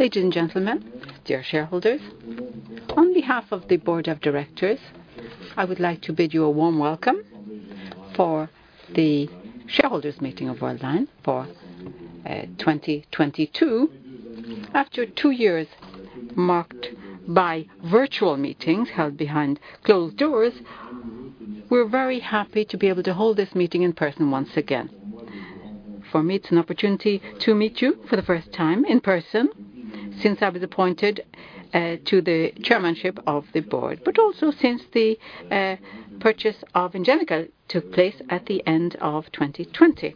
Ladies and gentlemen, dear shareholders. On behalf of the board of directors, I would like to bid you a warm welcome for the shareholders meeting of Worldline for 2022. After two years marked by virtual meetings held behind closed doors, we're very happy to be able to hold this meeting in person once again. For me, it's an opportunity to meet you for the first time in person since I was appointed to the chairmanship of the board, but also since the purchase of Ingenico took place at the end of 2020.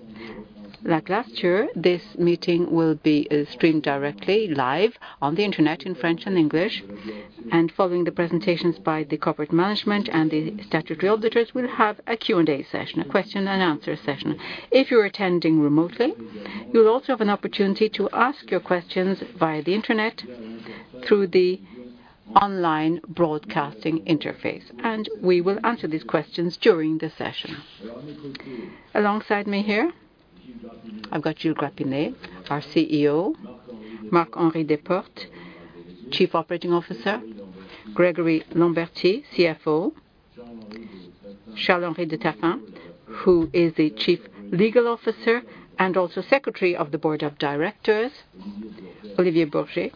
Like last year, this meeting will be streamed directly live on the Internet in French and English, and following the presentations by the corporate management and the statutory auditors, we'll have a Q&A session, a question and answer session. If you're attending remotely, you'll also have an opportunity to ask your questions via the Internet through the online broadcasting interface, and we will answer these questions during the session. Alongside me here, I've got Gilles Grapinet, our CEO. Marc-Henri Desportes, Chief Operating Officer. Grégory Lambertié, CFO. Charles-Henri de Taffin, who is the Chief Legal Officer and also Secretary of the Board of Directors. Olivier Burger,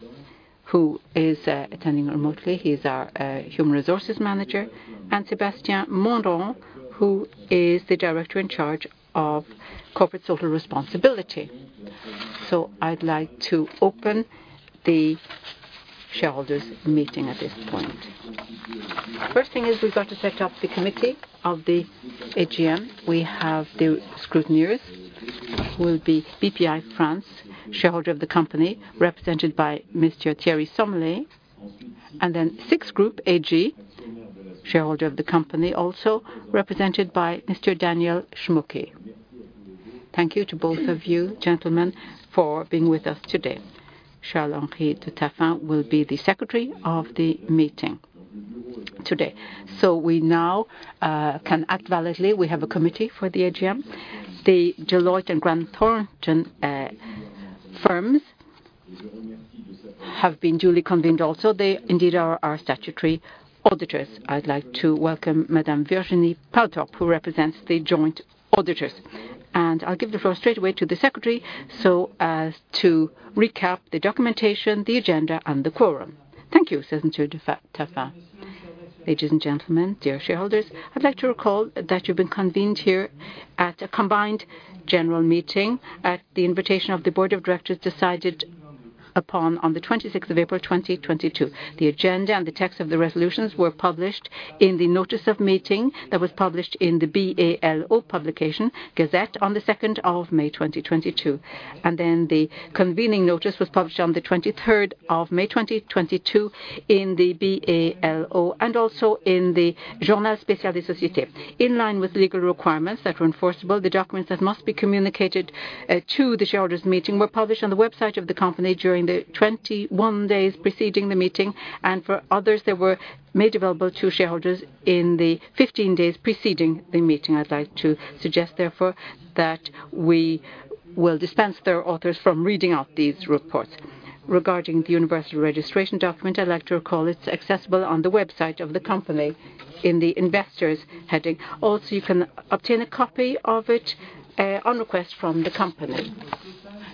who is attending remotely. He's our Human Resources Manager. And Sébastien Mandron, who is the Director in charge of Corporate Social Responsibility. I'd like to open the shareholders meeting at this point. First thing is we've got to set up the committee of the AGM. We have the scrutineers who will be Bpifrance, shareholder of the company, represented by Mr. Thierry Sommelet, and then SIX Group AG, shareholder of the company, also represented by Mr. Daniel Schmucki. Thank you to both of you, gentlemen, for being with us today. Charles-Henri de Taffin will be the Secretary of the meeting today. So we now can act validly. We have a committee for the AGM. The Deloitte and Grant Thornton firms have been duly convened also. They indeed are our statutory auditors. I'd like to welcome Madame Virginie Palethorpe, who represents the joint auditors. I'll give the floor straight away to the Secretary so as to recap the documentation, the agenda and the quorum. Thank you, [Charles-Henri de Taffin]. Ladies and gentlemen, dear shareholders, I'd like to recall that you've been convened here at a combined general meeting at the invitation of the board of directors decided upon on the April 26th, 2022. The agenda and the text of the resolutions were published in the notice of meeting that was published in the BALO publication gazette on the May 2nd, 2022. The convening notice was published on the of May 23rd, 2022 in the BALO and also in the Journal Spécial des Sociétés. In line with legal requirements that are enforceable, the documents that must be communicated to the shareholders' meeting were published on the website of the company during the 21 days preceding the meeting and for others that were made available to shareholders in the 15 days preceding the meeting. I'd like to suggest, therefore, that we will dispense their authors from reading out these reports. Regarding the universal registration document, I'd like to recall it's accessible on the website of the company in the Investors heading. You can obtain a copy of it on request from the company.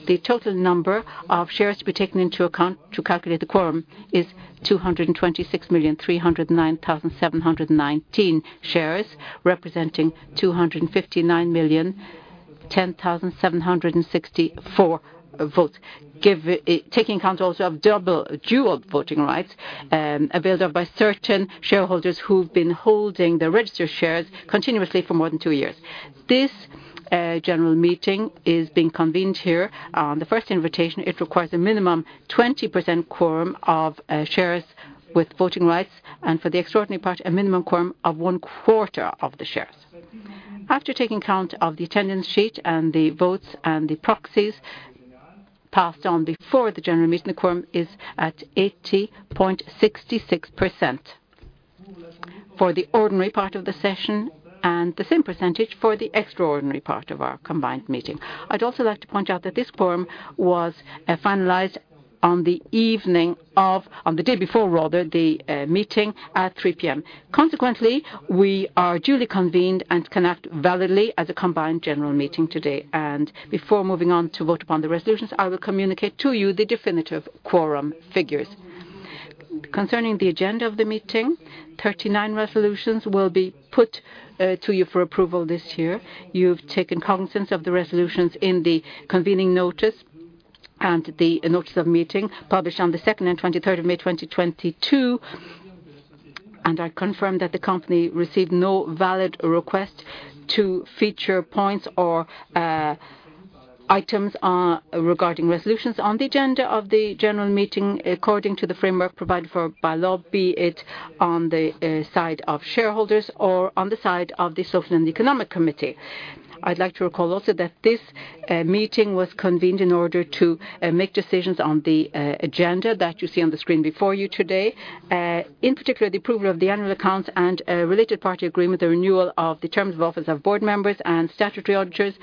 The total number of shares to be taken into account to calculate the quorum is 226,309,719 shares, representing 259,010,764 votes. Given taking account also of dual voting rights availed of by certain shareholders who've been holding the registered shares continuously for more than two years. This general meeting is being convened here on the first invitation. It requires a minimum 20% quorum of shares with voting rights and for the extraordinary part, a minimum quorum of one quarter of the shares. After taking count of the attendance sheet and the votes and the proxies passed on before the general meeting, the quorum is at 80.66% for the ordinary part of the session and the same percentage for the extraordinary part of our combined meeting. I'd also like to point out that this quorum was finalized on the day before rather, the meeting at 3:00 P.M. Consequently, we are duly convened and can act validly as a combined general meeting today. Before moving on to vote upon the resolutions, I will communicate to you the definitive quorum figures. Concerning the agenda of the meeting, 39 resolutions will be put to you for approval this year. You've taken cognizance of the resolutions in the convening notice and the notice of meeting published on the second of May 23rd, 2022. I confirm that the company received no valid request to feature points or items regarding resolutions on the agenda of the general meeting according to the framework provided for by law, be it on the side of shareholders or on the side of the Social and Economic Committee. I'd like to recall also that this meeting was convened in order to make decisions on the agenda that you see on the screen before you today. In particular, the approval of the annual accounts and a related party agreement, the renewal of the terms of office of board members and statutory auditors.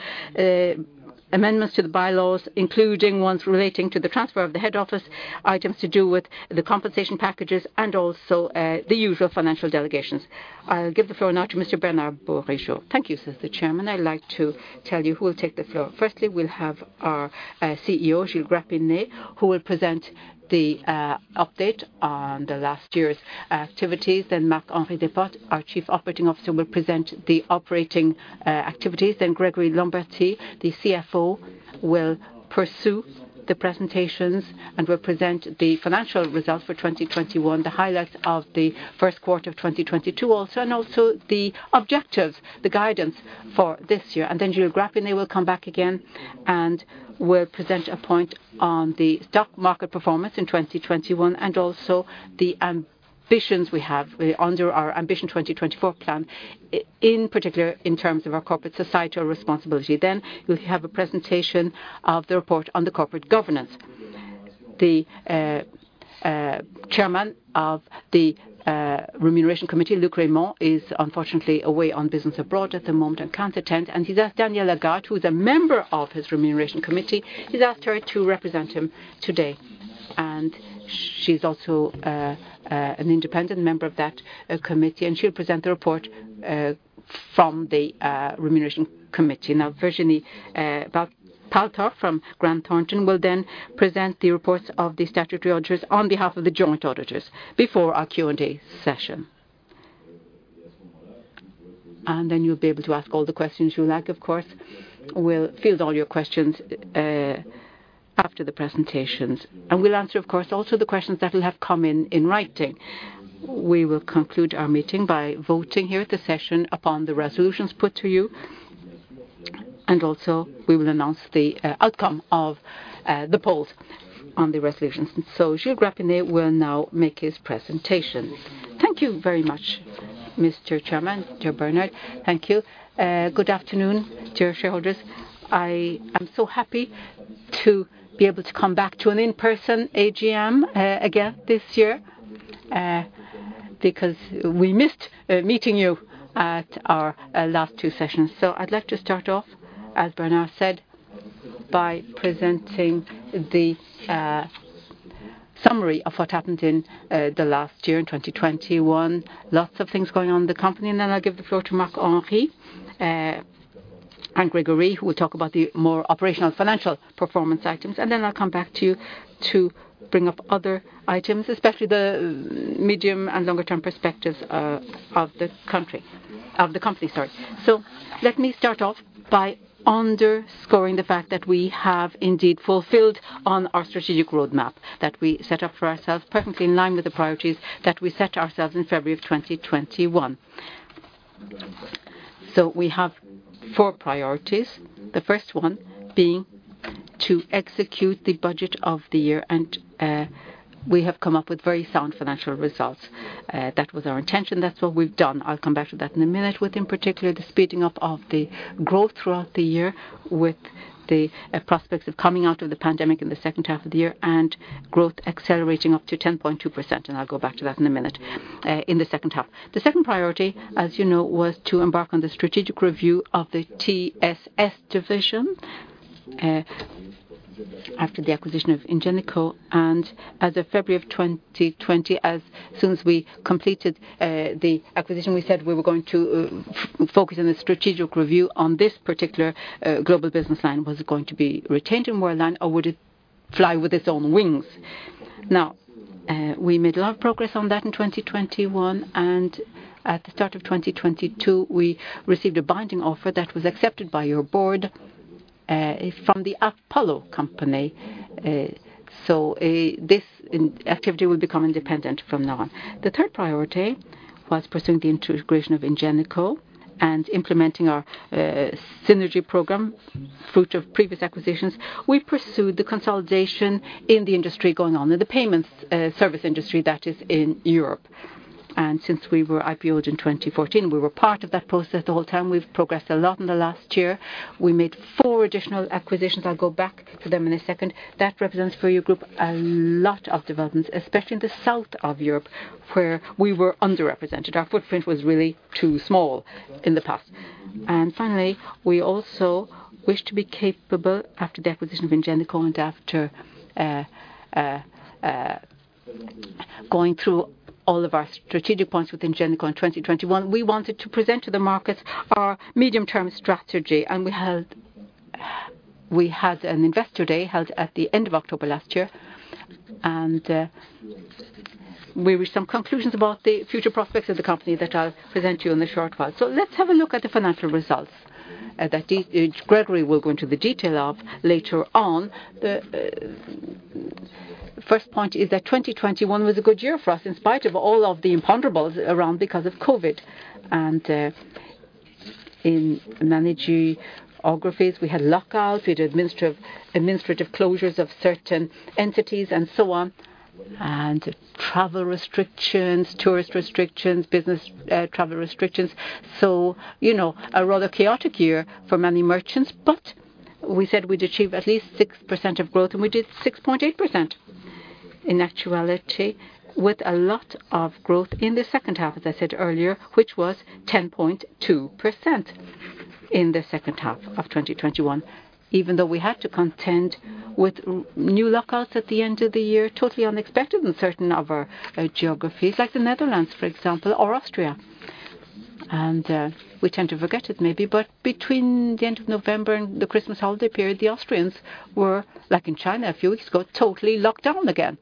Amendments to the bylaws, including ones relating to the transfer of the head office, items to do with the compensation packages, and also the usual financial delegations. I'll give the floor now to Mr. Bernard Bourigeaud. Thank you, Mr. Chairman. I'd like to tell you who will take the floor. Firstly, we'll have our CEO, Gilles Grapinet, who will present the update on the last year's activities. Marc-Henri Desportes, our Chief Operating Officer, will present the operating activities. Grégory Lambertié, the CFO, will pursue the presentations and will present the financial results for 2021, the highlights of the Q1 of 2022 also, and also the objectives, the guidance for this year. Gilles Grapinet will come back again and will present a point on the stock market performance in 2021, and also the ambitions we have, under our Ambition 2024 plan, in particular in terms of our corporate social responsibility. We have a presentation of the report on the corporate governance. The chairman of the Remuneration Committee, Luc Rémont, is unfortunately away on business abroad at the moment and can't attend, and he's asked Danièle Lagarde, who is a member of his Remuneration Committee, he's asked her to represent him today. She's also an independent member of that committee, and she'll present the report from the Remuneration Committee. Now, Virginie Palethorpe from Grant Thornton will then present the reports of the statutory auditors on behalf of the joint auditors before our Q&A session. Then you'll be able to ask all the questions you like, of course. We'll field all your questions after the presentations. We'll answer, of course, also the questions that will have come in in writing. We will conclude our meeting by voting here at the session upon the resolutions put to you. Also, we will announce the outcome of the polls on the resolutions. Gilles Grapinet will now make his presentation. Thank you very much, Mr. Chairman, Mr. Bernard. Thank you. Good afternoon, dear shareholders. I am so happy to be able to come back to an in-person AGM again this year because we missed meeting you at our last two sessions. I'd like to start off, as Bernard said, by presenting the summary of what happened in the last year, in 2021. Lots of things going on in the company. Then I'll give the floor to Marc-Henri and Grégory, who will talk about the more operational financial performance items. Then I'll come back to you to bring up other items, especially the medium- and longer-term perspectives of the company, sorry. Let me start off by underscoring the fact that we have indeed fulfilled on our strategic roadmap that we set up for ourselves, perfectly in line with the priorities that we set ourselves in February of 2021. We have four priorities, the first one being to execute the budget of the year, and we have come up with very sound financial results. That was our intention. That's what we've done. I'll come back to that in a minute. With, in particular, the speeding up of the growth throughout the year with the prospects of coming out of the pandemic in the second half of the year and growth accelerating up to 10.2%, and I'll go back to that in a minute, in the second half. The second priority, as you know, was to embark on the strategic review of the TSS division after the acquisition of Ingenico. As of February of 2020, as soon as we completed the acquisition, we said we were going to focus on the strategic review on this particular global business line. Was it going to be retained in Worldline or would it fly with its own wings? Now, we made a lot of progress on that in 2021, and at the start of 2022, we received a binding offer that was accepted by your board from the Apollo company. This activity will become independent from now on. The third priority was pursuing the integration of Ingenico and implementing our synergy program, fruit of previous acquisitions. We pursued the consolidation in the industry going on, in the payments service industry that is in Europe. Since we were IPO'd in 2014, we were part of that process the whole time. We've progressed a lot in the last year. We made four additional acquisitions. I'll go back to them in a second. That represents for your group a lot of developments, especially in the south of Europe, where we were underrepresented. Our footprint was really too small in the past. Finally, we also wish to be capable, after the acquisition of Ingenico and after going through all of our strategic points with Ingenico in 2021, we wanted to present to the market our medium-term strategy, and we held. We had an Investor Day held at the end of October last year, and we reached some conclusions about the future prospects of the company that I'll present to you in a short while. Let's have a look at the financial results that Grégory will go into the detail of later on. The first point is that 2021 was a good year for us in spite of all of the imponderables around because of COVID. In many geographies, we had lockouts, we had administrative closures of certain entities and so on. Travel restrictions, tourist restrictions, business travel restrictions. You know, a rather chaotic year for many merchants, but we said we'd achieve at least 6% growth, and we did 6.8%. In actuality, with a lot of growth in the second half, as I said earlier, which was 10.2% in the second half of 2021, even though we had to contend with new lockdowns at the end of the year, totally unexpected in certain of our geographies, like the Netherlands, for example, or Austria. We tend to forget it maybe, but between the end of November and the Christmas holiday period, the Austrians were, like in China a few weeks ago, totally locked down again.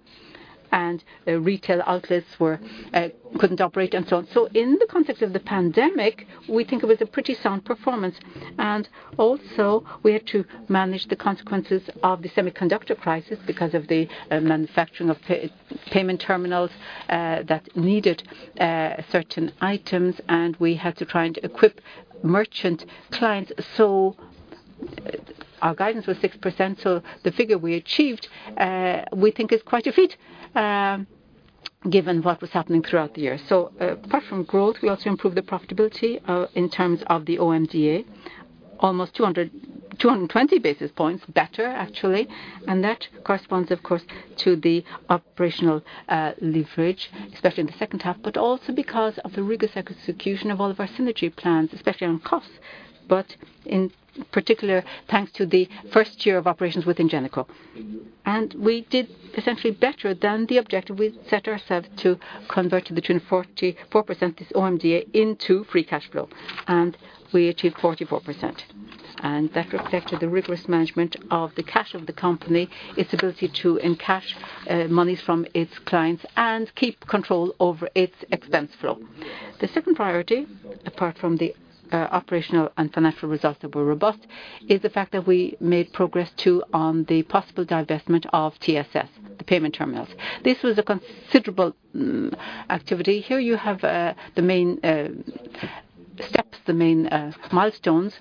The retail outlets couldn't operate and so on. In the context of the pandemic, we think it was a pretty sound performance. We also had to manage the consequences of the semiconductor crisis because of the manufacturing of payment terminals that needed certain items. We had to try and equip merchant clients. Our guidance was 6%, the figure we achieved, we think is quite a feat, given what was happening throughout the year. Apart from growth, we also improved the profitability in terms of the OMDA. 220 basis points better actually. That corresponds of course to the operational leverage, especially in the second half, but also because of the rigorous execution of all of our synergy plans, especially on costs. In particular, thanks to the first year of operations with Ingenico. We did essentially better than the objective we set ourselves to convert between 44% this OMDA into free cash flow, and we achieved 44%. That reflected the rigorous management of the cash of the company, its ability to encash monies from its clients and keep control over its expense flow. The second priority, apart from the operational and financial results that were robust, is the fact that we made progress, too, on the possible divestment of TSS, the payment terminals. This was a considerable activity. Here you have the main steps, the main milestones.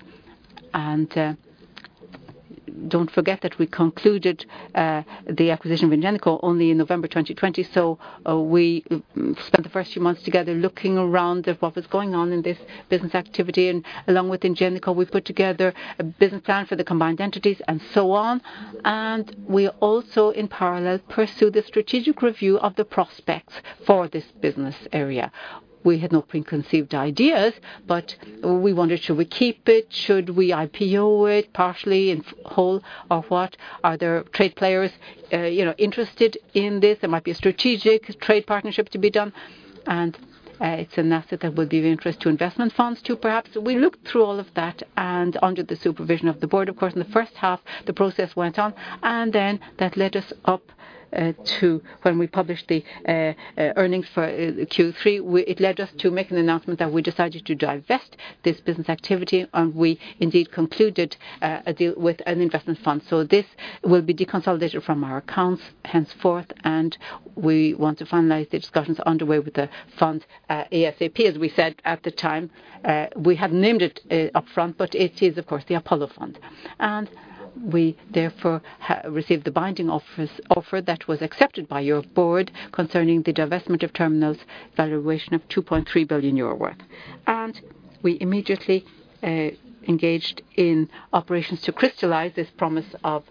Don't forget that we concluded the acquisition of Ingenico only in November 2020. We spent the first few months together looking around at what was going on in this business activity. Along with Ingenico, we put together a business plan for the combined entities and so on. We also, in parallel, pursued a strategic review of the prospects for this business area. We had no preconceived ideas, but we wondered, should we keep it? Should we IPO it partially, in whole or what? Are there trade players, you know, interested in this? There might be a strategic trade partnership to be done. It's an asset that would be of interest to investment funds, too, perhaps. We looked through all of that and under the supervision of the board, of course. In the first half, the process went on, and then that led us up to when we published the earnings for Q3. It led us to make an announcement that we decided to divest this business activity, and we indeed concluded a deal with an investment fund. This will be deconsolidated from our accounts henceforth, and we want to finalize the discussions underway with the fund, ASAP, as we said at the time. We hadn't named it, upfront, but it is of course the Apollo fund. We therefore received the binding offer that was accepted by your board concerning the divestment of terminals valuation of 2.3 billion euro worth. We immediately engaged in operations to crystallize this promise of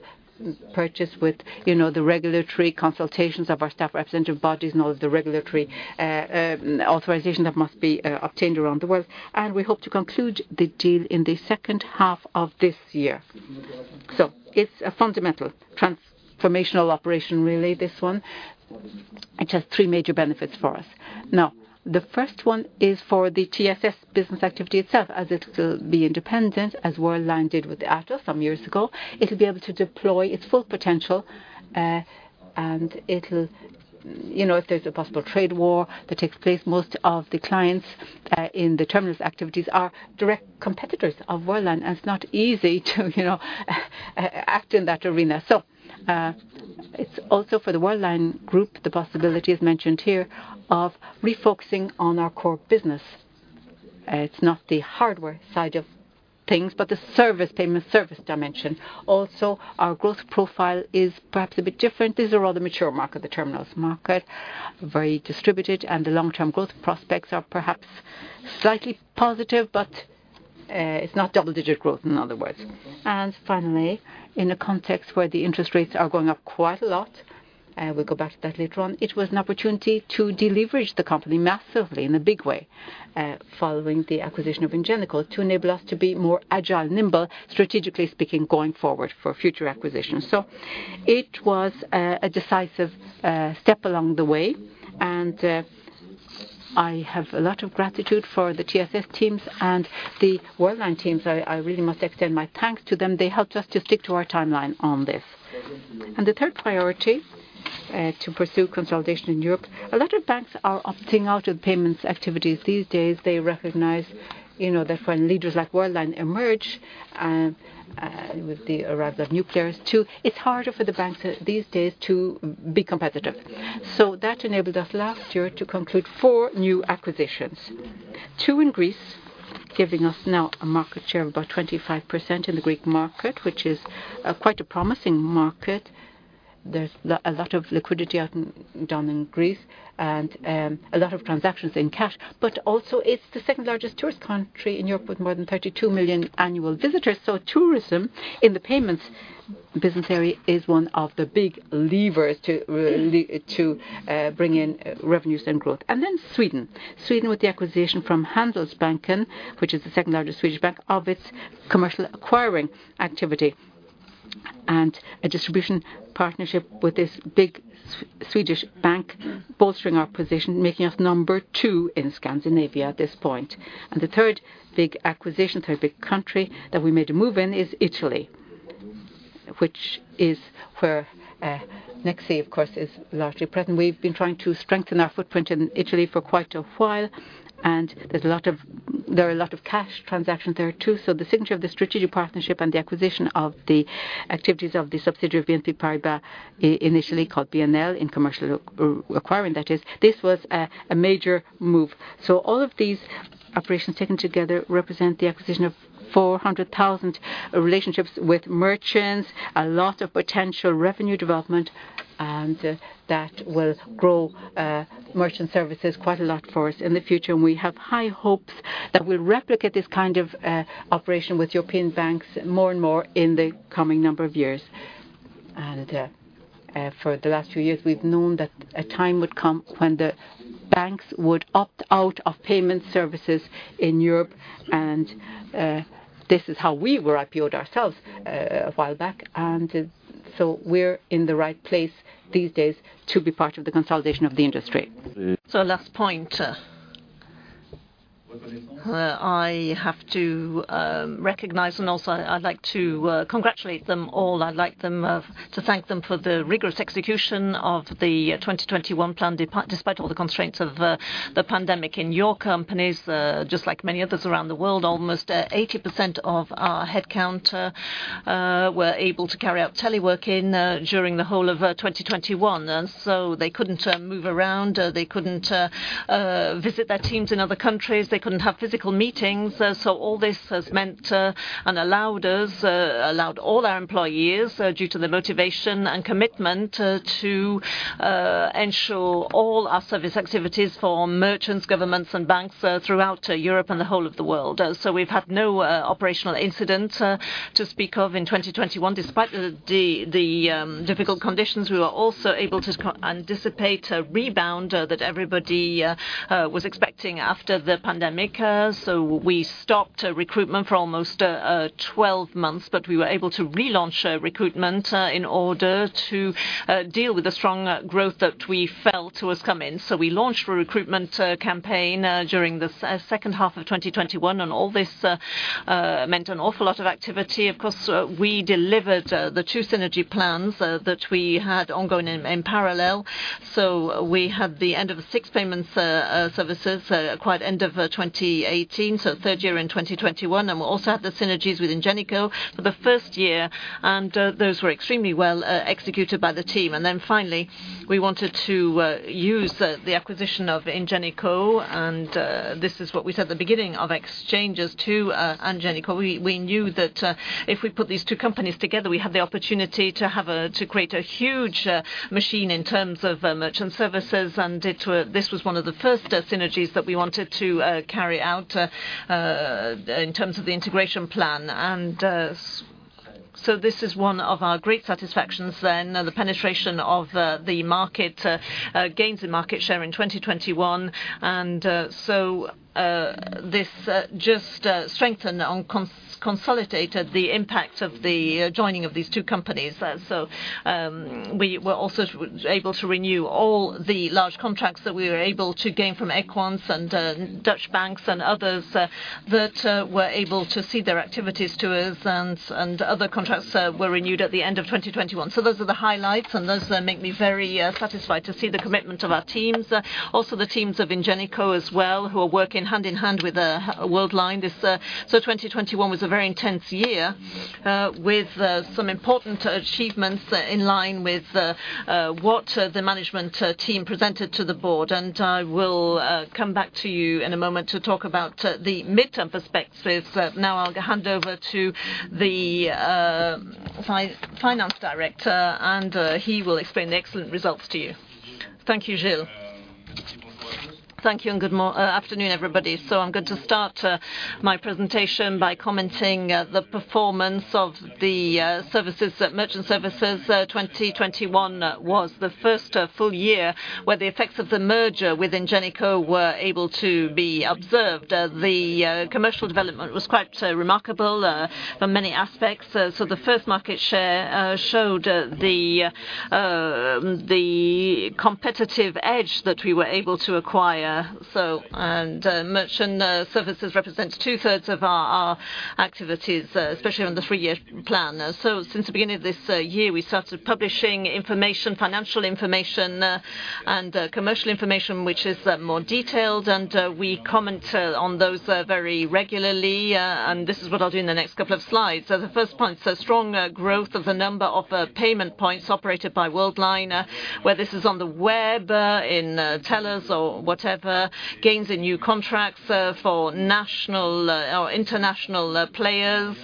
purchase with, you know, the regulatory consultations of our staff representative bodies, and all of the regulatory authorization that must be obtained around the world. We hope to conclude the deal in the second half of this year. It's a fundamental transformational operation really, this one. It has three major benefits for us. Now, the first one is for the TSS business activity itself, as it'll be independent, as Worldline did with Atos some years ago. It'll be able to deploy its full potential. It'll, you know, if there's a possible trade war that takes place, most of the clients in the terminals activities are direct competitors of Worldline, and it's not easy to, you know, act in that arena. It's also for the Worldline group, the possibility as mentioned here of refocusing on our core business. It's not the hardware side of things, but the service, payment service dimension. Also, our growth profile is perhaps a bit different. These are all the mature market, the terminals market, very distributed, and the long-term growth prospects are perhaps slightly positive, but it's not double-digit growth, in other words. Finally, in a context where the interest rates are going up quite a lot, we'll go back to that later on, it was an opportunity to deleverage the company massively in a big way, following the acquisition of Ingenico, to enable us to be more agile, nimble, strategically speaking, going forward for future acquisitions. It was a decisive step along the way, and I have a lot of gratitude for the TSS teams and the Worldline teams. I really must extend my thanks to them. They helped us to stick to our timeline on this. The third priority to pursue consolidation in Europe. A lot of banks are opting out of payments activities these days. They recognize, you know, that when leaders like Worldline emerge, with the rise of new players too, it's harder for the banks these days to be competitive. That enabled us last year to conclude four new acquisitions. two in Greece- Giving us now a market share of about 25% in the Greek market, which is quite a promising market. There's a lot of liquidity out, down in Greece, and a lot of transactions in cash, but also it's the second-largest tourist country in Europe with more than 32 million annual visitors. Tourism in the payments business area is one of the big levers to bring in revenues and growth. Sweden. Sweden with the acquisition from Handelsbanken, which is the second-largest Swedish bank, of its commercial acquiring activity, and a distribution partnership with this big Swedish bank bolstering our position, making us number two in Scandinavia at this point. The third big acquisition, third big country that we made a move in is Italy, which is where Nexi, of course, is largely present. We've been trying to strengthen our footprint in Italy for quite a while, and there are a lot of cash transactions there, too. The signature of the strategic partnership and the acquisition of the activities of the subsidiary of BNP Paribas, initially called BNL in commercial acquiring, that is, this was a major move. All of these operations taken together represent the acquisition of 400,000 relationships with merchants, a lot of potential revenue development, and that will grow merchant services quite a lot for us in the future. We have high hopes that we'll replicate this kind of operation with European banks more and more in the coming number of years. For the last few years, we've known that a time would come when the banks would opt out of payment services in Europe, and this is how we were IPO'd ourselves a while back. We're in the right place these days to be part of the consolidation of the industry. Last point, where I have to recognize and also I'd like to congratulate them all. I'd like them to thank them for the rigorous execution of the 2021 plan despite all the constraints of the pandemic in your companies. Just like many others around the world, almost 80% of our headcount were able to carry out teleworking during the whole of 2021. They couldn't move around, they couldn't visit their teams in other countries. They couldn't have physical meetings. All this has meant and allowed all our employees due to the motivation and commitment to ensure all our service activities for merchants, governments, and banks throughout Europe and the whole of the world. We've had no operational incident to speak of in 2021, despite the difficult conditions. We were also able to anticipate a rebound that everybody was expecting after the pandemic. We stopped recruitment for almost twelve months, but we were able to relaunch recruitment in order to deal with the strong growth that we felt was come in. We launched a recruitment campaign during the second half of 2021. All this meant an awful lot of activity. Of course, we delivered the two synergy plans that we had ongoing in parallel. We had the end of SIX Payment Services acquired end of 2018, so third year in 2021. We also had the synergies with Ingenico for the first year, and those were extremely well executed by the team. Finally, we wanted to use the acquisition of Ingenico. This is what we said at the beginning of exchanges to Ingenico. We knew that if we put these two companies together, we have the opportunity to create a huge machine in terms of Merchant Services. This was one of the first synergies that we wanted to carry out in terms of the integration plan. So this is one of our great satisfactions, the penetration of the market, gains in market share in 2021. This just strengthened and consolidated the impact of the joining of these two companies. We were also able to renew all the large contracts that we were able to gain from Equens and Dutch banks and others that were able to cede their activities to us, and other contracts were renewed at the end of 2021. Those are the highlights, and those make me very satisfied to see the commitment of our teams. Also the teams of Ingenico as well, who are working hand in hand with Worldline. This 2021 was a very intense year, with some important achievements in line with what the management team presented to the board. I will come back to you in a moment to talk about the midterm perspectives. Now I'll hand over to the finance director, and he will explain the excellent results to you. Thank you, Gilles. Thank you and good afternoon, everybody. I'm going to start my presentation by commenting the performance of the services, Merchant Services. 2021 was the first full year where the effects of the merger with Ingenico were able to be observed. The commercial development was quite remarkable from many aspects. The first market share showed the competitive edge that we were able to acquire. Merchant Services represents two-thirds of our activities, especially on the three-year plan. Since the beginning of this year, we started publishing information, financial information, and commercial information, which is more detailed, and we comment on those very regularly. This is what I'll do in the next couple of slides. The first point, strong growth of the number of payment points operated by Worldline, whether this is on the web, in terminals or whatever, gains in new contracts for national or international players,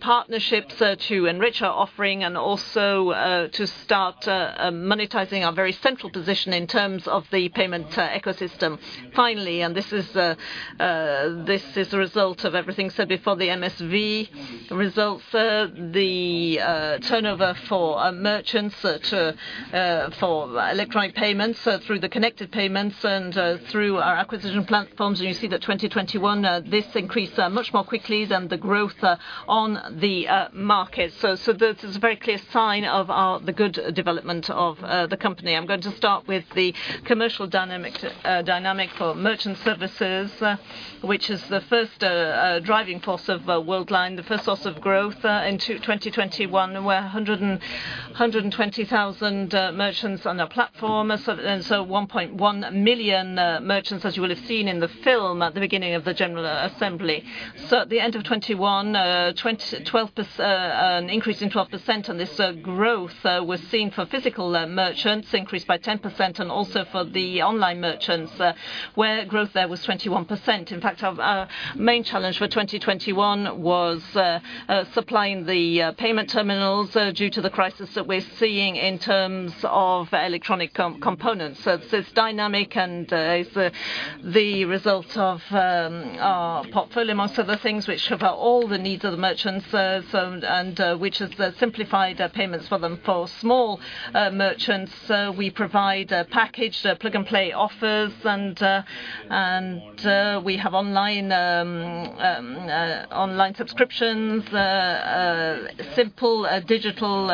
partnerships to enrich our offering and also to start monetizing our very central position in terms of the payment ecosystem. Finally, this is a result of everything said before, the MSV results, the turnover for merchants for electronic payments through the connected payments and through our acquisition platforms. You see that 2021, this increased much more quickly than the growth on the market. That is a very clear sign of the good development of the company. I'm going to start with the commercial dynamic for Merchant Services, which is the first driving force of Worldline, the first source of growth in 2021, where 120,000 merchants on our platform. 1.1 million merchants, as you will have seen in the film at the beginning of the general assembly. At the end of 2021, an increase in 12% on this growth was seen for physical merchants increased by 10%, and also for the online merchants, where growth there was 21%. In fact, our main challenge for 2021 was supplying the payment terminals due to the crisis that we're seeing in terms of electronic components. It's dynamic and it's the results of our portfolio, among other things, which cover all the needs of the merchants, and which has simplified payments for them. For small merchants, we provide a package plug and play offers, and we have online subscriptions, simple digital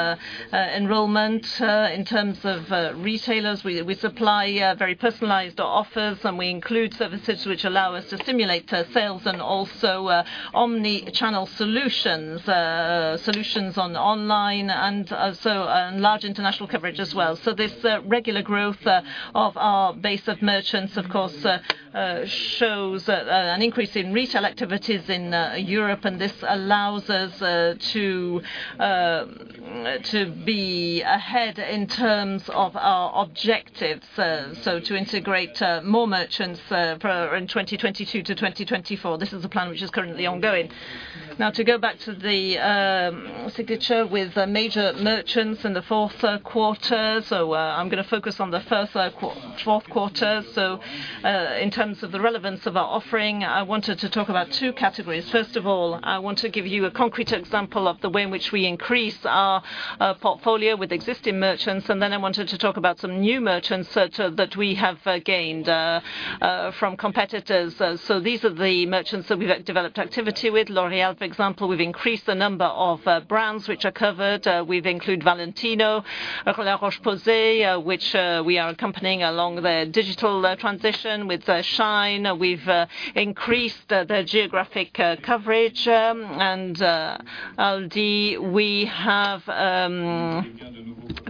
enrollment. In terms of retailers, we supply very personalized offers, and we include services which allow us to stimulate sales and also omni-channel solutions. Solutions on online and large international coverage as well. This regular growth of our base of merchants, of course, shows an increase in retail activities in Europe, and this allows us to be ahead in terms of our objectives, so to integrate more merchants for in 2022 to 2024. This is a plan which is currently ongoing. Now, to go back to the signature with major merchants in the Q4. I'm gonna focus on the Q4. In terms of the relevance of our offering, I wanted to talk about two categories. First of all, I want to give you a concrete example of the way in which we increase our portfolio with existing merchants. I wanted to talk about some new merchants that we have gained from competitors. These are the merchants that we've developed activity with. L'Oréal, for example, we've increased the number of brands which are covered. We've include Valentino, La Roche-Posay, which we are accompanying along their digital transition. With Shein, we've increased their geographic coverage. Aldi, we have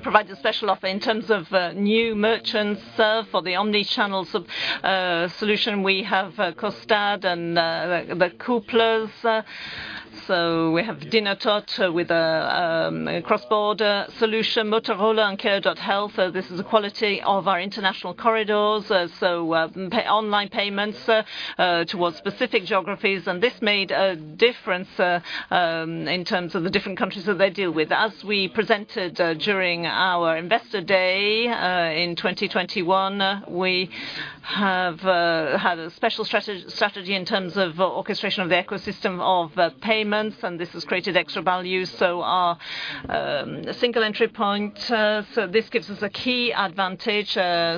provided a special offer in terms of new merchants for the omni-channel solution. We have Costard and The Kooples. We have the Toast with a cross-border solution, Motorola and Care.Health. This is the quality of our international corridors. Online payments towards specific geographies, and this made a difference in terms of the different countries that they deal with. As we presented during our Investor Day in 2021, we have had a special strategy in terms of orchestration of the ecosystem of payments, and this has created extra value. Our single entry point, so this gives us a key advantage,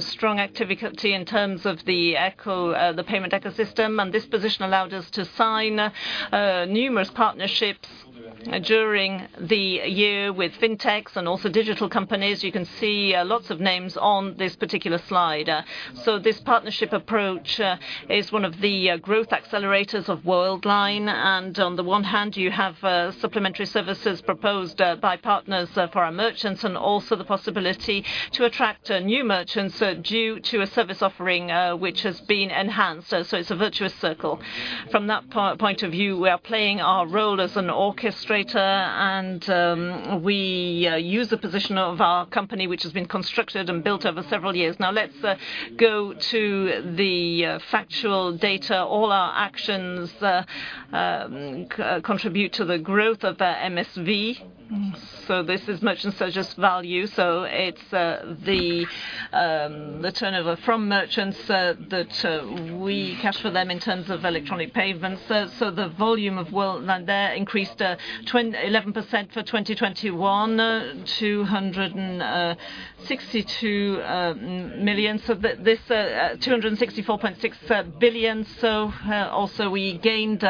strong activity in terms of the payment ecosystem. This position allowed us to sign numerous partnerships during the year with FinTechs and also digital companies. You can see lots of names on this particular slide. This partnership approach is one of the growth accelerators of Worldline. On the one hand, you have supplementary services proposed by partners for our merchants, and also the possibility to attract new merchants due to a service offering which has been enhanced. It's a virtuous circle. From that point of view, we are playing our role as an orchestrator, and we use the position of our company, which has been constructed and built over several years. Now let's go to the factual data. All our actions contribute to the growth of MSV. This is Merchant Services value. It's the turnover from merchants that we capture them in terms of electronic payments. The volume of Worldline there increased 11% for 2021, 262 million. This 264.6 billion. Also we gained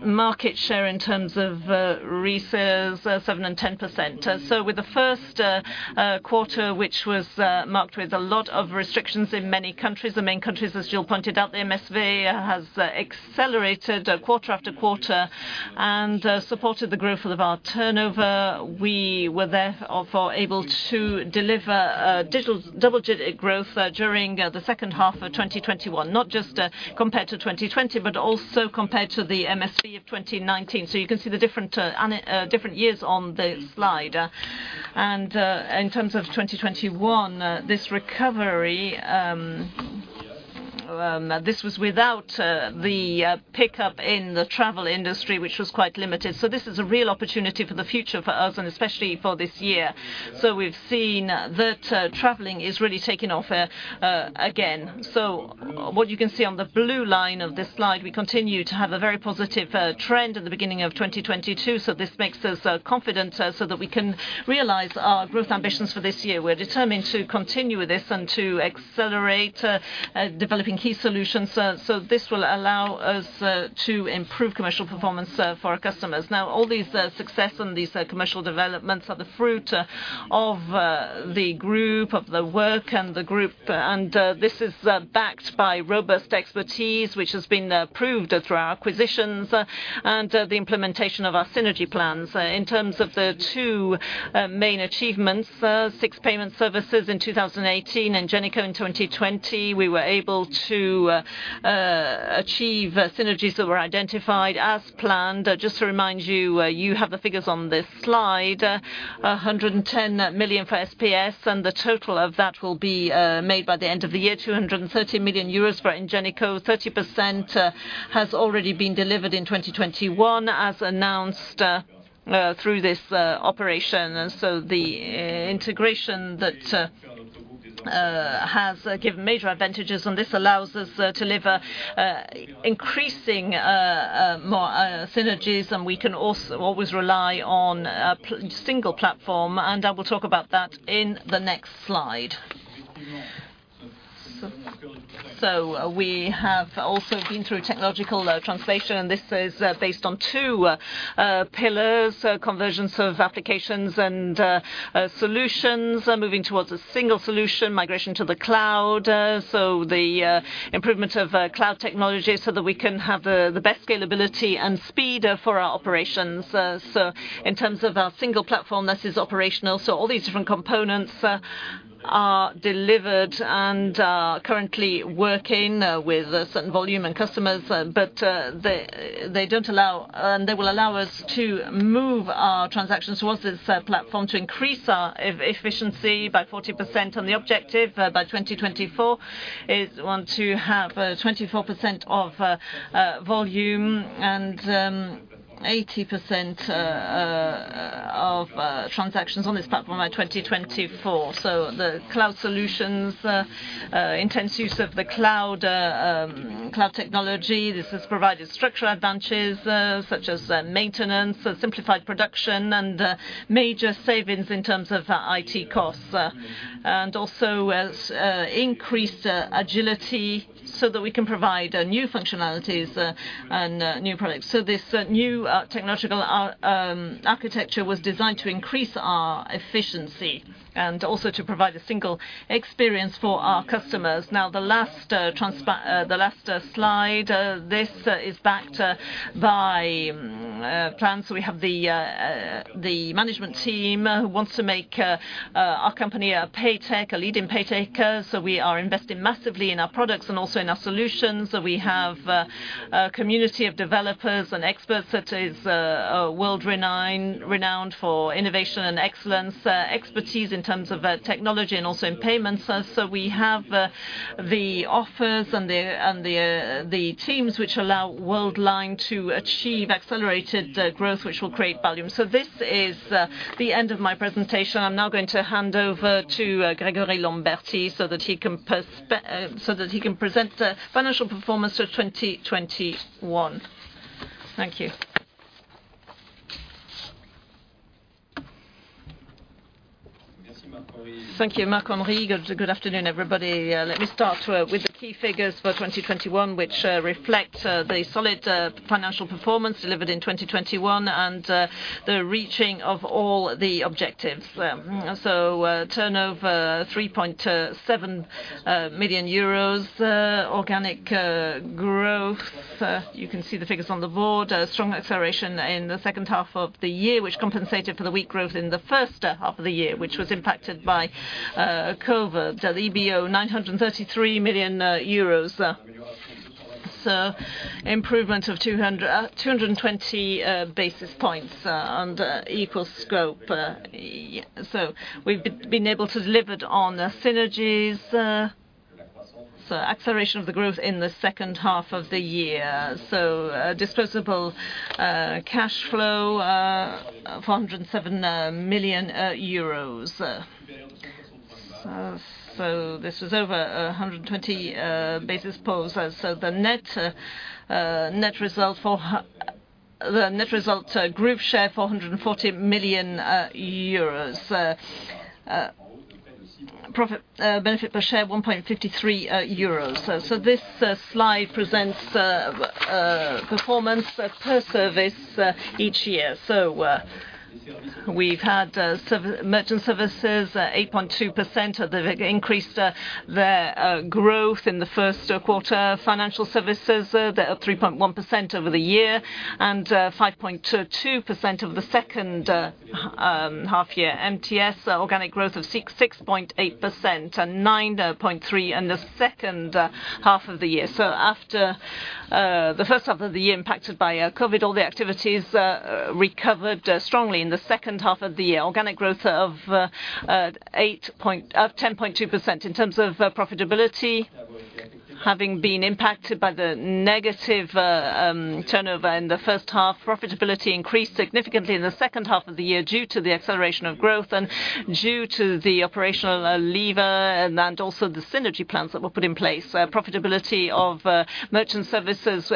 market share in terms of research 7% and 10%. With the Q1, which was marked with a lot of restrictions in many countries, the main countries, as Gilles pointed out, the MSV has accelerated quarter after quarter and supported the growth of our turnover. We were therefore able to deliver double-digit growth during the second half of 2021, not just compared to 2020, but also compared to the MSV of 2019. You can see the different years on the slide. In terms of 2021, this recovery, this was without the pickup in the travel industry, which was quite limited. This is a real opportunity for the future for us and especially for this year. We've seen that traveling is really taking off again. What you can see on the blue line of this slide, we continue to have a very positive trend at the beginning of 2022. This makes us confident so that we can realize our growth ambitions for this year. We're determined to continue with this and to accelerate developing key solutions. This will allow us to improve commercial performance for our customers. Now, all these success and these commercial developments are the fruit of the work of the group. This is backed by robust expertise, which has been proved through our acquisitions and the implementation of our synergy plans. In terms of the two main achievements, SIX Payment Services in 2018, Ingenico in 2020, we were able to achieve synergies that were identified as planned. Just to remind you have the figures on this slide, 110 million for SPS, and the total of that will be made by the end of the year. 230 million euros for Ingenico. 30% has already been delivered in 2021 as announced through this operation. The integration that has given major advantages, and this allows us to deliver increasing more synergies, and we can also always rely on a single platform, and I will talk about that in the next slide. We have also been through technological transformation, and this is based on two pillars, conversions of applications and solutions. We're moving towards a single solution, migration to the cloud, so the improvement of cloud technology so that we can have the best scalability and speed for our operations. In terms of our single platform, this is operational. All these different components are delivered and are currently working with a certain volume and customers. But they don't allow... They will allow us to move our transactions towards this platform to increase our efficiency by 40%. The objective by 2024 is want to have 24% of volume and 80% of transactions on this platform by 2024. The cloud solutions, intense use of the cloud technology. This has provided structural advantages, such as maintenance, simplified production, and major savings in terms of IT costs, and also has increased agility so that we can provide new functionalities and new products. This new technological architecture was designed to increase our efficiency and also to provide a single experience for our customers. Now, the last slide, this is backed by plans. We have the management team who wants to make our company a PayTech, a leading PayTech. We are investing massively in our products and also in our solutions. We have a community of developers and experts that is world renowned for innovation and excellence, expertise in terms of technology and also in payments. We have the offers and the teams which allow Worldline to achieve accelerated growth, which will create value. This is the end of my presentation. I'm now going to hand over to Grégory Lambertié so that he can present the financial performance of 2021. Thank you. Thank you, Marc-Henri. Good afternoon, everybody. Let me start with the key figures for 2021, which reflect the solid financial performance delivered in 2021 and the reaching of all the objectives. Turnover, EUR 3.7 million. Organic growth, you can see the figures on the board. A strong acceleration in the second half of the year, which compensated for the weak growth in the first half of the year, which was impacted by COVID. The EBO, EUR 933 million. Improvement of 220 basis points under equal scope. We've been able to deliver on synergies. Acceleration of the growth in the second half of the year. Disposable cash flow EUR 407 million. This was over 120 basis points. Net results group share EUR 440 million. Profit benefit per share 1.53 euros. This slide presents performance per service each year. We've had merchant services 8.2% increase, the growth in the Q1. Financial services, they are 3.1% over the year and 5.22% over the second half year. MTS organic growth of 6.8% and 9.3% in the second half of the year. After the first half of the year impacted by COVID, all the activities recovered strongly in the second half of the year. Organic growth of 10.2%. In terms of profitability. Having been impacted by the negative turnover in the first half, profitability increased significantly in the second half of the year due to the acceleration of growth and due to the operational lever and also the synergy plans that were put in place. Profitability of Merchant Services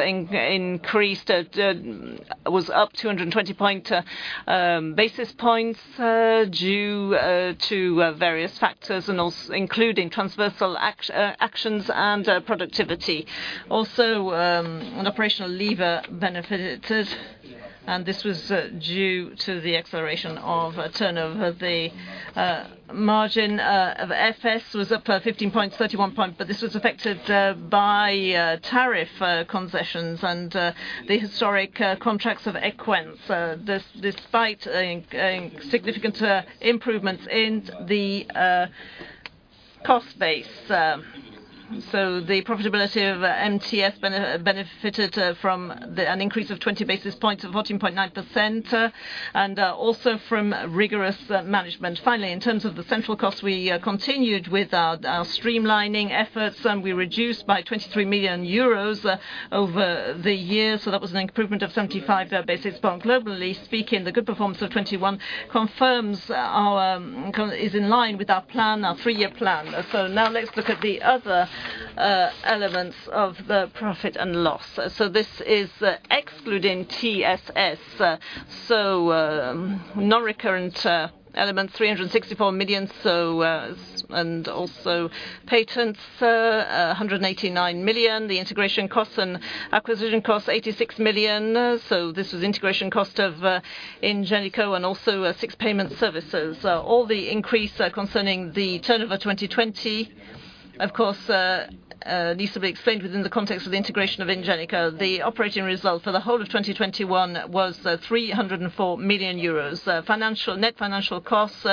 was up 220 basis points due to various factors and including transversal actions and productivity. Also, an operational lever benefited, and this was due to the acceleration of turnover. The margin of FS was up 15.31 points, but this was affected by tariff concessions and the historic contracts of Equens. Despite, I think, significant improvements in the cost base. The profitability of MTS benefited from an increase of 20 basis points to 14.9%, and also from rigorous management. Finally, in terms of the central costs, we continued with our streamlining efforts, and we reduced by 23 million euros over the year, so that was an improvement of 75 basis points. Globally speaking, the good performance of 2021 confirms our confidence is in line with our plan, our three-year plan. Now let's look at the other elements of the profit and loss. This is excluding TSS. Non-recurrent elements, 364 million, and also patents, 189 million. The integration costs and acquisition costs, 86 million. This is integration cost of Ingenico and also SIX Payment Services. All the increase concerning the turnover 2020, of course, needs to be explained within the context of integration of Ingenico. The operating result for the whole of 2021 was 304 million euros. Financial net financial costs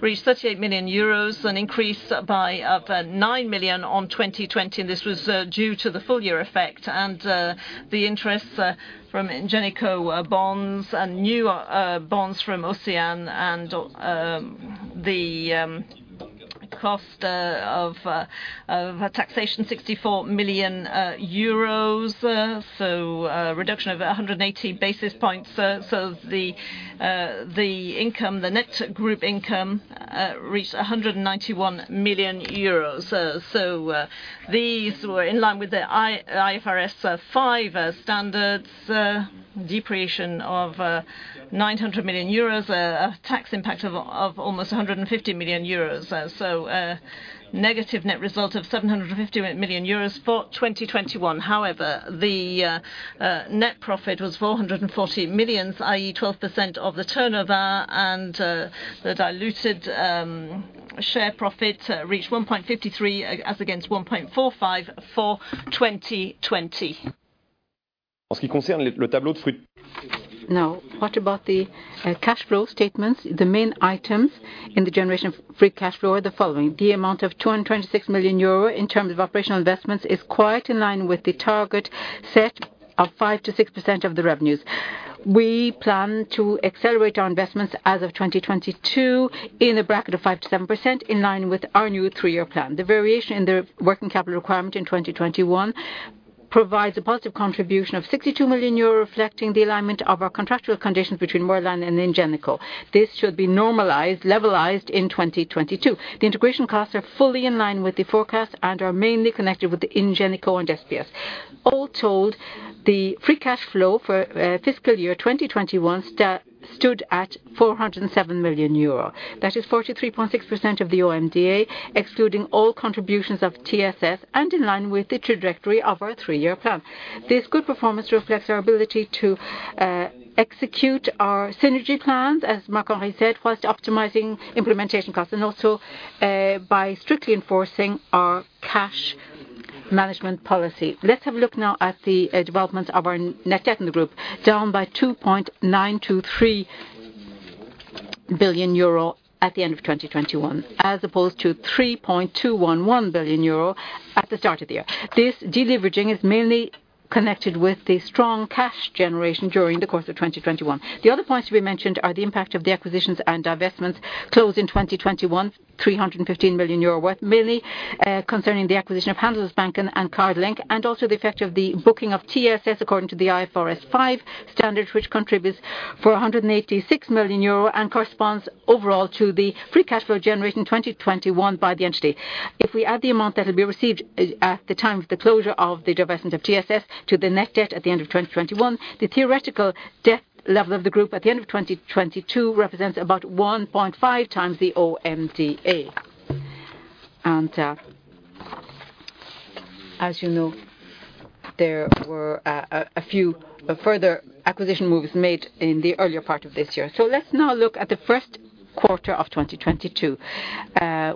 reached 38 million euros, an increase by 9 million on 2020, and this was due to the full year effect and the interest from Ingenico bonds and new bonds from OCEANE and the cost of taxation EUR 64 million. Reduction of 180 basis points. The income, the net group income reached 191 million euros. These were in line with the IFRS five standards, depreciation of 900 million euros, a tax impact of almost 150 million euros. A negative net result of 750 million euros for 2021. However, the net profit was 440 million, i.e. 12% of the turnover, and the diluted share profit reached 1.53, as against 1.45 for 2020. Now, what about the cash flow statements? The main items in the generation of free cash flow are the following. The amount of 226 million euro in terms of operational investments is quite in line with the target set of 5%-6% of the revenues. We plan to accelerate our investments as of 2022 in a bracket of 5%-7% in line with our new three-year plan. The variation in the working capital requirement in 2021 provides a positive contribution of 62 million euros, reflecting the alignment of our contractual conditions between Worldline and Ingenico. This should be normalized, levelized in 2022. The integration costs are fully in line with the forecast and are mainly connected with the Ingenico and SPS. All told, the free cash flow for fiscal year 2021 stood at 407 million euro. That is 43.6% of the OMDA, excluding all contributions of TSS and in line with the trajectory of our three-year plan. This good performance reflects our ability to execute our synergy plans, as Marc-Henri Desportes said, while optimizing implementation costs and also by strictly enforcing our cash management policy. Let's have a look now at the development of our net debt in the group, down by 2.923 billion euro at the end of 2021, as opposed to 3.211 billion euro at the start of the year. This deleveraging is mainly connected with the strong cash generation during the course of 2021. The other points to be mentioned are the impact of the acquisitions and divestments closed in 2021, 315 million euro worth, mainly concerning the acquisition of Handelsbanken and Cardlink, and also the effect of the booking of TSS according to the IFRS five standard, which contributes for 186 million euro and corresponds overall to the free cash flow generation 2021 by the entity. If we add the amount that will be received at the time of the closure of the divestment of TSS to the net debt at the end of 2021, the theoretical debt level of the group at the end of 2022 represents about 1.5x the OMDA. As you know, there were a few further acquisition moves made in the earlier part of this year. Let's now look at the Q1 of 2022.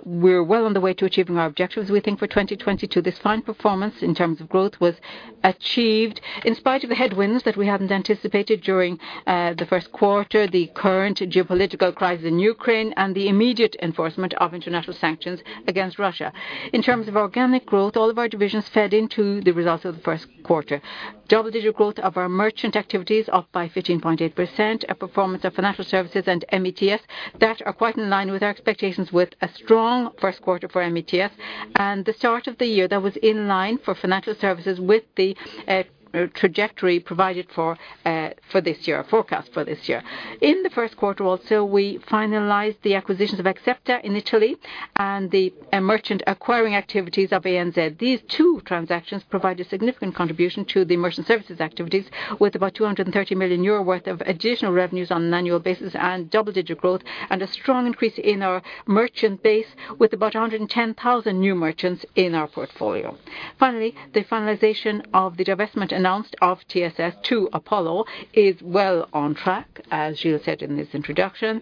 We're well on the way to achieving our objectives, we think, for 2022. This fine performance in terms of growth was achieved in spite of the headwinds that we hadn't anticipated during the Q1, the current geopolitical crisis in Ukraine, and the immediate enforcement of international sanctions against Russia. In terms of organic growth, all of our divisions fed into the results of the Q1. Double-digit growth of our merchant activities, up by 15.8%, a performance of financial services and MeTS that are quite in line with our expectations with a strong Q1 for MeTS and the start of the year that was in line for financial services with the trajectory provided for this year, forecast for this year. In the Q1 also, we finalized the acquisitions of Axepta in Italy and the merchant acquiring activities of ANZ. These two transactions provide a significant contribution to the Merchant Services activities with about 230 million euro worth of additional revenues on an annual basis and double-digit growth and a strong increase in our merchant base with about 110,000 new merchants in our portfolio. Finally, the finalization of the divestment announced of TSS to Apollo is well on track, as Gilles said in his introduction.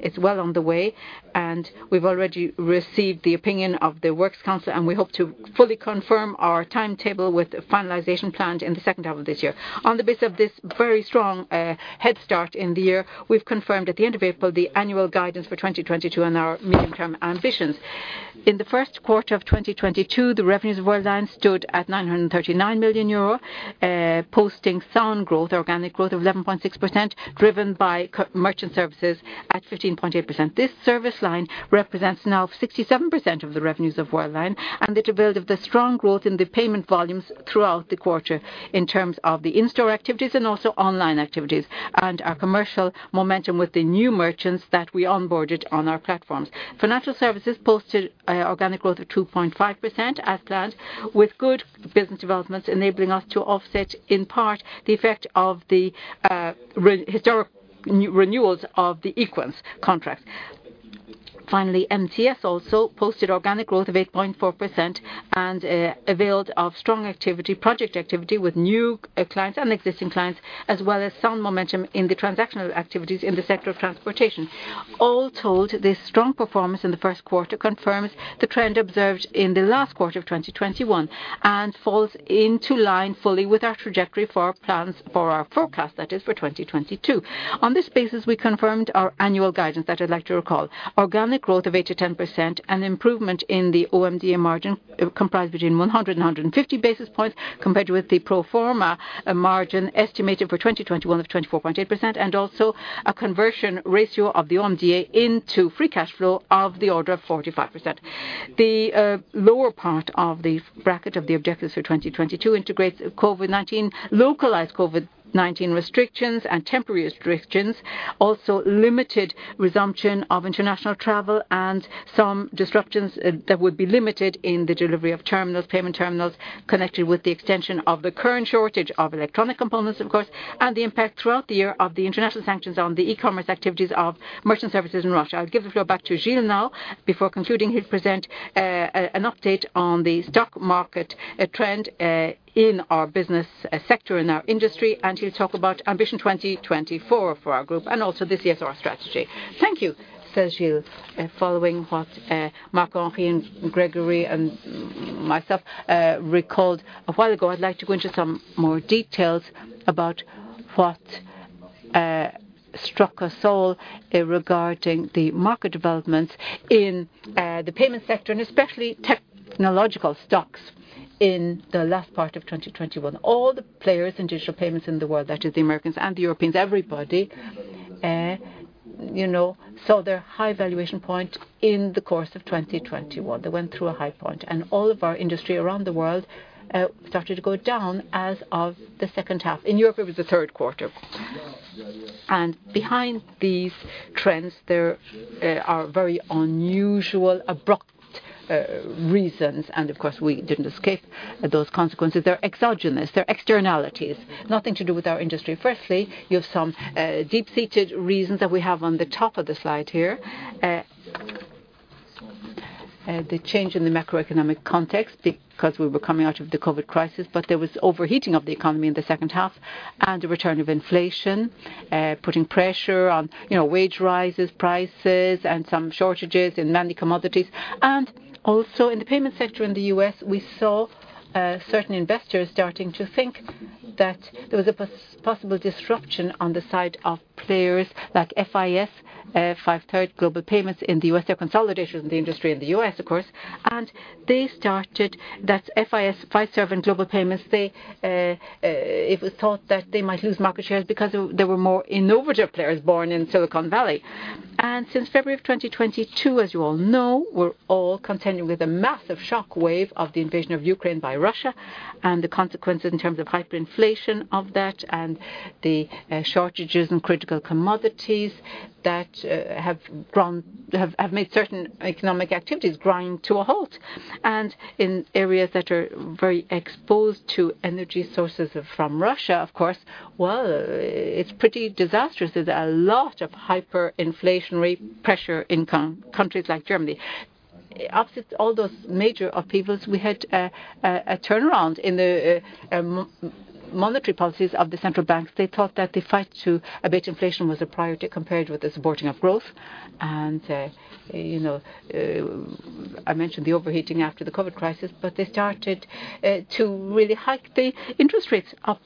It's well on the way, and we've already received the opinion of the works council, and we hope to fully confirm our timetable with finalization planned in the second half of this year. On the basis of this very strong head start in the year, we've confirmed at the end of April the annual guidance for 2022 and our medium-term ambitions. In the Q1 of 2022, the revenues of Worldline stood at EUR 939 million, posting sound growth, organic growth of 11.6%, driven by Merchant Services at 15.8%. This service line represents now 67% of the revenues of Worldline and the development of the strong growth in the payment volumes throughout the quarter in terms of the in-store activities and also online activities and our commercial momentum with the new merchants that we onboarded on our platforms. Financial Services posted organic growth of 2.5% as planned, with good business developments enabling us to offset in part the effect of the historic renewals of the Equens contract. Finally, MTS also posted organic growth of 8.4% and availed of strong activity, project activity with new clients and existing clients, as well as sound momentum in the transactional activities in the sector of transportation. All told, this strong performance in the Q1 confirms the trend observed in the last quarter of 2021 and falls into line fully with our trajectory for our plans for our forecast, that is, for 2022. On this basis, we confirmed our annual guidance that I'd like to recall. Organic growth of 8%-10%, an improvement in the OMDA margin comprised between 100-150 basis points compared with the pro forma margin estimated for 2021 of 24.8%, and also a conversion ratio of the OMDA into free cash flow of the order of 45%. The lower part of the bracket of the objectives for 2022 integrates COVID-19, localized COVID-19 restrictions and temporary restrictions, also limited resumption of international travel and some disruptions that would be limited in the delivery of terminals, payment terminals connected with the extension of the current shortage of electronic components, of course, and the impact throughout the year of the international sanctions on the e-commerce activities of Merchant Services in Russia. I'll give the floor back to Gilles now. Before concluding, he'll present an update on the stock market trend in our business sector, in our industry, and he'll talk about Ambition 2024 for our group and also this year's CSR strategy. Thank you. Gilles. Following what Marc-Henri and Grégory and myself recalled a while ago, I'd like to go into some more details about what struck us all regarding the market developments in the payment sector and especially technological stocks in the last part of 2021. All the players in digital payments in the world, that is the Americans and the Europeans, everybody, you know, saw their high valuation point in the course of 2021. They went through a high point, and all of our industry around the world started to go down as of the second half. In Europe, it was the Q3. Behind these trends, there are very unusual, abrupt reasons, and of course, we didn't escape those consequences. They're exogenous. They're externalities. Nothing to do with our industry. Firstly, you have some deep-seated reasons that we have on the top of the slide here. The change in the macroeconomic context because we were coming out of the COVID crisis, but there was overheating of the economy in the second half and a return of inflation, putting pressure on, you know, wage rises, prices, and some shortages in many commodities. Also in the payment sector in the U.S., we saw certain investors starting to think that there was a possible disruption on the side of players like FIS, Fiserv, and Global Payments in the U.S. There are consolidations in the industry in the U.S., of course. They started to think that FIS, Fiserv, and Global Payments might lose market shares because there were more innovative players born in Silicon Valley. Since February of 2022, as you all know, we're all contending with a massive shockwave of the invasion of Ukraine by Russia and the consequences in terms of hyperinflation of that and the shortages in critical commodities that have made certain economic activities grind to a halt. In areas that are very exposed to energy sources from Russia, of course, well, it's pretty disastrous. There's a lot of hyperinflationary pressure in countries like Germany. After all those major upheavals, we had a turnaround in the monetary policies of the central banks. They thought that the fight to abate inflation was a priority compared with the supporting of growth. You know, I mentioned the overheating after the COVID crisis, but they started to really hike the interest rates up.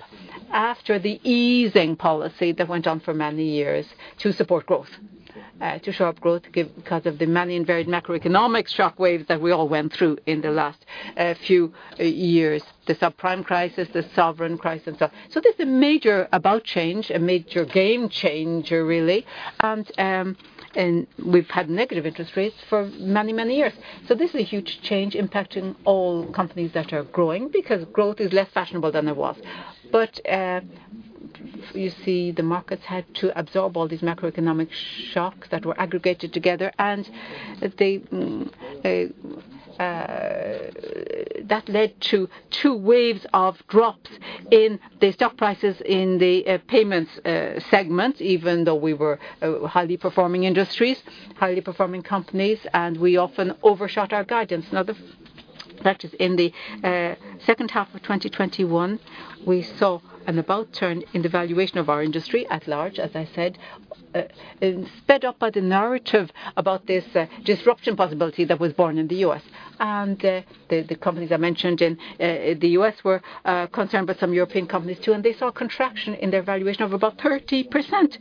After the easing policy that went on for many years to support growth given the many various macroeconomic shock waves that we all went through in the last few years, the subprime crisis, the sovereign crisis. There's a major change, a major game changer, really. We've had negative interest rates for many, many years. This is a huge change impacting all companies that are growing because growth is less fashionable than it was. You see the markets had to absorb all these macroeconomic shocks that were aggregated together, and that led to two waves of drops in the stock prices in the payments segment, even though we were in highly performing industries, highly performing companies, and we often overshot our guidance. Now, in practice, in the second half of 2021, we saw an about turn in the valuation of our industry at large, as I said, sped up by the narrative about this disruption possibility that was born in the US. The companies I mentioned in the US, some European companies too, and they saw a contraction in their valuation of about 30%.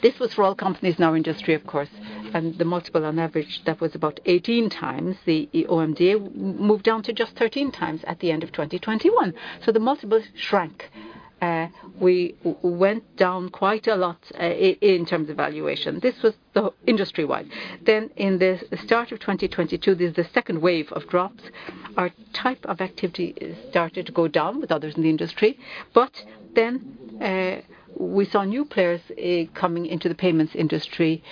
This was for all companies in our industry, of course. The multiple on average, that was about 18 times the OMDA moved down to just 13 times at the end of 2021. The multiples shrank. We went down quite a lot in terms of valuation. This was the industry-wide. In the start of 2022, there's the second wave of drops. Our type of activity started to go down with others in the industry. We saw new players coming into the payments industry.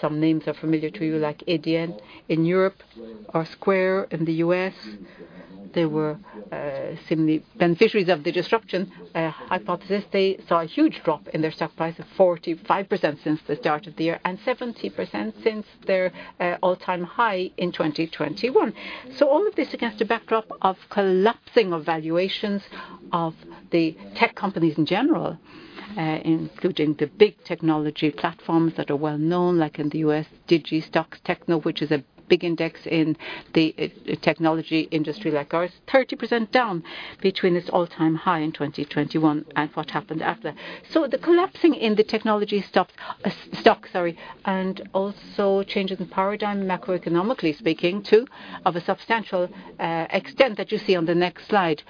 Some names are familiar to you, like Adyen in Europe or Square in the US. They were similarly beneficiaries of the disruption hypothesis. They saw a huge drop in their stock price of 45% since the start of the year and 70% since their all-time high in 2021. All of this against a backdrop of collapsing of valuations of the tech companies in general, including the big technology platforms that are well-known, like in the US Nasdaq Composite, which is a big index in the technology industry like ours, 30% down between its all-time high in 2021 and what happened after. The collapsing in the technology stock, sorry, and also changes in paradigm macroeconomically speaking too, of a substantial extent that you see on the next slide.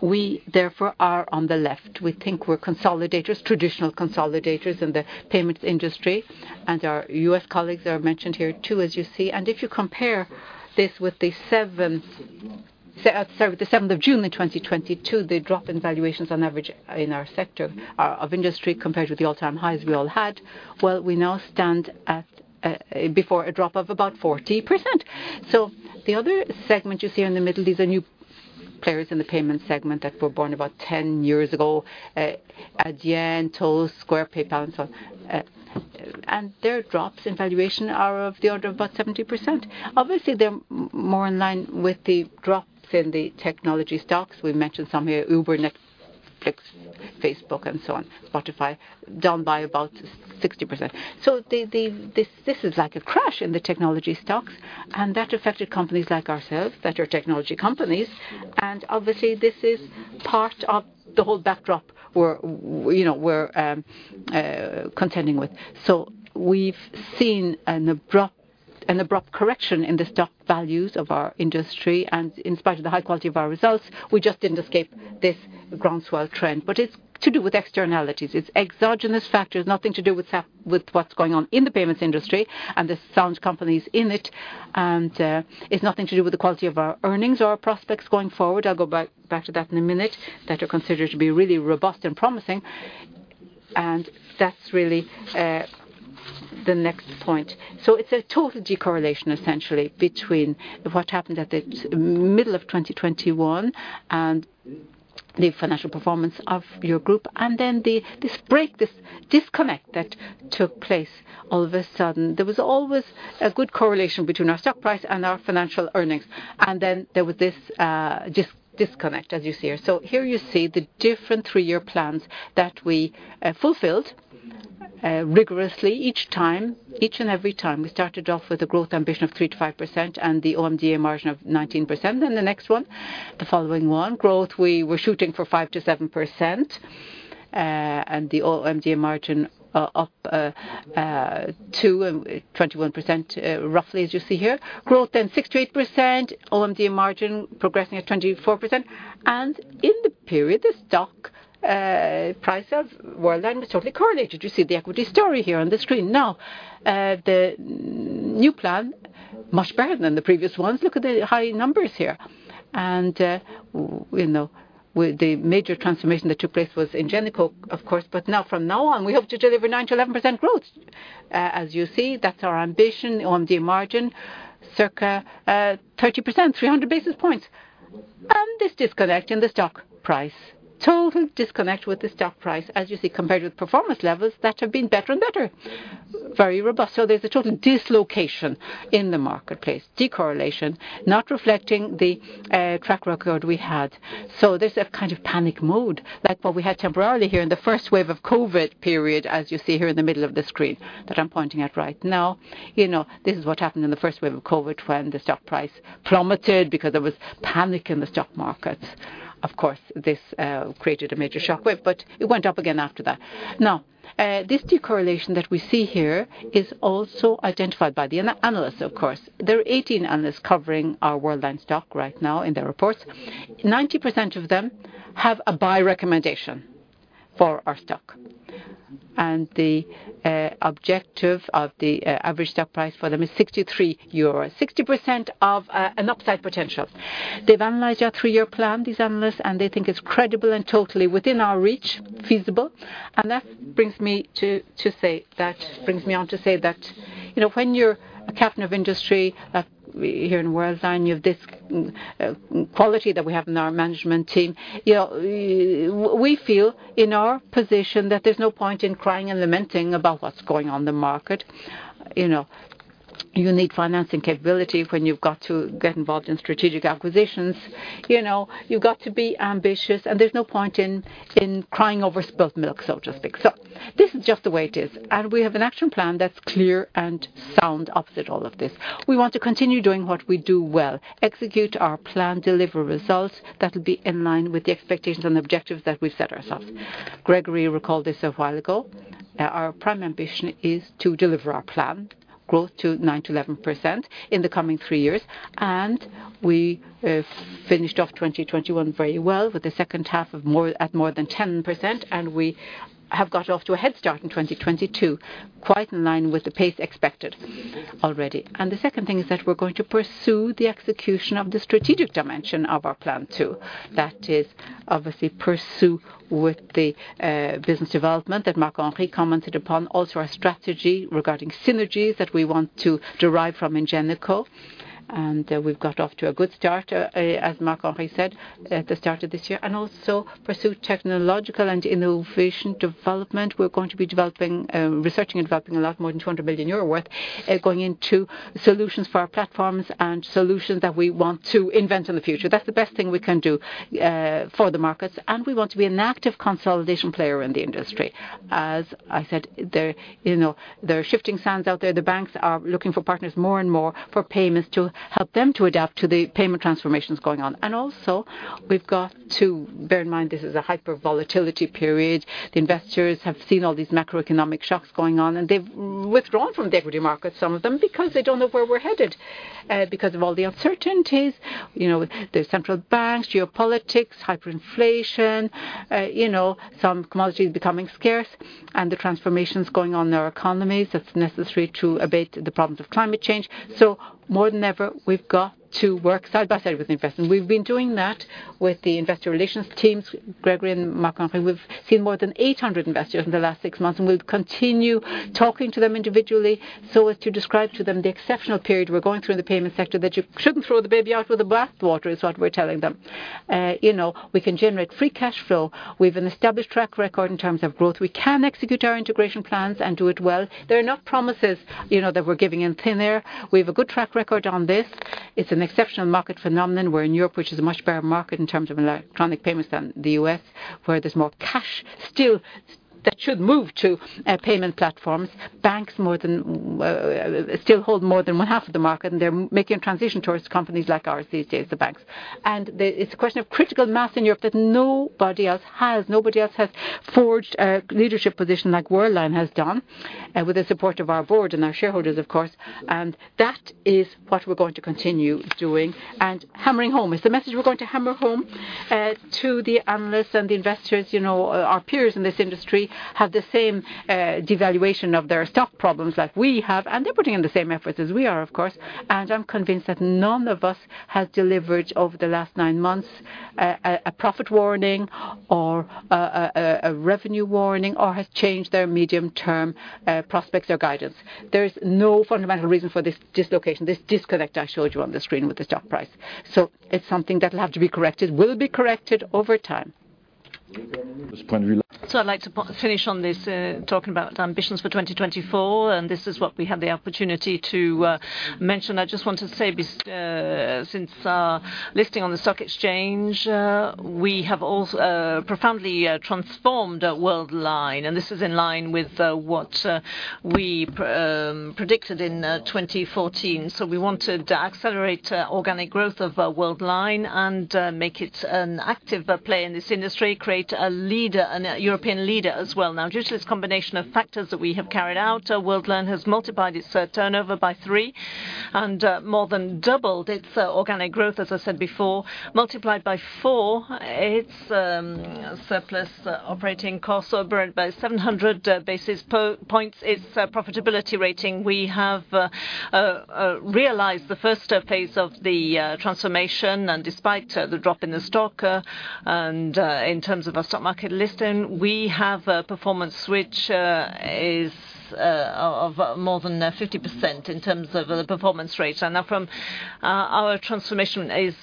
We therefore are on the left. We think we're consolidators, traditional consolidators in the payments industry. Our U.S colleagues are mentioned here too, as you see. If you compare this with the seventh of June in 2022, the drop in valuations on average in our sector of industry compared with the all-time highs we all had, well, we now stand at before a drop of about 40%. The other segment you see in the middle, these are new players in the payment segment that were born about 10 years ago, Adyen, Toast, Square, PayPal and so on. Their drops in valuation are of the order of about 70%. Obviously, they're more in line with the drops in the technology stocks. We mentioned some here, Uber, Netflix, Facebook, and so on, Spotify, down by about 60%. This is like a crash in the technology stocks, and that affected companies like ourselves that are technology companies. Obviously, this is part of the whole backdrop we're, you know, contending with. We've seen an abrupt correction in the stock values of our industry. In spite of the high quality of our results, we just didn't escape this groundswell trend. It's to do with externalities. It's exogenous factors, nothing to do with what's going on in the payments industry and the sound companies in it. It's nothing to do with the quality of our earnings or our prospects going forward. I'll go back to that in a minute, that are considered to be really robust and promising. That's really the next point. It's a total decorrelation, essentially, between what happened at the middle of 2021 and the financial performance of your group, and then the, this break, this disconnect that took place all of a sudden. There was always a good correlation between our stock price and our financial earnings. Then there was this disconnect, as you see here. Here you see the different three-year plans that we fulfilled rigorously each time, each and every time. We started off with a growth ambition of 3%-5% and the OMDA margin of 19%. The next one, the following one, growth, we were shooting for 5%-7%, and the OMDA margin up to 21%, roughly as you see here. Growth then 6%-8%, OMDA margin progressing at 24%. In the period, the stock prices were then totally correlated. You see the equity story here on the screen. Now the new plan, much better than the previous ones. Look at the high numbers here. You know, with the major transformation that took place was in Ingenico, of course. Now, from now on, we hope to deliver 9%-11% growth. As you see, that's our ambition. OMDA margin, circa 30%, 300 basis points. This disconnect in the stock price, as you see, compared with performance levels that have been better and better, very robust. There's a total dislocation in the marketplace, decorrelation, not reflecting the track record we had. There's a kind of panic mode, like what we had temporarily here in the first wave of COVID-19 period, as you see here in the middle of the screen that I'm pointing at right now. You know, this is what happened in the first wave of COVID-19 when the stock price plummeted because there was panic in the stock markets. Of course, this created a major shockwave, but it went up again after that. Now, this decorrelation that we see here is also identified by the analysts, of course. There are 18 analysts covering our Worldline stock right now in their reports. 90% of them have a buy recommendation for our stock, and the objective of the average stock price for them is 63 euros, 60% of an upside potential. They've analyzed our three-year plan, these analysts, and they think it's credible and totally within our reach, feasible. That brings me on to say that, you know, when you're a captain of industry, we here in Worldline, you have this quality that we have in our management team. You know, we feel in our position that there's no point in crying and lamenting about what's going on in the market. You know, you need financing capability when you've got to get involved in strategic acquisitions. You know, you've got to be ambitious, and there's no point in crying over spilled milk, so to speak. This is just the way it is, and we have an action plan that's clear and sound opposite all of this. We want to continue doing what we do well, execute our plan, deliver results that'll be in line with the expectations and objectives that we've set ourselves. Grégory recalled this a while ago. Our prime ambition is to deliver our planned growth to 9%-11% in the coming three years, and we have finished off 2021 very well with the second half at more than 10%, and we have got off to a head start in 2022, quite in line with the pace expected already. The second thing is that we're going to pursue the execution of the strategic dimension of our plan too. That is obviously pursue with the business development that Marc-Henri Desportes commented upon, also our strategy regarding synergies that we want to derive from Ingenico, and we've got off to a good start, as Marc-Henri Desportes said at the start of this year, and also pursue technological and innovation development. We're going to be researching and developing a lot more than 200 million euro worth going into solutions for our platforms and solutions that we want to invent in the future. That's the best thing we can do for the markets, and we want to be an active consolidation player in the industry. As I said, you know, there are shifting sands out there. The banks are looking for partners more and more for payments to help them to adapt to the payment transformations going on. We've got to bear in mind this is a hyper volatility period. The investors have seen all these macroeconomic shocks going on, and they've withdrawn from the equity market, some of them, because they don't know where we're headed, because of all the uncertainties, you know, the central banks, geopolitics, hyperinflation, you know, some commodities becoming scarce, and the transformations going on in our economies that's necessary to abate the problems of climate change. More than ever, we've got to work side by side with the investors, and we've been doing that with the investor relations teams, Grégory and Marc-Henri. We've seen more than 800 investors in the last six months, and we'll continue talking to them individually so as to describe to them the exceptional period we're going through in the payment sector, that you shouldn't throw the baby out with the bath water is what we're telling them. You know, we can generate free cash flow. We've an established track record in terms of growth. We can execute our integration plans and do it well. They're not promises, you know, that we're giving in thin air. We've a good track record on this. It's an exceptional market phenomenon. We're in Europe, which is a much better market in terms of electronic payments than the U.S, where there's more cash still that should move to payment platforms. Banks still hold more than one half of the market, and they're making a transition towards companies like ours these days, the banks. It's a question of critical mass in Europe that nobody else has. Nobody else has forged a leadership position like Worldline has done, with the support of our board and our shareholders, of course, and that is what we're going to continue doing. Hammering home, it's the message we're going to hammer home to the analysts and the investors. You know, our peers in this industry have the same devaluation of their stock problems like we have, and they're putting in the same efforts as we are, of course. I'm convinced that none of us has delivered over the last nine months a profit warning or a revenue warning or has changed their medium-term prospects or guidance. There is no fundamental reason for this dislocation, this disconnect I showed you on the screen with the stock price. It's something that'll have to be corrected, will be corrected over time. I'd like to finish on this, talking about ambitions for 2024, and this is what we had the opportunity to mention. I just want to say since listing on the stock exchange, we have profoundly transformed Worldline, and this is in line with what we predicted in 2014. We want to accelerate organic growth of Worldline and make it an active player in this industry, create a leader, an European leader as well. Now due to this combination of factors that we have carried out, Worldline has multiplied its turnover by three and more than doubled its organic growth, as I said before, multiplied by four its surplus operating costs, so by 700 basis points its profitability rating. We have realized the phase I of the transformation, and despite the drop in the stock and in terms of our stock market listing, we have a performance which is of more than 50% in terms of the performance rate. Now from our transformation is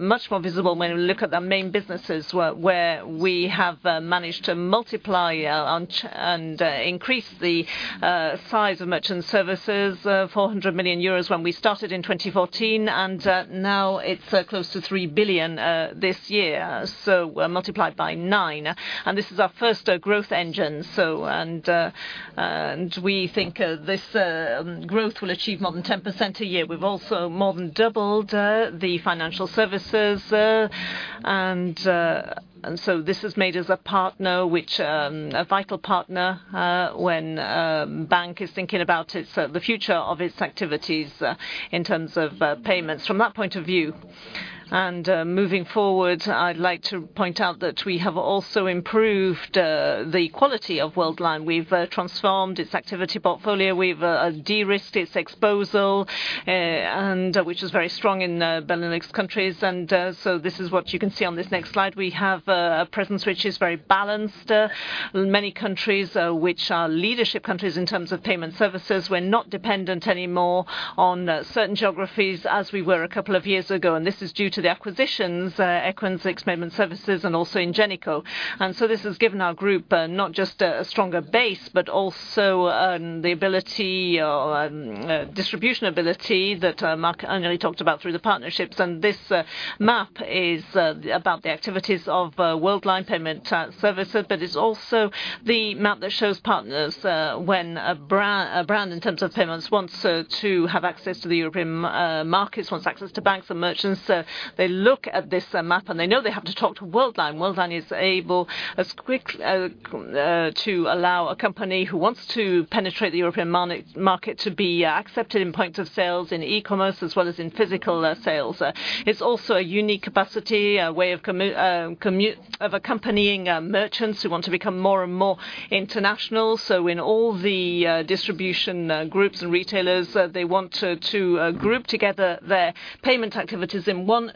much more visible when we look at the main businesses where we have managed to multiply and increase the size of Merchant Services, 400 million euros when we started in 2014, and now it's close to 3 billion this year, so multiplied by nine. This is our first growth engine, and we think this growth will achieve more than 10% a year. We've also more than doubled the Financial Services, and so this has made us a partner which a vital partner when bank is thinking about its the future of its activities in terms of payments. From that point of view Moving forward, I'd like to point out that we have also improved the quality of Worldline. We've transformed its activity portfolio. We've derisked its exposure, and which is very strong in Benelux countries. This is what you can see on this next slide. We have a presence which is very balanced in many countries, which are leadership countries in terms of payment services. We're not dependent anymore on certain geographies as we were a couple of years ago, and this is due to the acquisitions, Equens, and also Ingenico. This has given our group not just a stronger base, but also the ability, distribution ability that Marc-Henri Desportes talked about through the partnerships. This map is about the activities of Worldline payment services, but it's also the map that shows partners when a brand in terms of payments wants to have access to the European markets, wants access to banks and merchants. They look at this map, and they know they have to talk to Worldline. Worldline is able as quick to allow a company who wants to penetrate the European market to be accepted in point of sales in e-commerce as well as in physical sales. It's also a unique capacity, a way of accompanying merchants who want to become more and more international. In all the distribution groups and retailers, they want to group together their payment activities in one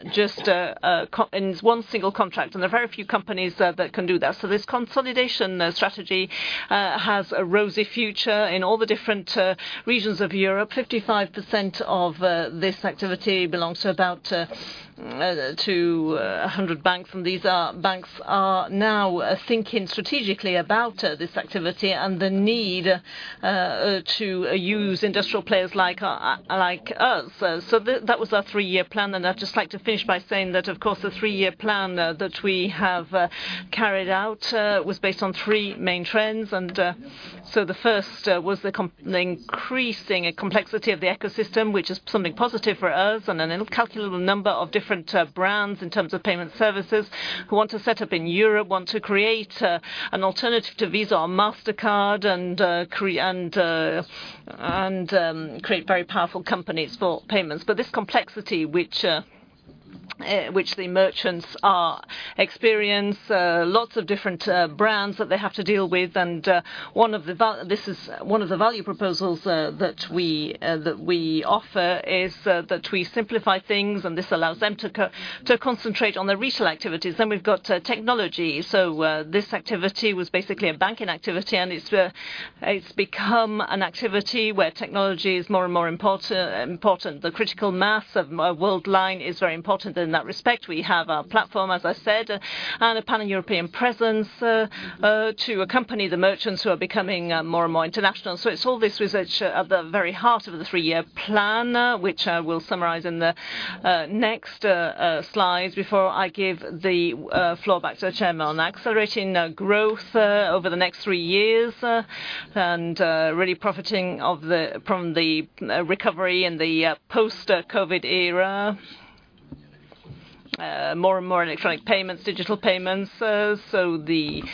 single contract, and there are very few companies that can do that. This consolidation strategy has a rosy future in all the different regions of Europe. 55% of this activity belongs to about 100 banks, and these banks are now thinking strategically about this activity and the need to use industrial players like us. That was our three-year plan. I'd just like to finish by saying that, of course, the three-year plan that we have carried out was based on three main trends. The first was the increasing complexity of the ecosystem, which is something positive for us and an incalculable number of different brands in terms of payment services who want to set up in Europe, want to create an alternative to Visa or Mastercard, and create very powerful companies for payments. This complexity, which the merchants are experiencing, lots of different brands that they have to deal with, and one of the value proposals that we offer is that we simplify things, and this allows them to concentrate on their retail activities. We've got technology. This activity was basically a banking activity, and it's become an activity where technology is more and more important. The critical mass of Worldline is very important in that respect. We have a platform, as I said, and a pan-European presence to accompany the merchants who are becoming more and more international. It's all this research at the very heart of the three-year plan, which we'll summarize in the next slides before I give the floor back to the chairman. Accelerating growth over the next three years and really profiting from the recovery in the post-COVID era. More and more electronic payments, digital payments. The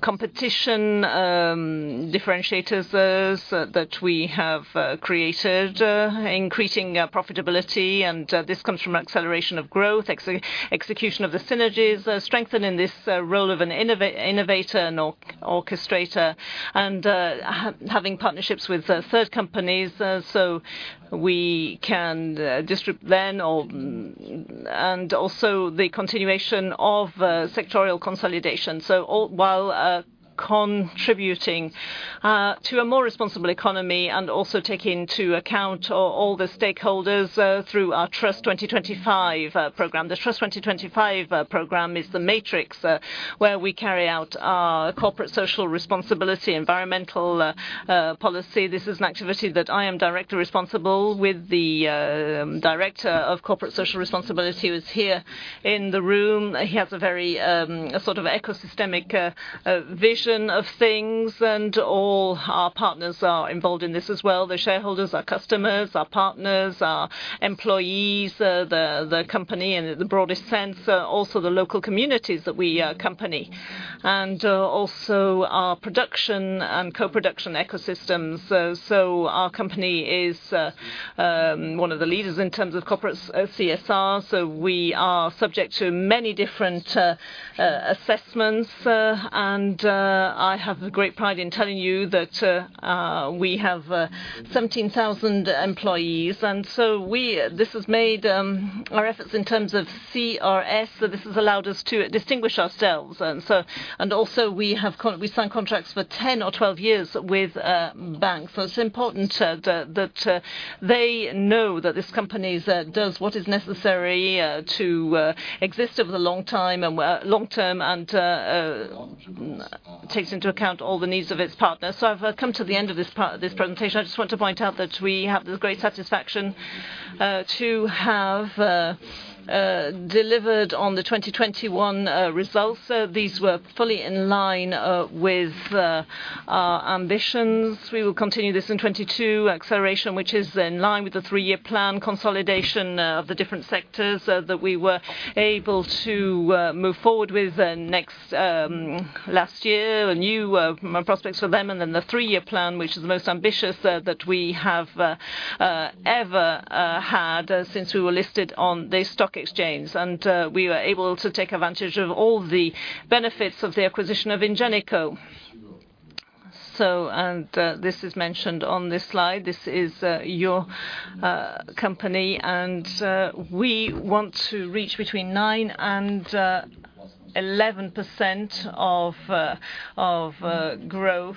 competitive differentiators that we have created, increasing profitability, and this comes from acceleration of growth, execution of the synergies, strengthening this role of an innovator and orchestrator, and having partnerships with third companies, so we can distribute, then, and also the continuation of sectoral consolidation. All while contributing to a more responsible economy and also taking into account all the stakeholders through our Trust 2025 program. The Trust 2025 program is the matrix where we carry out our corporate social responsibility, environmental policy. This is an activity that I am directly responsible with the director of corporate social responsibility, who is here in the room. He has a very sort of ecosystemic vision of things, and all our partners are involved in this as well, the shareholders, our customers, our partners, our employees, the company in the broadest sense, also the local communities that we accompany, and also our production and co-production ecosystems. Our company is one of the leaders in terms of corporate CSR. We are subject to many different assessments, and I have great pride in telling you that we have 17,000 employees. This has made our efforts in terms of CSR, so this has allowed us to distinguish ourselves. We sign contracts for 10 or 12 years with banks, so it's important that they know that this company does what is necessary to exist over the long time and long term, and takes into account all the needs of its partners. I've come to the end of this part, this presentation. I just want to point out that we have the great satisfaction to have delivered on the 2021 results. These were fully in line with our ambitions. We will continue this in 2022. Acceleration, which is in line with the three-year plan, consolidation of the different sectors that we were able to move forward with next last year, new prospects for them, and then the three-year plan, which is the most ambitious that we have ever had since we were listed on the stock exchange, and we were able to take advantage of all the benefits of the acquisition of Ingenico. This is mentioned on this slide. This is your company, and we want to reach between 9% and 11% growth.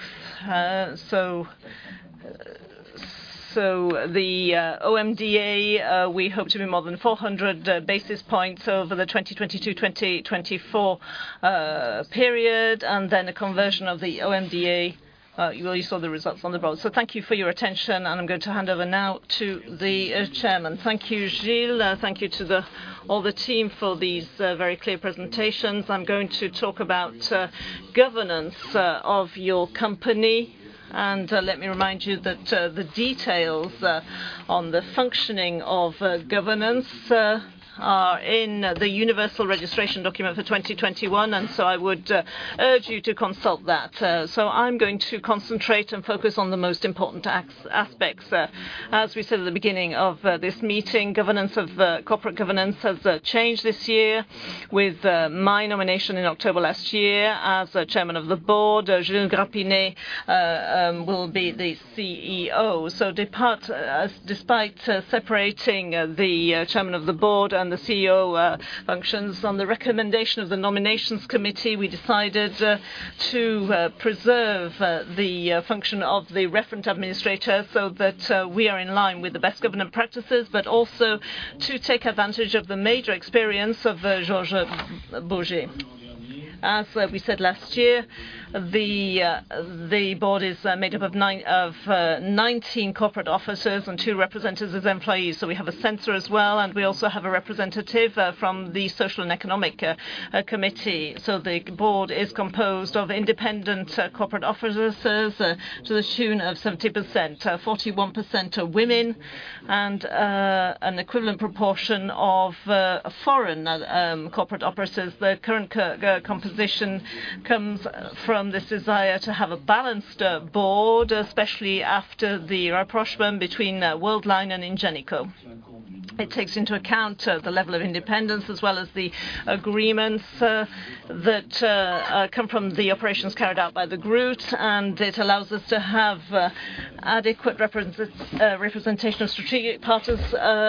So the OMDA we hope to be more than 400 basis points over the 2022-2024 period. Then a conversion of the OMDA, well you saw the results on the board. Thank you for your attention, and I'm going to hand over now to the chairman. Thank you, Gilles. Thank you to all the team for these very clear presentations. I'm going to talk about governance of your company. Let me remind you that the details on the functioning of governance are in the universal registration document for 2021. I would urge you to consult that. I'm going to concentrate and focus on the most important aspects. As we said at the beginning of this meeting, governance of corporate governance has changed this year with my nomination in October last year as chairman of the board. Gilles Grapinet will be the CEO. Despite separating the chairman of the board and the CEO functions, on the recommendation of the nominations committee, we decided to preserve the function of the referent administrator so that we are in line with the best governance practices, but also to take advantage of the major experience of Georges Pauget. As we said last year, the board is made up of nineteen corporate officers and two representatives of employees. We have a censor as well, and we also have a representative from the social and economic committee. The board is composed of independent corporate officers to the tune of 70%. 41% are women and an equivalent proportion of foreign corporate officers. The current composition comes from this desire to have a balanced board, especially after the rapprochement between Worldline and Ingenico. It takes into account the level of independence as well as the agreements that come from the operations carried out by the group. It allows us to have adequate representation of strategic partners,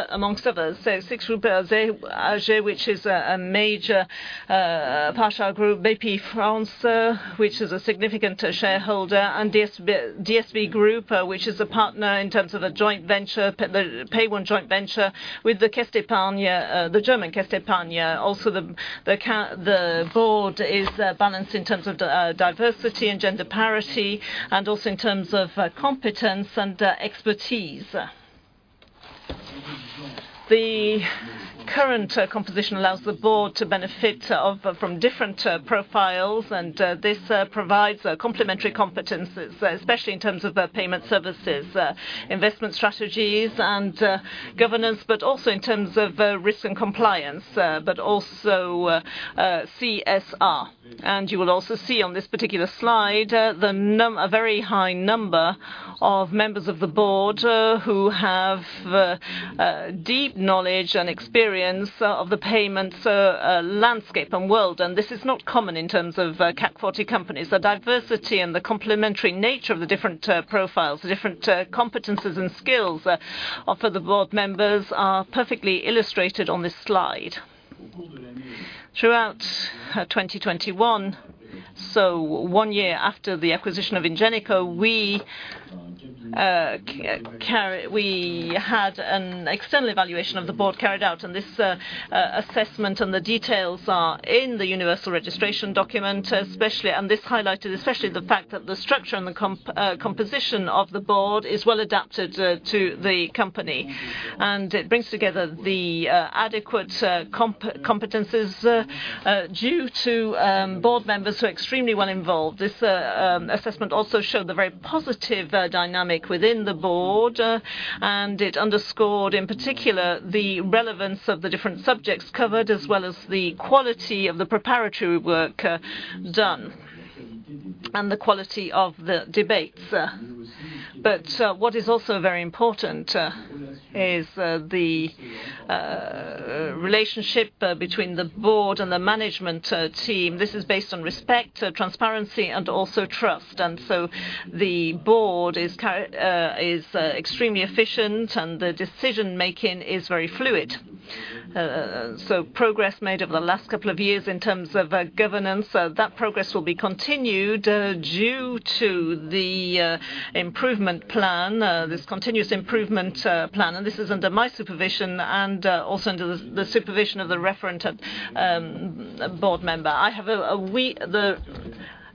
among others. AXA Group, AXA, which is a major partner group. Bpifrance, which is a significant shareholder, and DSV Group, which is a partner in terms of the joint venture, PAYONE joint venture with the Sparkasse, the German Sparkasse. Also, the board is balanced in terms of diversity and gender parity, and also in terms of competence and expertise. The current composition allows the board to benefit from different profiles, and this provides complementary competencies, especially in terms of payment services, investment strategies and governance, but also in terms of risk and compliance, but also CSR. You will also see on this particular slide a very high number of members of the board who have deep knowledge and experience of the payments landscape and world. This is not common in terms of CAC 40 companies. The diversity and the complementary nature of the different profiles, the different competencies and skills of the board members are perfectly illustrated on this slide. Throughout 2021, so one year after the acquisition of Ingenico, we had an external evaluation of the board carried out, and this assessment and the details are in the universal registration document especially. This highlighted especially the fact that the structure and the composition of the board is well adapted to the company. It brings together the adequate competencies due to board members who are extremely well involved. This assessment also showed the very positive dynamic within the board, and it underscored, in particular, the relevance of the different subjects covered, as well as the quality of the preparatory work done and the quality of the debates. What is also very important is the relationship between the board and the management team. This is based on respect, transparency and also trust. The board is extremely efficient, and the decision-making is very fluid. Progress made over the last couple of years in terms of governance, that progress will be continued due to the improvement plan, this continuous improvement plan. This is under my supervision and also under the supervision of the referent board member,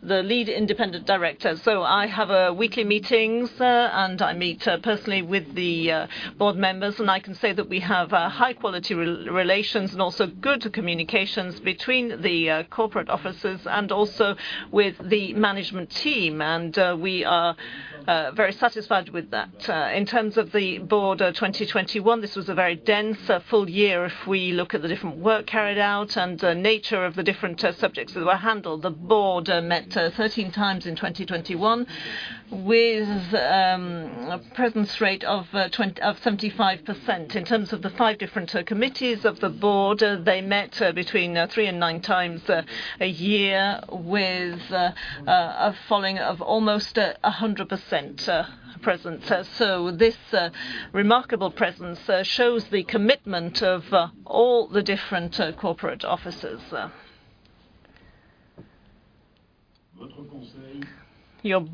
the lead independent director. I have weekly meetings and I meet personally with the board members, and I can say that we have high-quality relations and also good communications between the corporate officers and also with the management team. We are very satisfied with that. In terms of the board, 2021, this was a very dense full year if we look at the different work carried out and the nature of the different subjects that were handled. The board met 13 times in 2021 with a presence rate of 75%. In terms of the five different committees of the board, they met between three and nine times a year with a following of almost 100% presence. This remarkable presence shows the commitment of all the different corporate officers. Your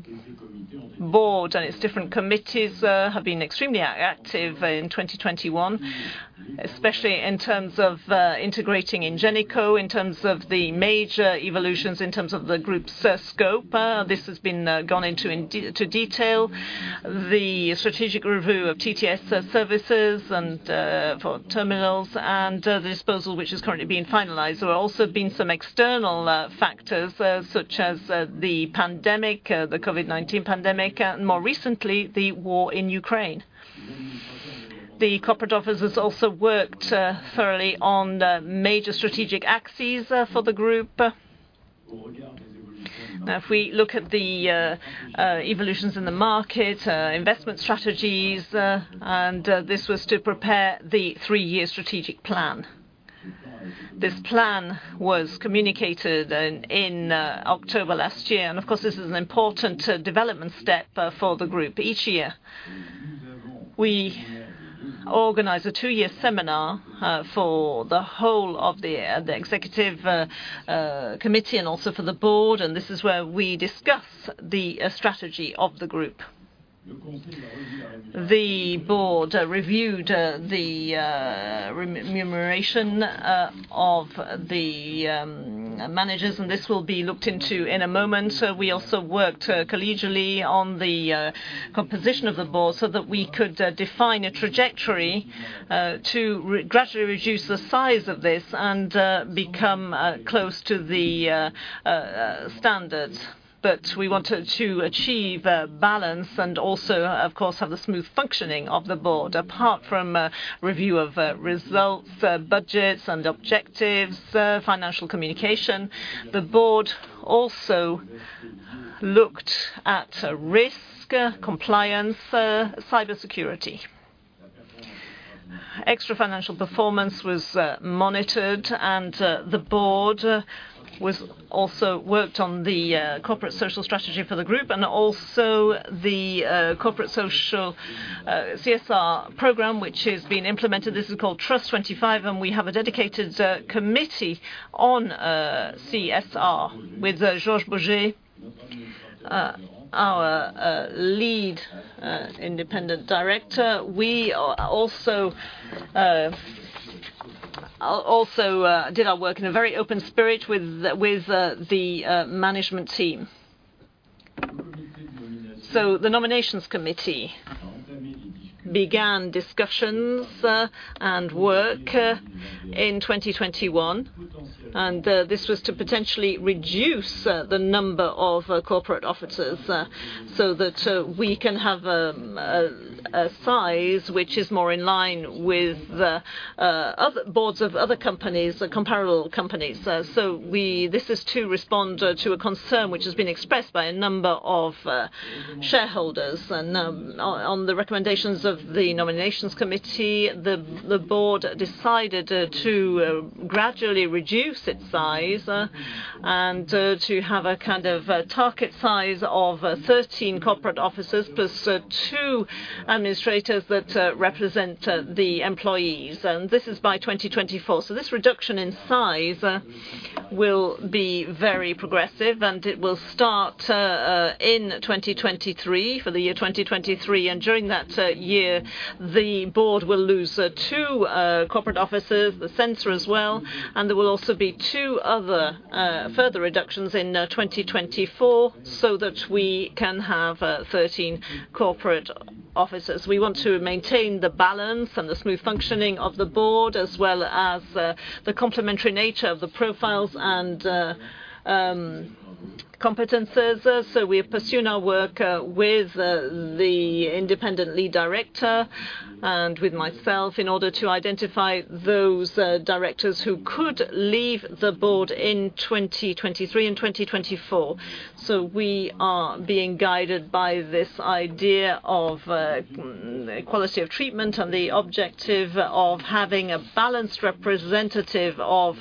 board and its different committees have been extremely active in 2021, especially in terms of integrating Ingenico, in terms of the major evolutions, in terms of the group's scope. This has been gone into in detail, the strategic review of TSS services and for terminals and the disposal which is currently being finalized. There have also been some external factors, such as the pandemic, the COVID-19 pandemic, and more recently, the war in Ukraine. The corporate officers also worked thoroughly on the major strategic axes for the group. Now, if we look at the evolutions in the market, investment strategies, and this was to prepare the three-year strategic plan. This plan was communicated in October last year, and of course, this is an important development step for the group. Each year, we organize a two-year seminar for the whole of the executive committee and also for the board, and this is where we discuss the strategy of the group. The board reviewed the remuneration of the managers, and this will be looked into in a moment. We also worked collegially on the composition of the board so that we could define a trajectory to gradually reduce the size of this and become close to the standards. We wanted to achieve a balance and also, of course, have the smooth functioning of the board. Apart from a review of results, budgets and objectives, financial communication, the board also looked at risk, compliance, cybersecurity. Extrafinancial performance was monitored, and the board also worked on the corporate social strategy for the group and also the corporate social CSR program, which is being implemented. This is called Trust 2025, and we have a dedicated committee on CSR with Georges Pauget, our lead independent director. We also did our work in a very open spirit with the management team. The nominations committee began discussions and work in 2021, and this was to potentially reduce the number of corporate officers so that we can have a size which is more in line with the other boards of other companies, comparable companies. This is to respond to a concern which has been expressed by a number of shareholders. On the recommendations of the nominations committee, the board decided to gradually reduce its size and to have a kind of a target size of 13 corporate officers plus two administrators that represent the employees. This is by 2024. This reduction in size will be very progressive, and it will start in 2023 for the year 2023. During that year, the board will lose two corporate officers, the Censor as well. There will also be two other further reductions in 2024 so that we can have thirteen corporate officers. We want to maintain the balance and the smooth functioning of the board as well as the complementary nature of the profiles and competencies. We have pursued our work with the independent lead director and with myself in order to identify those directors who could leave the board in 2023 and 2024. We are being guided by this idea of equality of treatment and the objective of having a balanced representative of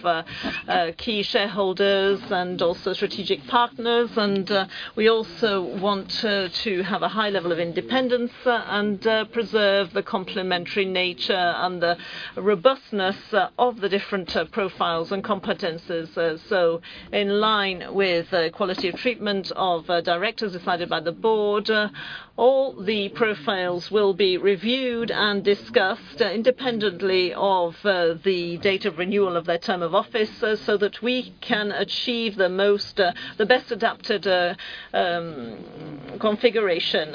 key shareholders and also strategic partners. We also want to have a high level of independence, and preserve the complementary nature and the robustness of the different profiles and competencies. In line with the equality of treatment of directors decided by the board, all the profiles will be reviewed and discussed independently of the date of renewal of their term of office, so that we can achieve the best adapted configuration.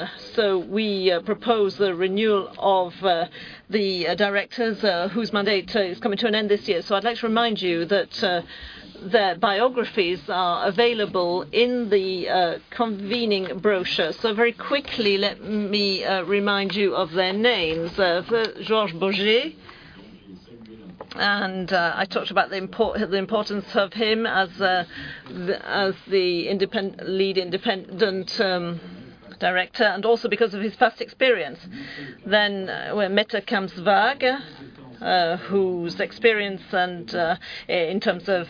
We propose the renewal of the directors whose mandate is coming to an end this year. I'd like to remind you that their biographies are available in the convening brochure. Very quickly, let me remind you of their names. Georges Pauget... I talked about the importance of him as the lead independent director, and also because of his past experience. Mette Kamsvåg, whose experience and in terms of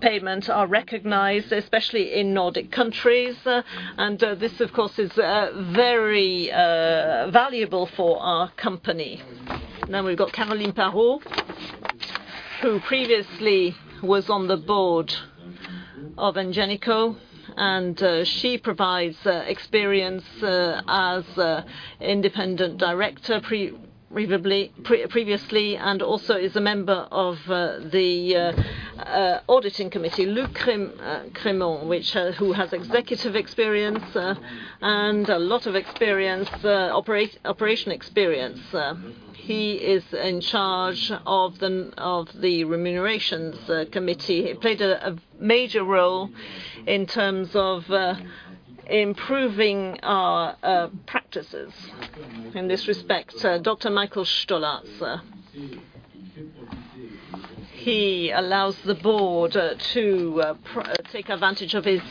payments are recognized, especially in Nordic countries. This, of course, is very valuable for our company. Now we've got Caroline Parot, who previously was on the board of Ingenico, and she provides experience as independent director previously, and also is a member of the audit committee. Luc Rémont, who has executive experience and a lot of operational experience. He is in charge of the remuneration committee. He played a major role in terms of improving our practices in this respect. Dr. Michael Stollarz. He allows the board to take advantage of his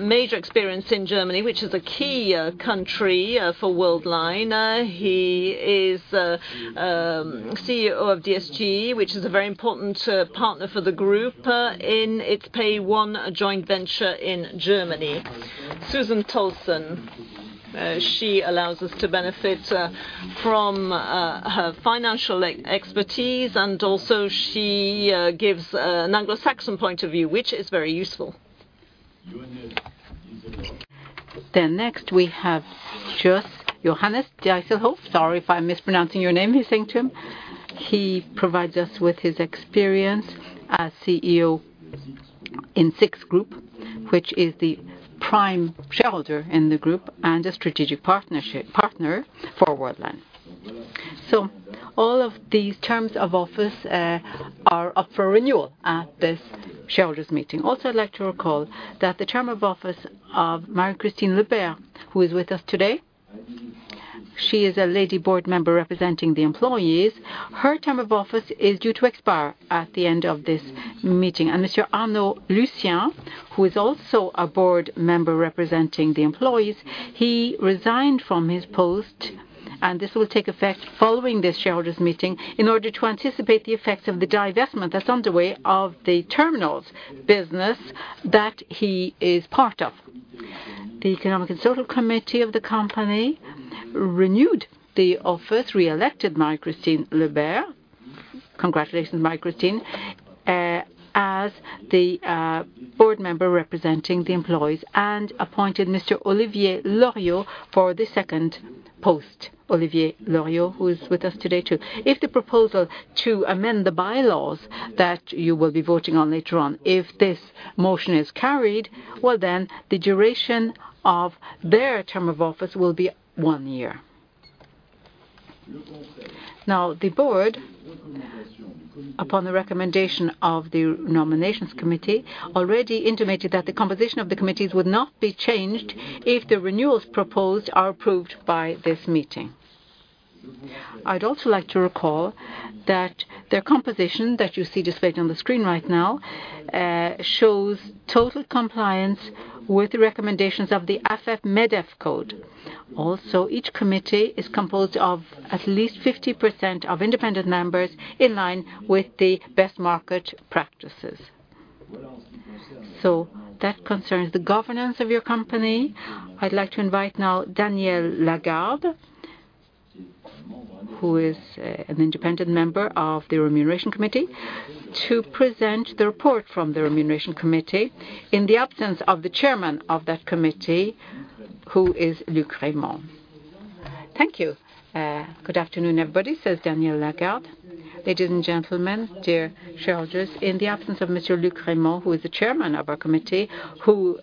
major experience in Germany, which is a key country for Worldline. He is CEO of DSV Group, which is a very important partner for the group in its PAYONE joint venture in Germany. Susan M. Tolson. She allows us to benefit from her financial expertise, and also she gives an Anglo-Saxon point of view, which is very useful. Next we have Monsieur Jos Dijsselhof. Sorry if I'm mispronouncing your name, monsieur. He provides us with his experience as CEO in SIX Group, which is the prime shareholder in the group and a strategic partner for Worldline. All of these terms of office are up for renewal at this shareholders' meeting. I'd like to recall that the term of office of Marie-Christine Lebert, who is with us today, she is a lady board member representing the employees. Her term of office is due to expire at the end of this meeting. Monsieur Arnaud Lucien, who is also a board member representing the employees, he resigned from his post, and this will take effect following this shareholders' meeting in order to anticipate the effects of the divestment that's underway of the terminals business that he is part of. The Economic and Social Committee of the company renewed the office, re-elected Marie-Christine Lebert, congratulations Marie-Christine, as the board member representing the employees and appointed Mr. Olivier Gavalda for the second post. Olivier Gavalda, who is with us today too. If the proposal to amend the bylaws that you will be voting on later on, if this motion is carried, well, then the duration of their term of office will be one year. Now, the board, upon the recommendation of the nominations committee, already intimated that the composition of the committees would not be changed if the renewals proposed are approved by this meeting. I'd also like to recall that their composition, that you see displayed on the screen right now, shows total compliance with the recommendations of the AFEP-Medef code. Also, each committee is composed of at least 50% of independent members in line with the best market practices. That concerns the governance of your company. I'd like to invite now Danièle Lagarde, who is an independent member of the Remuneration Committee, to present the report from the Remuneration Committee in the absence of the chairman of that committee, who is Luc Rémont. Thank you. "Good afternoon, everybody," says Danièle Lagarde. Ladies and gentlemen, dear shareholders, in the absence of Monsieur Luc Rémont, who is the chairman of our committee, who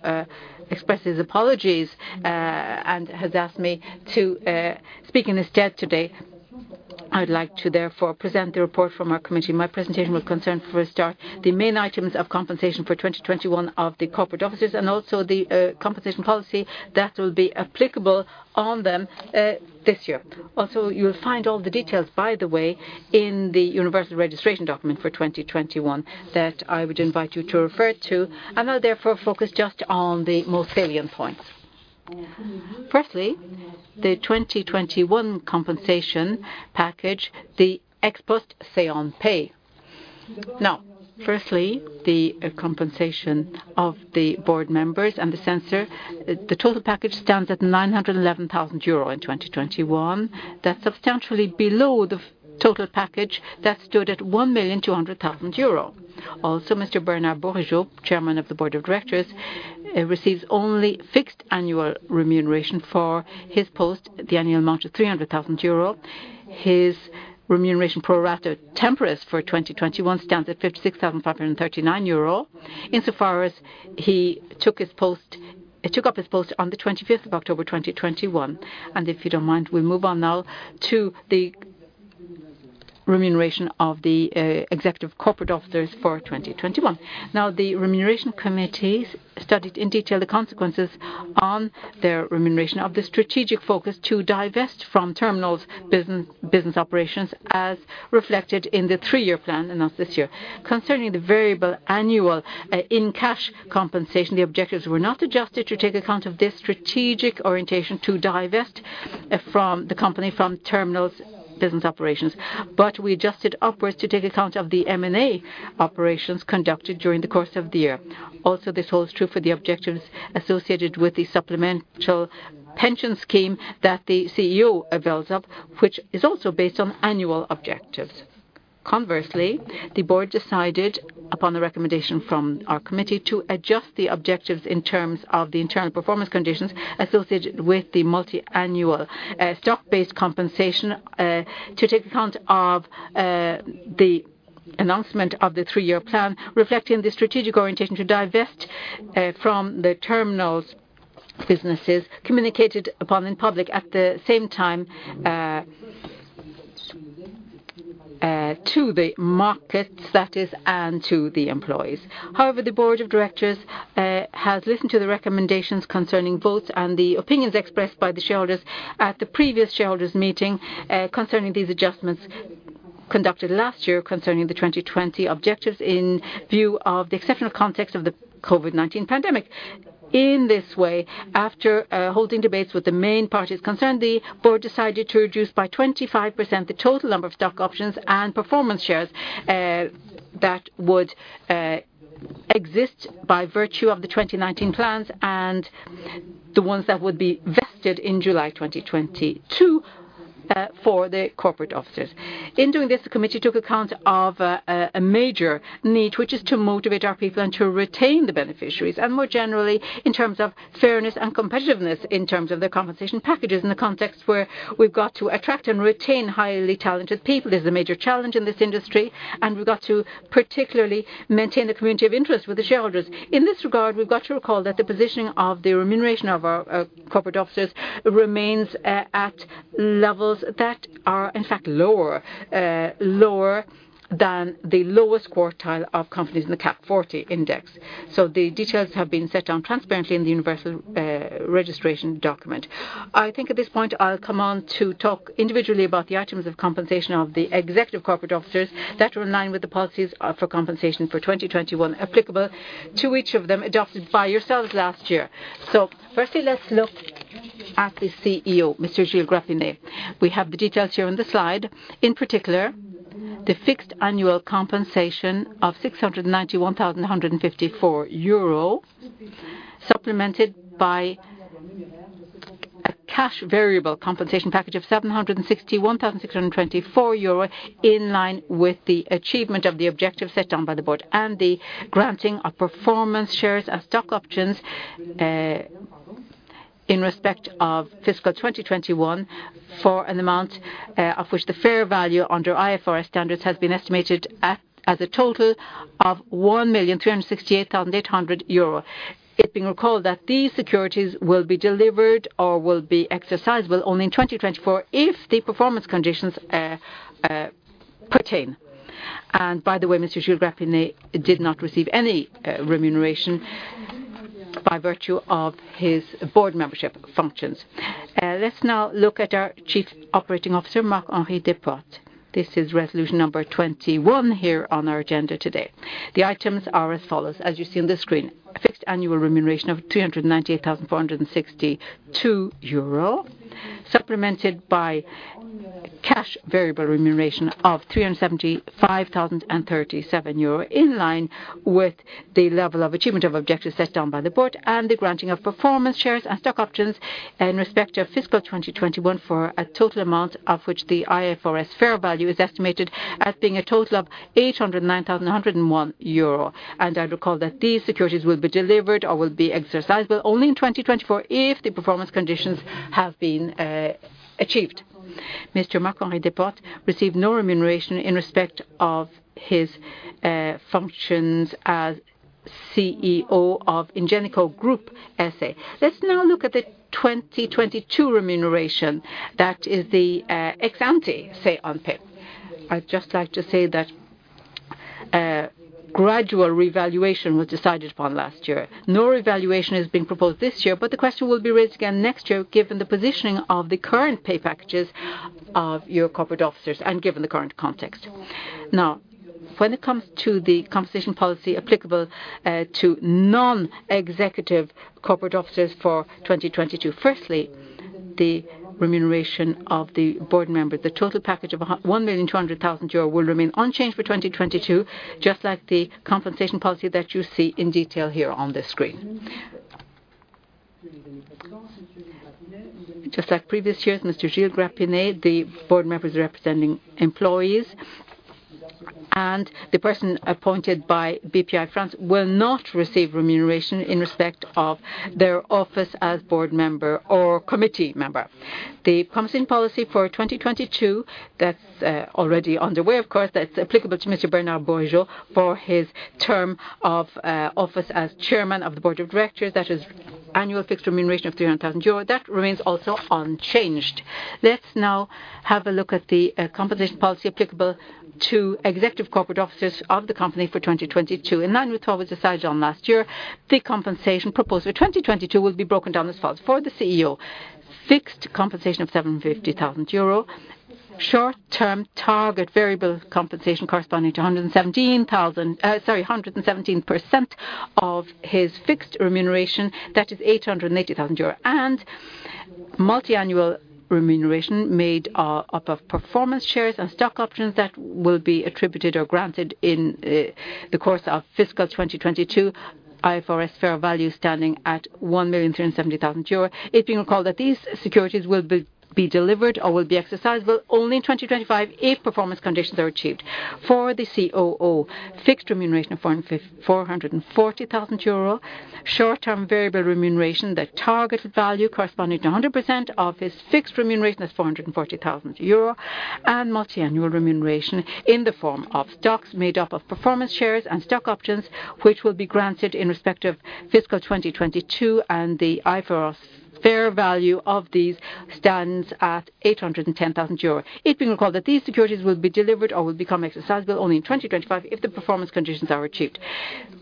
expresses apologies and has asked me to speak in his stead today. I would like to therefore present the report from our committee. My presentation will concern, for a start, the main items of compensation for 2021 of the corporate officers and also the compensation policy that will be applicable on them this year. You will find all the details, by the way, in the universal registration document for 2021 that I would invite you to refer to. I'll therefore focus just on the most salient points. Firstly, the 2021 compensation package, the ex post say on pay. Now, firstly, the compensation of the board members and the censor. The total package stands at 911,000 euro in 2021. That's substantially below the total package that stood at 1,200,000 euro. Mr. Bernard Bourigeaud, Chairman of the Board of Directors, receives only fixed annual remuneration for his post, the annual amount of 300,000 euro. His remuneration pro rata temporis for 2021 stands at 56,539 euro. Insofar as he took up his post on the 25th of October 2021. If you don't mind, we move on now to the remuneration of the executive corporate officers for 2021. The remuneration committees studied in detail the consequences on their remuneration of the strategic focus to divest from terminals business operations, as reflected in the three-year plan announced this year. Concerning the variable annual in-cash compensation, the objectives were not adjusted to take account of this strategic orientation to divest the company from terminals business operations. We adjusted upwards to take account of the M&A operations conducted during the course of the year. This holds true for the objectives associated with the supplemental pension scheme that the CEO avails of, which is also based on annual objectives. Conversely, the board decided upon the recommendation from our committee to adjust the objectives in terms of the internal performance conditions associated with the multi-annual stock-based compensation to take account of the announcement of the three-year plan, reflecting the strategic orientation to divest from the terminals businesses communicated upon in public at the same time to the markets, that is, and to the employees. However, the board of directors has listened to the recommendations concerning votes and the opinions expressed by the shareholders at the previous shareholders meeting concerning these adjustments conducted last year concerning the 2020 objectives in view of the exceptional context of the COVID-19 pandemic. In this way, after holding debates with the main parties concerned, the board decided to reduce by 25% the total number of stock options and performance shares that would exist by virtue of the 2019 plans and the ones that would be vested in July 2022 for the corporate officers. In doing this, the committee took account of a major need, which is to motivate our people and to retain the beneficiaries, and more generally, in terms of fairness and competitiveness in terms of the compensation packages in the context where we've got to attract and retain highly talented people. This is a major challenge in this industry, and we've got to particularly maintain the community of interest with the shareholders. In this regard, we've got to recall that the positioning of the remuneration of our corporate officers remains at levels that are, in fact, lower than the lowest quartile of companies in the CAC 40 Index. The details have been set down transparently in the universal registration document. I think at this point, I'll come on to talk individually about the items of compensation of the executive corporate officers that are in line with the policies for compensation for 2021 applicable to each of them adopted by yourselves last year. Firstly, let's look at the CEO, Mr. Gilles Grapinet. We have the details here on the slide. In particular, the fixed annual compensation of 691,154 euro, supplemented by a cash variable compensation package of 761,624 euro in line with the achievement of the objective set down by the board, and the granting of performance shares as stock options in respect of fiscal 2021 for an amount of which the fair value under IFRS standards has been estimated at, as a total of 1,368,800 euro. It being recalled that these securities will be delivered or will be exercisable only in 2024 if the performance conditions pertain. By the way, Mr. Gilles Grapinet did not receive any remuneration by virtue of his board membership functions. Let's now look at our Chief Operating Officer, Marc-Henri Desportes. This is resolution number 21 here on our agenda today. The items are as follows, as you see on the screen. A fixed annual remuneration of 298,462 euro, supplemented by cash variable remuneration of 375,037 euro, in line with the level of achievement of objectives set down by the board and the granting of performance shares and stock options in respect of fiscal 2021 for a total amount of which the IFRS fair value is estimated at being a total of 809,101 euro. I recall that these securities will be delivered or will be exercisable only in 2024 if the performance conditions have been achieved. Mr. Marc-Henri Desportes received no remuneration in respect of his functions as CEO of Ingenico Group SA. Let's now look at the 2022 remuneration that is the ex-ante say-on-pay. I'd just like to say that a gradual revaluation was decided upon last year. No revaluation has been proposed this year, but the question will be raised again next year given the positioning of the current pay packages of your corporate officers and given the current context. Now, when it comes to the compensation policy applicable to non-executive corporate officers for 2022. Firstly, the remuneration of the board member. The total package of 1.2 million will remain unchanged for 2022, just like the compensation policy that you see in detail here on this screen. Just like previous years, Mr. Gilles Grapinet, the board members representing employees and the person appointed by Bpifrance will not receive remuneration in respect of their office as board member or committee member. The compensation policy for 2022 that's already underway, of course, that's applicable to Mr. Bernard Bourigeaud for his term of office as Chairman of the Board of Directors. That is annual fixed remuneration of 300,000 euro. That remains also unchanged. Let's now have a look at the compensation policy applicable to executive corporate officers of the company for 2022. In line with what was decided on last year, the compensation proposal 2022 will be broken down as follows. For the CEO, fixed compensation of 750,000 euro. Short-term target variable compensation corresponding to 117% of his fixed remuneration. That is 880 thousand euro. Multi-annual remuneration made up of performance shares and stock options that will be attributed or granted in the course of fiscal 2022. IFRS fair value standing at 1.37 million euro. It being recalled that these securities will be delivered or will be exercisable only in 2025 if performance conditions are achieved. For the COO, fixed remuneration of 440 thousand euro. Short-term variable remuneration, the targeted value corresponding to 100% of his fixed remuneration. That's 440 thousand euro. Multi-annual remuneration in the form of stocks made up of performance shares and stock options, which will be granted in respective fiscal 2022, and the IFRS fair value of these stands at 810 thousand euros. It being recalled that these securities will be delivered or will become exercisable only in 2025 if the performance conditions are achieved.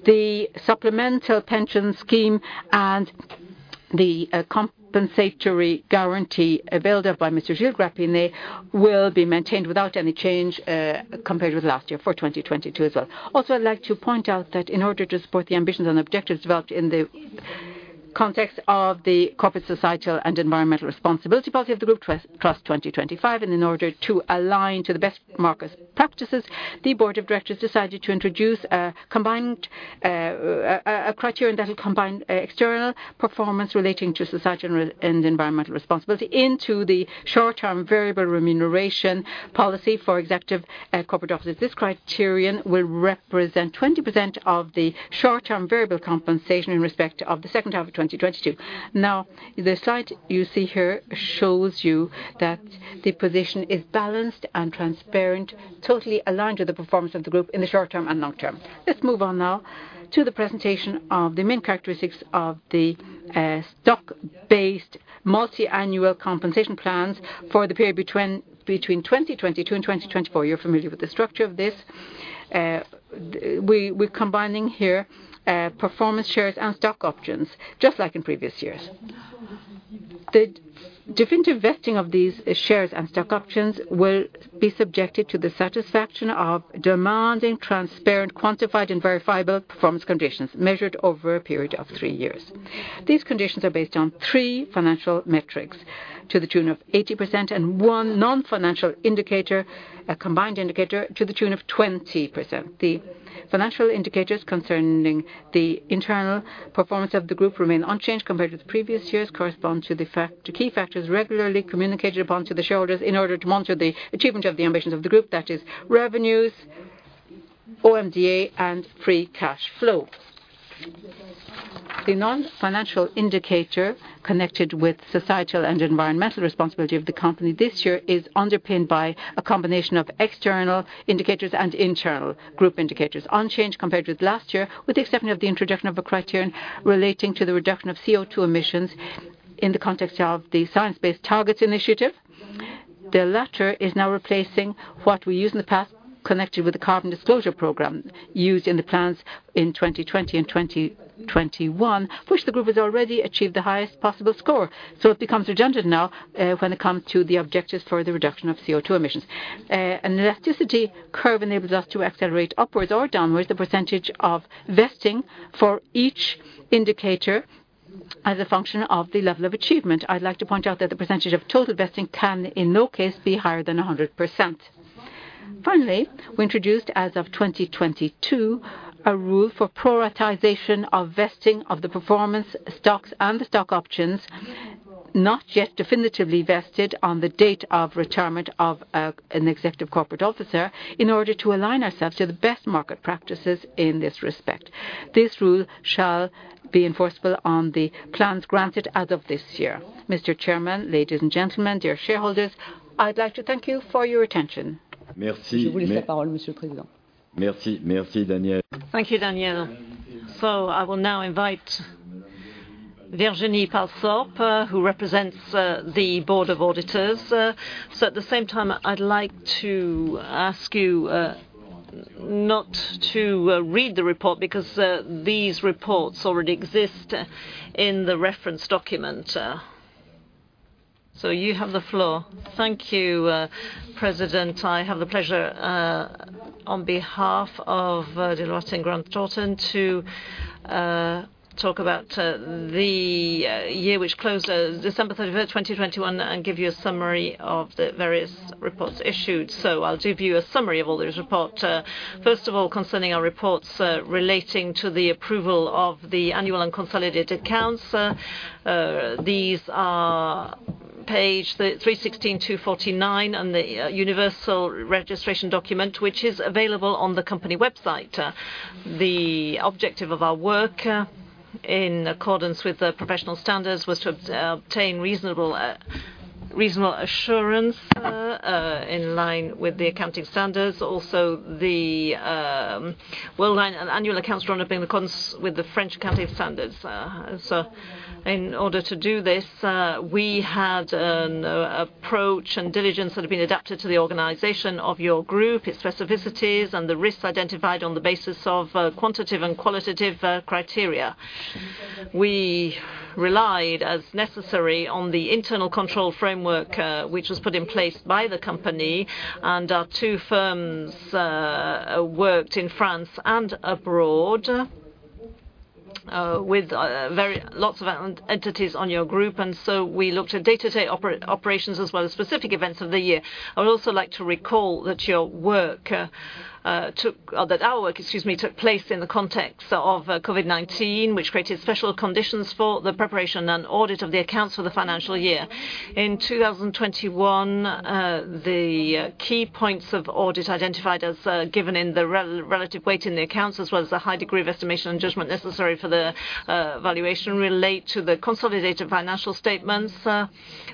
The supplemental pension scheme and the compensatory guarantee availed of by Mr. Gilles Grapinet will be maintained without any change compared with last year for 2022 as well. Also, I'd like to point out that in order to support the ambitions and objectives developed in the context of the corporate, societal, and environmental responsibility policy of the group's Trust 2025, and in order to align to the best market practices, the board of directors decided to introduce a combined criterion that will combine external performance relating to societal and environmental responsibility into the short-term variable remuneration policy for executive corporate officers. This criterion will represent 20% of the short-term variable compensation in respect of the second half of 2022. Now, the slide you see here shows you that the position is balanced and transparent, totally aligned to the performance of the group in the short term and long term. Let's move on now to the presentation of the main characteristics of the stock-based multi-annual compensation plans for the period between 2022 and 2024. You're familiar with the structure of this. We're combining here performance shares and stock options, just like in previous years. The definitive vesting of these shares and stock options will be subjected to the satisfaction of demanding transparent, quantified, and verifiable performance conditions measured over a period of three years. These conditions are based on three financial metrics to the tune of 80% and one non-financial indicator, a combined indicator, to the tune of 20%. The financial indicators concerning the internal performance of the group remain unchanged compared with previous years, correspond to key factors regularly communicated upon to the shareholders in order to monitor the achievement of the ambitions of the group. That is revenues, OMDA, and free cash flow. The non-financial indicator connected with societal and environmental responsibility of the company this year is underpinned by a combination of external indicators and internal group indicators. Unchanged compared with last year, with the exception of the introduction of a criterion relating to the reduction of CO2 emissions in the context of the Science Based Targets initiative. The latter is now replacing what we used in the past connected with the Carbon Disclosure Project used in the plans in 2020 and 2021, which the group has already achieved the highest possible score. It becomes redundant now, when it comes to the objectives for the reduction of CO2 emissions. An elasticity curve enables us to accelerate upwards or downwards the percentage of vesting for each indicator as a function of the level of achievement. I'd like to point out that the percentage of total vesting can in no case be higher than 100%. Finally, we introduced, as of 2022, a rule for prioritization of vesting of the performance stocks and the stock options not yet definitively vested on the date of retirement of an executive corporate officer in order to align ourselves to the best market practices in this respect. This rule shall be enforceable on the plans granted as of this year. Mr. Chairman, ladies and gentlemen, dear shareholders, I'd like to thank you for your attention. Merci. Je vous laisse la parole. [crosstak] Monsieur le Président. Merci. Merci, Danièle. Thank you, Danielle. I will now invite Virginie Palethorpe, who represents the board of auditors. At the same time, I'd like to ask you not to read the report because these reports already exist in the reference document. You have the floor. Thank you, President. I have the pleasure on behalf of Deloitte & Associés to talk about the year which closed December [31], 2021, and give you a summary of the various reports issued. I'll give you a summary of all those report. First of all, concerning our reports relating to the approval of the annual and consolidated accounts. These are pages 316-249 on the universal registration document, which is available on the company website. The objective of our work, in accordance with the professional standards, was to obtain reasonable assurance in line with the accounting standards. Also the Worldline annual accounts drawn up in accordance with the French accounting standards. In order to do this, we had an approach and diligence that had been adapted to the organization of your group, its specificities, and the risks identified on the basis of quantitative and qualitative criteria. We relied as necessary on the internal control framework, which was put in place by the company. Our two firms worked in France and abroad, with lots of entities on your group, and so we looked at day-to-day operations as well as specific events of the year. I would also like to recall that your work took. That our work, excuse me, took place in the context of COVID-19, which created special conditions for the preparation and audit of the accounts for the financial year 2021. The key points of audit identified as having a significant relative weight in the accounts, as well as the high degree of estimation and judgment necessary for the valuation relate to the consolidated financial statements.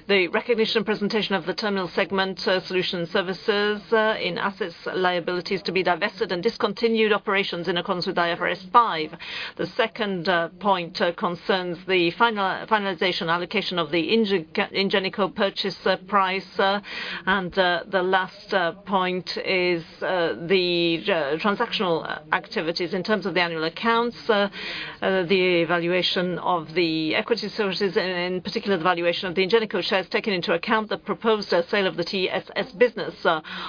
The recognition and presentation of the terminal segment, so solution services, in assets, liabilities to be divested and discontinued operations in accordance with IFRS 5. The second point concerns the finalization allocation of the Ingenico purchase price. The last point is the transactional activities in terms of the annual accounts. The valuation of the equity services, and in particular the valuation of the Ingenico shares taken into account the proposed sale of the TSS business.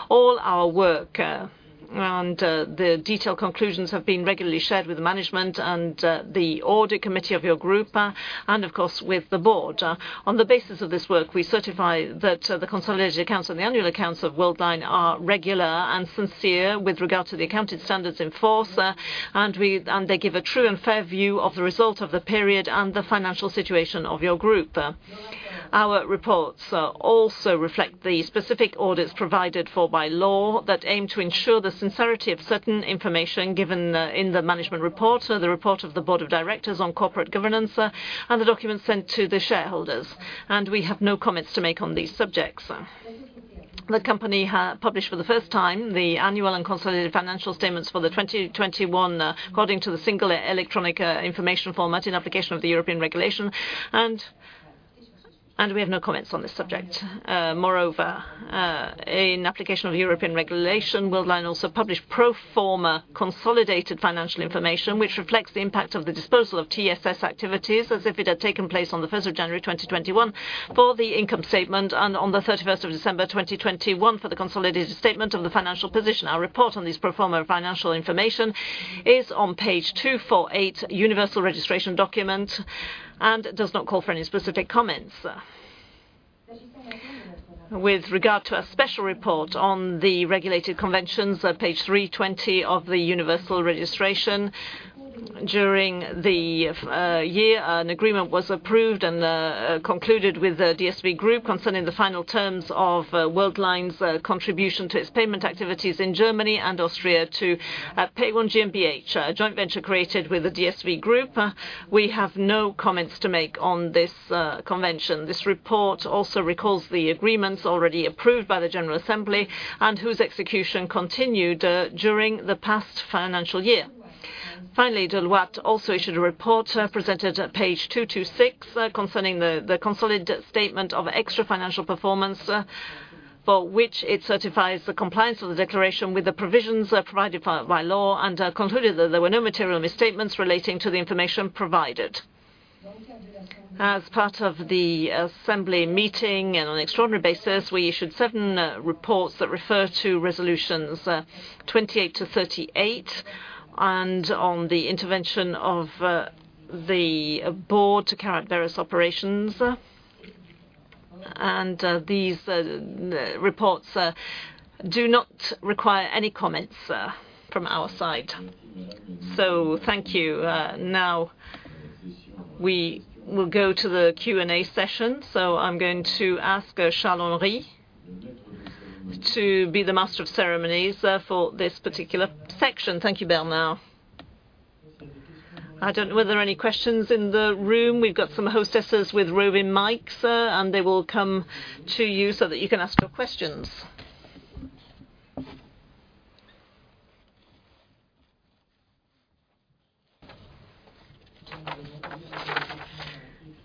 All our work and the detailed conclusions have been regularly shared with management and the audit committee of your group and of course with the board. On the basis of this work, we certify that the consolidated accounts and the annual accounts of Worldline are regular and sincere with regard to the accounting standards in force. They give a true and fair view of the result of the period and the financial situation of your group. Our reports also reflect the specific audits provided for by law that aim to ensure the sincerity of certain information given in the management report. The report of the board of directors on corporate governance and the documents sent to the shareholders. We have no comments to make on these subjects. The company published for the first time the annual and consolidated financial statements for 2021 according to the single electronic information format in application of the European regulation. We have no comments on this subject. Moreover, in application of European regulation, Worldline also published pro forma consolidated financial information, which reflects the impact of the disposal of TSS activities as if it had taken place on January 1st, 2021 for the income statement and on December 31st, 2021 for the consolidated statement of the financial position. Our report on this pro forma financial information is on page 248, universal registration document, and does not call for any specific comments. With regard to a special report on the regulated conventions at page 320 of the universal registration. During the year, an agreement was approved and concluded with the DSV Group concerning the final terms of Worldline's contribution to its payment activities in Germany and Austria to PAYONE GmbH, a joint venture created with the DSV Group. We have no comments to make on this convention. This report also recalls the agreements already approved by the General Assembly and whose execution continued during the past financial year. Finally, Deloitte also issued a report, presented at page 226, concerning the consolidated statement of extra financial performance, for which it certifies the compliance of the declaration with the provisions provided by law and concluded that there were no material misstatements relating to the information provided. As part of the assembly meeting and on an extraordinary basis, we issued seven reports that refer to resolutions 28-38 and on the intervention of the board to carry out various operations. These reports do not require any comments from our side. Thank you. Now we will go to the Q&A session. I'm going to ask Charles-Henri to be the master of ceremonies for this particular section. Thank you, Bernard. I don't know. Were there any questions in the room? We've got some hostesses with roving mics, and they will come to you so that you can ask your questions.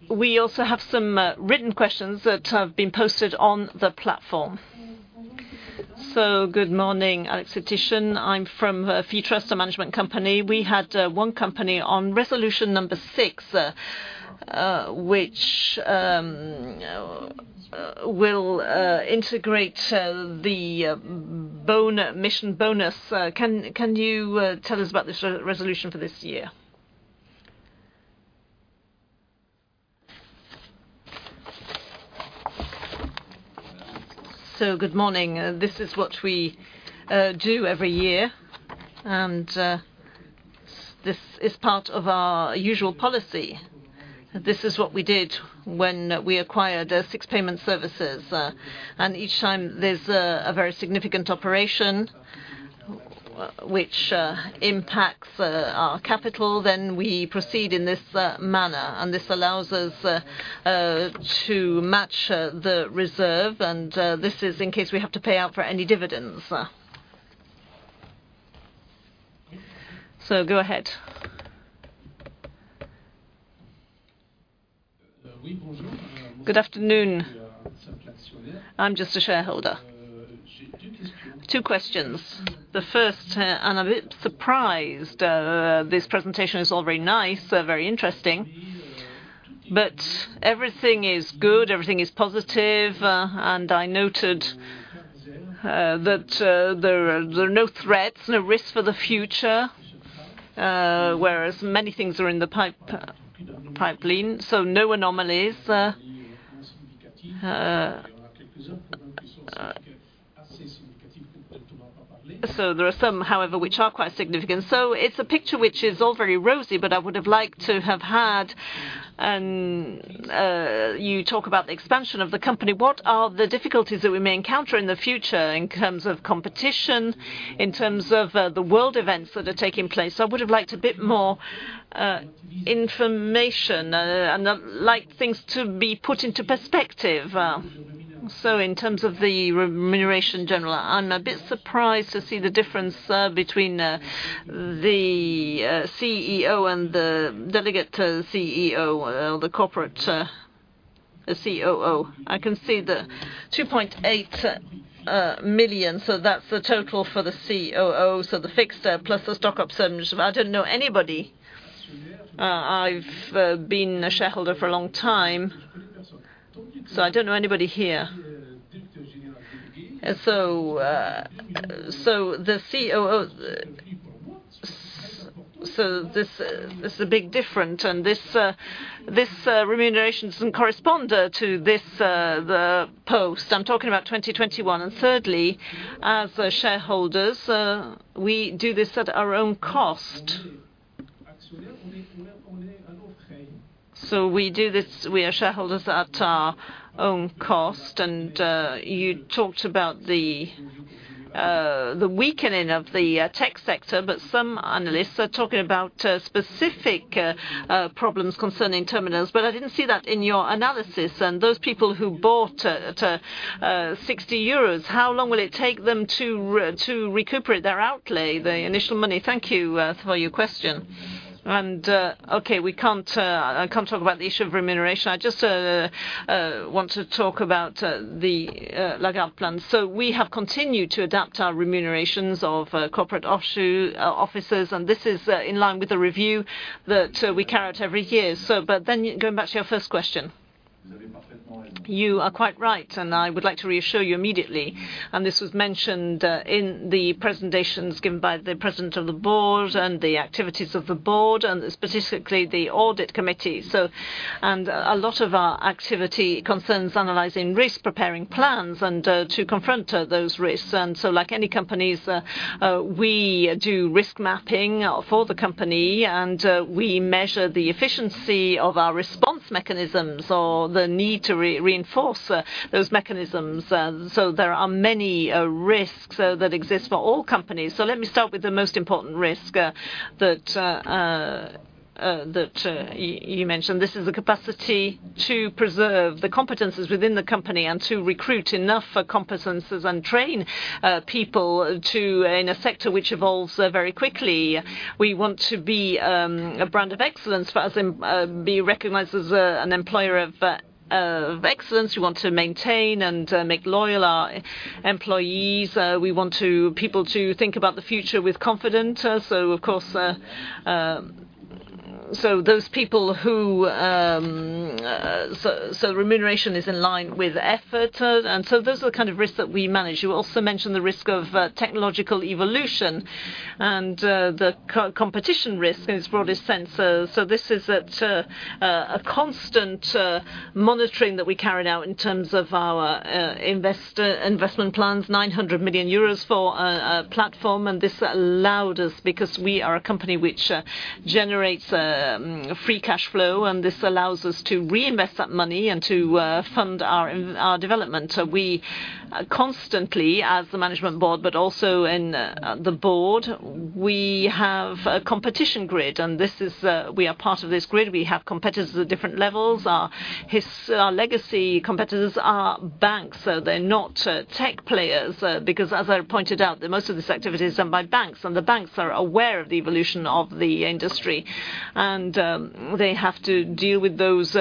We also have some written questions that have been posted on the platform. Good morning, Alex [Titian]. I'm from [Futura Management Company]. We had one company on resolution number six, which will integrate the mission bonus. Can you tell us about this resolution for this year? Good morning. This is what we do every year. This is part of our usual policy. This is what we did when we acquired SIX Payment Services. Each time there's a very significant operation which impacts our capital, then we proceed in this manner. This allows us to match the reserve, and this is in case we have to pay out for any dividends. Go ahead. Good afternoon. I'm just a shareholder. Two questions. The first, I'm a bit surprised, this presentation is all very nice, very interesting, but everything is good, everything is positive, and I noted that there are no threats, no risk for the future, whereas many things are in the pipeline, so no anomalies. There are some, however, which are quite significant. It's a picture which is all very rosy, but I would have liked to have had you talk about the expansion of the company, what are the difficulties that we may encounter in the future in terms of competition, in terms of the world events that are taking place? I would have liked a bit more information, and I'd like things to be put into perspective. In terms of the remuneration general, I'm a bit surprised to see the difference between the CEO and the delegate to CEO, or the corporate, the COO. I can see the 2.8 million, so that's the total for the COO, so the fixed, plus the stock options. I don't know anybody. I've been a shareholder for a long time, so I don't know anybody here. The COO. This is a big difference, and this remuneration doesn't correspond to the post. I'm talking about 2021. Thirdly, as shareholders, we do this at our own cost. We are shareholders at our own cost. You talked about the weakening of the tech sector, but some analysts are talking about specific problems concerning terminals, but I didn't see that in your analysis. Those people who bought 60 euros, how long will it take them to recuperate their outlay, the initial money? Thank you for your question. Okay, I can't talk about the issue of remuneration. I just want to talk about the legacy plan. We have continued to adapt our remunerations of corporate officers, and this is in line with the review that we carry out every year. Going back to your first question. You are quite right, and I would like to reassure you immediately. This was mentioned in the presentations given by the president of the board and the activities of the board, and specifically the audit committee. A lot of our activity concerns analyzing risks, preparing plans, and to confront those risks. Like any companies, we do risk mapping for the company, and we measure the efficiency of our response mechanisms or the need to reinforce those mechanisms. There are many risks that exist for all companies. Let me start with the most important risk that you mentioned. This is the capacity to preserve the competencies within the company and to recruit enough competencies and train people in a sector which evolves very quickly. We want to be a brand of excellence for us and be recognized as an employer of excellence. We want to maintain and make loyal our employees. We want people to think about the future with confidence. Of course, so that remuneration is in line with effort. Those are the kind of risks that we manage. You also mentioned the risk of technological evolution and the competition risk in its broadest sense. This is at a constant monitoring that we carry out in terms of our investment plans, 900 million euros for platform. This allowed us, because we are a company which generates free cash flow, and this allows us to reinvest that money and to fund our development. We constantly, as the management board, but also in the board, we have a competition grid, and this is we are part of this grid. We have competitors at different levels. Our legacy competitors are banks, so they're not tech players because as I pointed out, the most of this activity is done by banks, and the banks are aware of the evolution of the industry. They have to deal with those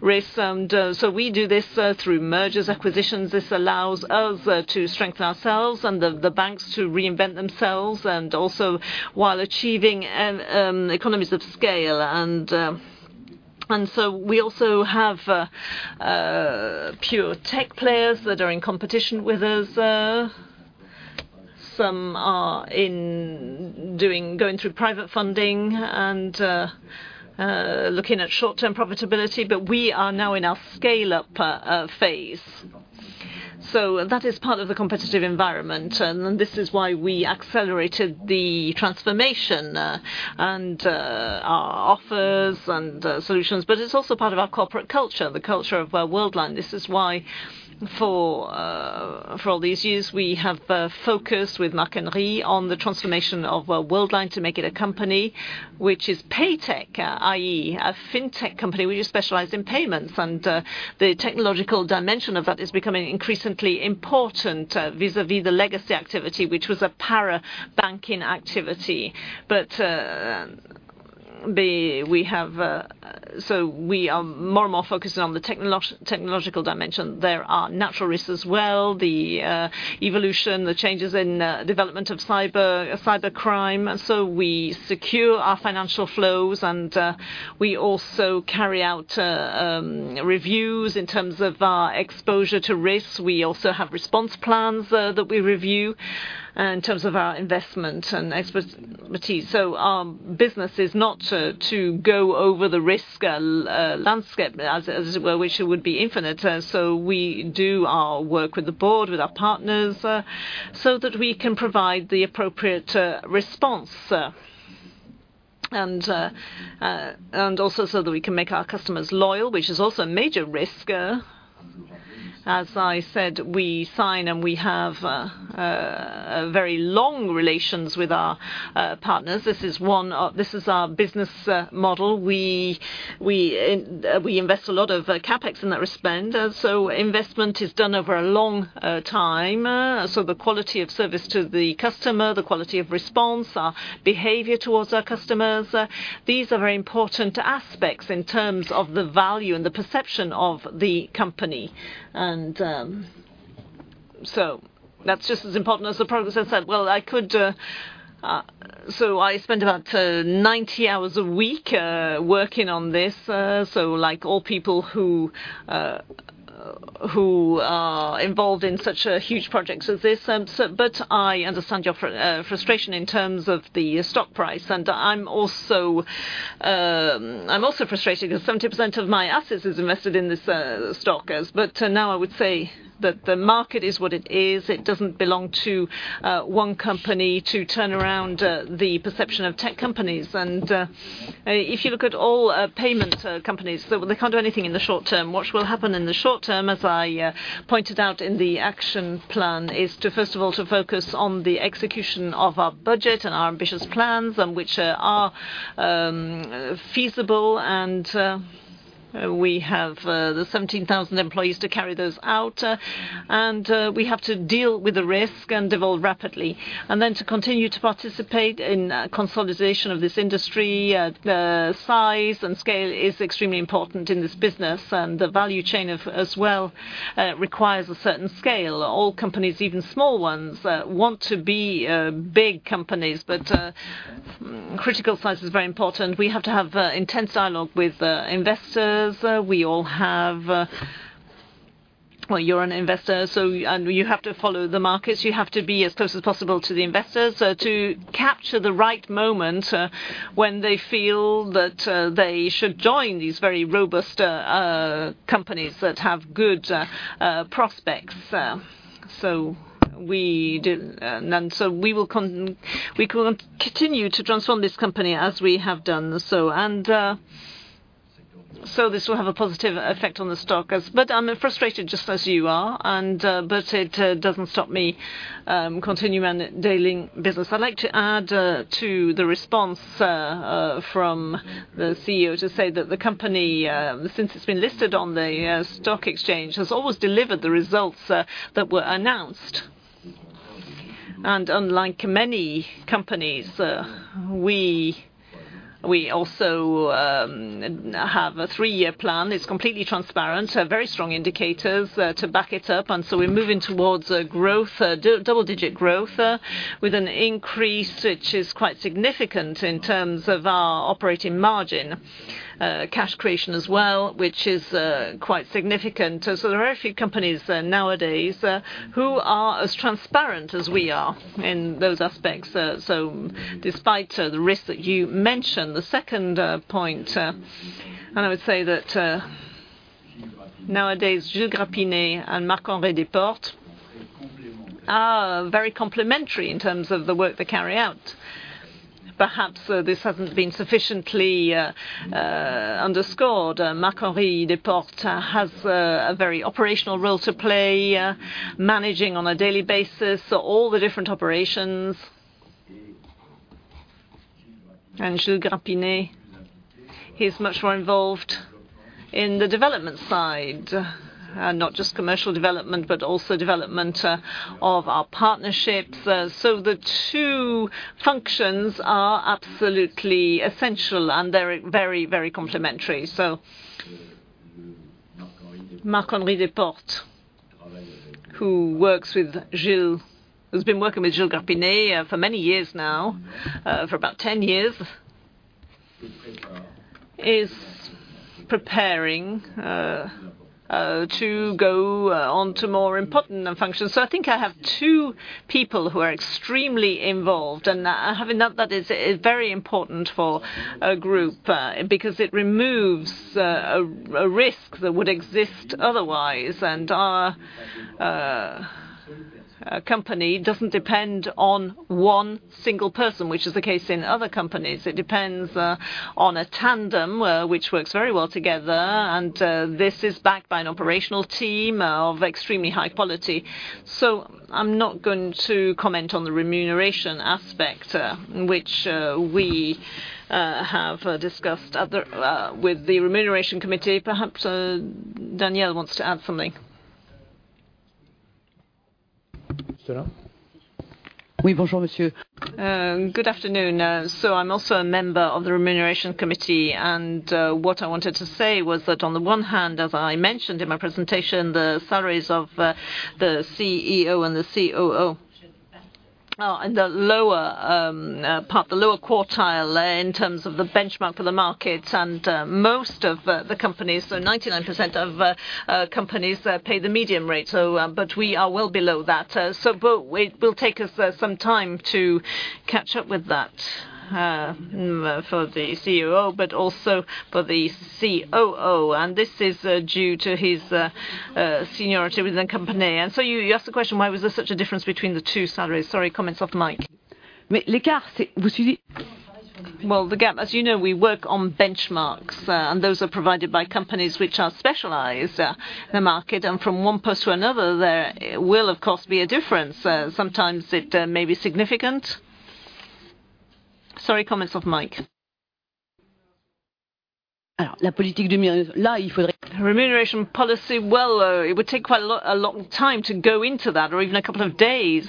risks. We do this through mergers, acquisitions. This allows us to strengthen ourselves and the banks to reinvent themselves and also while achieving an economies of scale. We also have pure tech players that are in competition with us. Some are going through private funding and looking at short-term profitability, but we are now in our scale-up phase. That is part of the competitive environment, and this is why we accelerated the transformation and our offers and solutions. It's also part of our corporate culture, the culture of Worldline. This is why for all these years, we have focused with Marc-Henri Desportes on the transformation of Worldline to make it a company which is PayTech, i.e., a FinTech company. We just specialize in payments, and the technological dimension of that is becoming increasingly important vis-à-vis the legacy activity, which was a para banking activity. We are more and more focused on the technological dimension. There are natural risks as well, the evolution, the changes in development of cybercrime. We secure our financial flows, and we also carry out reviews in terms of our exposure to risks. We also have response plans that we review in terms of our investment and expertise. Our business is not to go over the risk landscape as well, which would be infinite. We do our work with the board, with our partners, so that we can provide the appropriate response, and also so that we can make our customers loyal, which is also a major risk. As I said, we sign, and we have very long relations with our partners. This is our business model. We invest a lot of CapEx in that respect. Investment is done over a long time. The quality of service to the customer, the quality of response, our behavior towards our customers, these are very important aspects in terms of the value and the perception of the company. That's just as important as the progress I said. Well, I could. I spend about 90 hours a week working on this. Like all people who are involved in such a huge project as this. But I understand your frustration in terms of the stock price. I'm also frustrated because 70% of my assets is invested in this stock. Now I would say that the market is what it is. It doesn't belong to one company to turn around the perception of tech companies. If you look at all payment companies, they can't do anything in the short term. What will happen in the short term, as I pointed out in the action plan, is to, first of all, to focus on the execution of our budget and our ambitious plans, which are feasible. We have the 17,000 employees to carry those out, and we have to deal with the risk and evolve rapidly, and then to continue to participate in consolidation of this industry. The size and scale is extremely important in this business, and the value chain as well requires a certain scale. All companies, even small ones, want to be big companies. Critical size is very important. We have to have intense dialogue with investors. Well, you're an investor, so, and you have to follow the markets. You have to be as close as possible to the investors to capture the right moment when they feel that they should join these very robust companies that have good prospects. We will continue to transform this company as we have done so. This will have a positive effect on the stock. I'm frustrated just as you are, but it doesn't stop me continuing our daily business. I'd like to add to the response from the CEO to say that the company, since it's been listed on the stock exchange, has always delivered the results that were announced. Unlike many companies, we also have a three-year plan. It's completely transparent, so very strong indicators to back it up. We're moving towards a growth, double-digit growth, with an increase which is quite significant in terms of our operating margin, cash creation as well, which is quite significant. There are a few companies, nowadays, who are as transparent as we are in those aspects. Despite the risks that you mentioned, the second point, and I would say that, nowadays, Gilles Grapinet and Marc-Henri Desportes are very complementary in terms of the work they carry out. Perhaps this hasn't been sufficiently underscored. Marc-Henri Desportes has a very operational role to play, managing on a daily basis all the different operations. Gilles Grapinet, he's much more involved in the development side, not just commercial development, but also development of our partnerships. The two functions are absolutely essential, and they're very complementary. Marc-Henri Desportes, who works with Gilles, who's been working with Gilles Grapinet, for many years now, for about 10 years, is preparing to go on to more important functions. I think I have two people who are extremely involved, and having that is very important for a group, because it removes a risk that would exist otherwise. Our company doesn't depend on one single person, which is the case in other companies. It depends on a tandem, which works very well together. This is backed by an operational team of extremely high quality. I'm not going to comment on the remuneration aspect, which we have discussed with the remuneration committee. Perhaps Danièle Lagarde wants to add something. Good afternoon. I'm also a member of the Remuneration Committee, and what I wanted to say was that on the one hand, as I mentioned in my presentation, the salaries of the CEO and the COO are in the lower quartile in terms of the benchmark for the market. Most of the companies, 99% of companies, pay the median rate. We are well below that. It will take us some time to catch up with that for the CEO, but also for the COO, and this is due to his seniority within the company. You asked the question, why was there such a difference between the two salaries? Sorry, comments off mic. Well, the gap, as you know, we work on benchmarks, and those are provided by companies which are specialized, in the market. From one post to another, there will of course be a difference. Sometimes it may be significant. Sorry, comments off mic. Remuneration policy. Well, it would take quite a lot, a long time to go into that or even a couple of days.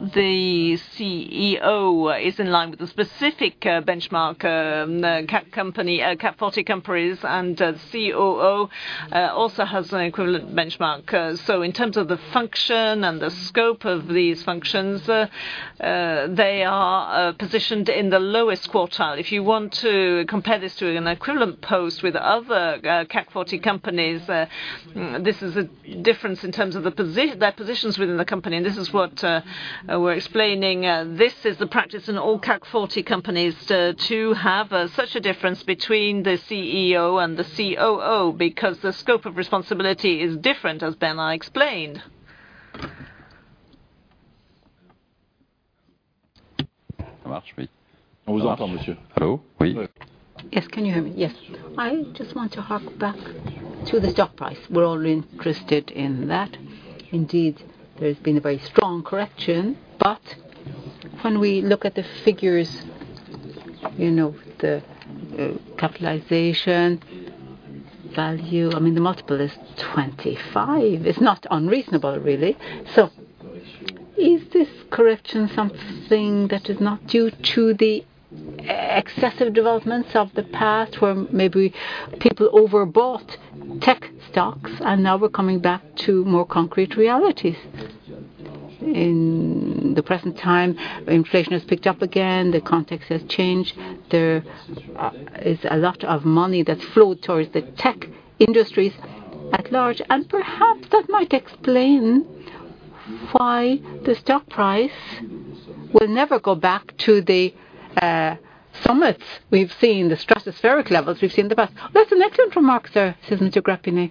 The CEO is in line with the specific, benchmark, CAC 40 companies, and the COO, also has an equivalent benchmark. In terms of the function and the scope of these functions, they are positioned in the lowest quartile. If you want to compare this to an equivalent post with other CAC 40 companies, this is a difference in terms of their positions within the company, and this is what we're explaining. This is the practice in all CAC 40 companies to have such a difference between the CEO and the COO because the scope of responsibility is different, as Bernard Bourigeaud explained. Hello. Oui. Yes. Can you hear me? Yes. I just want to hark back to the stock price. We're all interested in that. Indeed, there's been a very strong correction, but when we look at the figures, you know, the capitalization value, I mean, the multiple is 25. It's not unreasonable, really. So is this correction something that is not due to the excessive developments of the past, where maybe people overbought tech stocks and now we're coming back to more concrete realities? In the present time, inflation has picked up again. The context has changed. There is a lot of money that flowed towards the tech industries at large, and perhaps that might explain why the stock price will never go back to the summits we've seen, the stratospheric levels we've seen in the past. That's an excellent remark, Sir, Susan M. Tolson.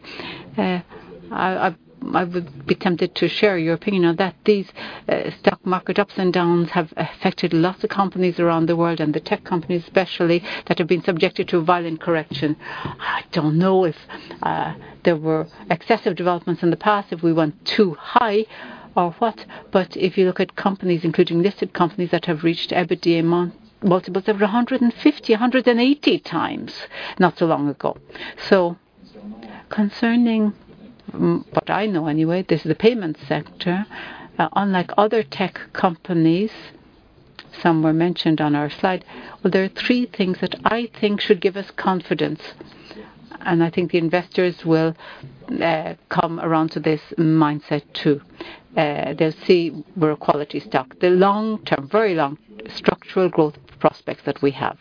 I would be tempted to share your opinion on that. These stock market ups and downs have affected lots of companies around the world, and the tech companies especially that have been subjected to a violent correction. I don't know if there were excessive developments in the past, if we went too high or what, but if you look at companies, including listed companies, that have reached EBITDA multiples of 150, 180 times not so long ago. Concerning what I know anyway, this is the payment sector. Unlike other tech companies, some were mentioned on our side. Well, there are three things that I think should give us confidence, and I think investors will come around to this mindset too. They'll see we're a quality stock. The long-term, very long structural growth prospects that we have.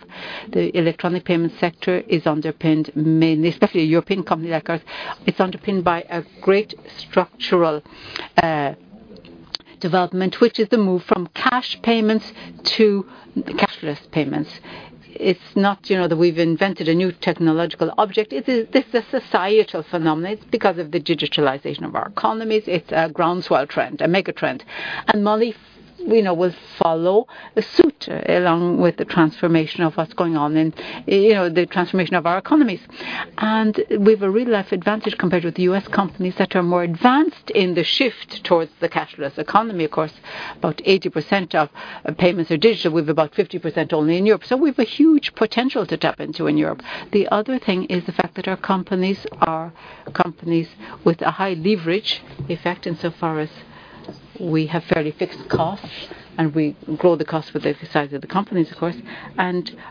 The electronic payment sector is underpinned mainly, especially European companies like us. It's underpinned by a great structural development, which is the move from cash payments to cashless payments. It's not, you know, that we've invented a new technological object. This is a societal phenomenon. It's because of the digitalization of our economies. It's a groundswell trend, a mega trend. Money, you know, will follow suit along with the transformation of what's going on in, you know, the transformation of our economies. We've a real life advantage compared with the U.S. companies that are more advanced in the shift towards the cashless economy. Of course, about 80% of payments are digital, with about 50% only in Europe. We've a huge potential to tap into in Europe. The other thing is the fact that our companies are companies with a high leverage effect insofar as we have fairly fixed costs and we grow the cost with the size of the companies, of course.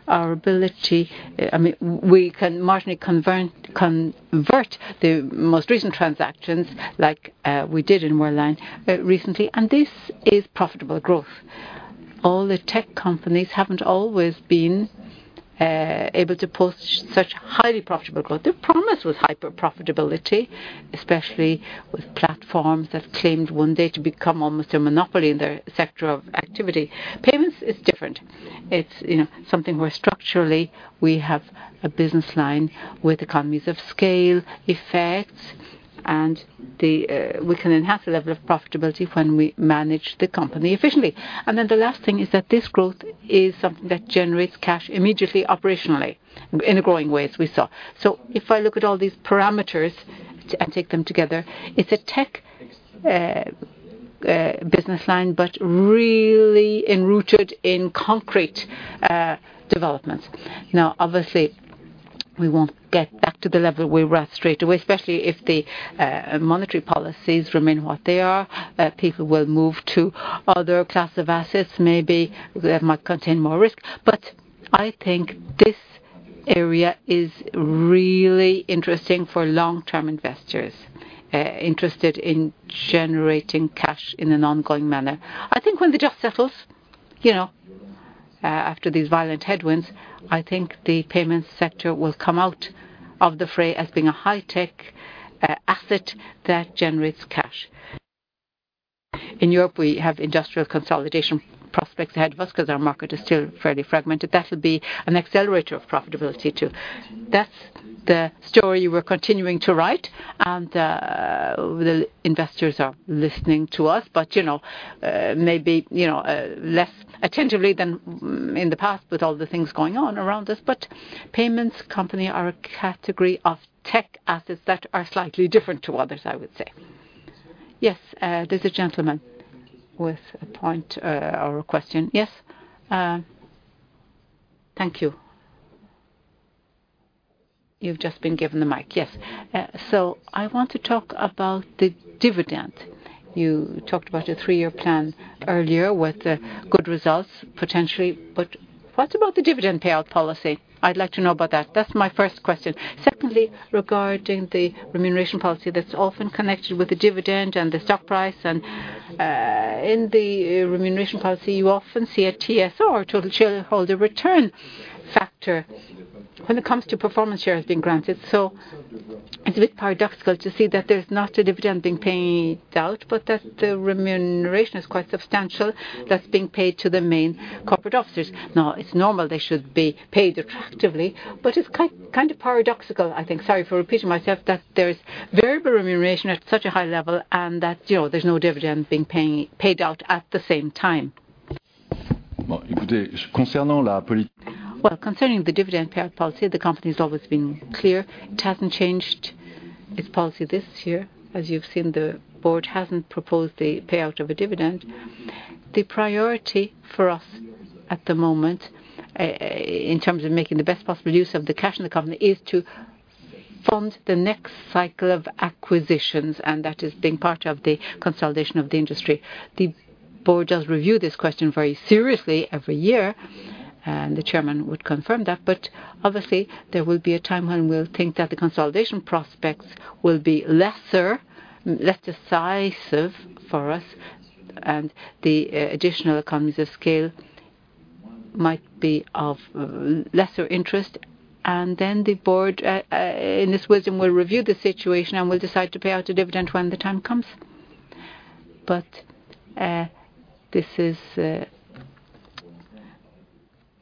Our ability, I mean, we can marginally convert the most recent transactions like we did in Worldline recently, and this is profitable growth. All the tech companies haven't always been able to post such highly profitable growth. They promised with hyper profitability, especially with platforms that claimed one day to become almost a monopoly in their sector of activity. Payments is different. It's, you know, something where structurally we have a business line with economies of scale effects, and we can enhance the level of profitability when we manage the company efficiently. The last thing is that this growth is something that generates cash immediately operationally in a growing way, as we saw. If I look at all these parameters and take them together, it's a tech business line, but really enrooted in concrete developments. Now, obviously. We won't get back to the level we were at straight away, especially if the monetary policies remain what they are, people will move to other class of assets, maybe that might contain more risk. I think this area is really interesting for long-term investors interested in generating cash in an ongoing manner. I think when the dust settles, you know, after these violent headwinds, I think the payments sector will come out of the fray as being a high-tech asset that generates cash. In Europe, we have industrial consolidation prospects ahead of us 'cause our market is still fairly fragmented. That'll be an accelerator of profitability too. That's the story we're continuing to write and, the investors are listening to us, but, you know, maybe, you know, less attentively than in the past with all the things going on around us. Payments company are a category of tech assets that are slightly different to others, I would say. Yes, there's a gentleman with a point, or a question. Yes. Thank you. You've just been given the mic. Yes. I want to talk about the dividend. You talked about a three-year plan earlier with, good results potentially, but what about the dividend payout policy? I'd like to know about that. That's my first question. Secondly, regarding the remuneration policy that's often connected with the dividend and the stock price and, in the remuneration policy, you often see a TSR, total shareholder return factor when it comes to performance shares being granted. It's a bit paradoxical to see that there's not a dividend being paid out, but that the remuneration is quite substantial that's being paid to the main corporate officers. Now, it's normal they should be paid attractively, but it's kind of paradoxical, I think. Sorry for repeating myself, that there's variable remuneration at such a high level and that, you know, there's no dividend being paid out at the same time. Well, Well, concerning the dividend payout policy, the company's always been clear. It hasn't changed its policy this year. As you've seen, the board hasn't proposed the payout of a dividend. The priority for us at the moment, in terms of making the best possible use of the cash in the company, is to fund the next cycle of acquisitions, and that is being part of the consolidation of the industry. The board does review this question very seriously every year, and the chairman would confirm that. But obviously, there will be a time when we'll think that the consolidation prospects will be lesser, less decisive for us, and the additional economies of scale might be of lesser interest. Then the board, in its wisdom, will review the situation and will decide to pay out a dividend when the time comes. This is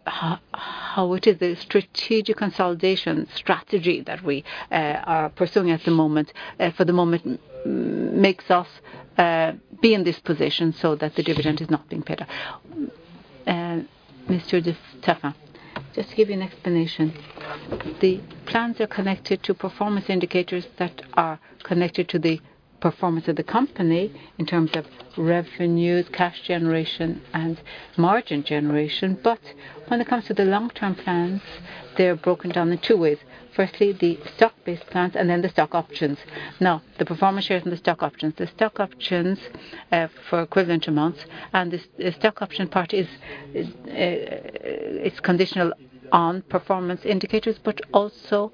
how it is, the strategic consolidation strategy that we are pursuing at the moment, for the moment makes us be in this position so that the dividend is not being paid out. Mr. Charles-Henri de Taffin, just to give you an explanation. The plans are connected to performance indicators that are connected to the performance of the company in terms of revenues, cash generation, and margin generation. When it comes to the long-term plans, they're broken down in two ways. Firstly, the stock-based plans and then the stock options. Now, the performance shares and the stock options. The stock options, for equivalent amounts, and the stock option part is, it's conditional on performance indicators, but also,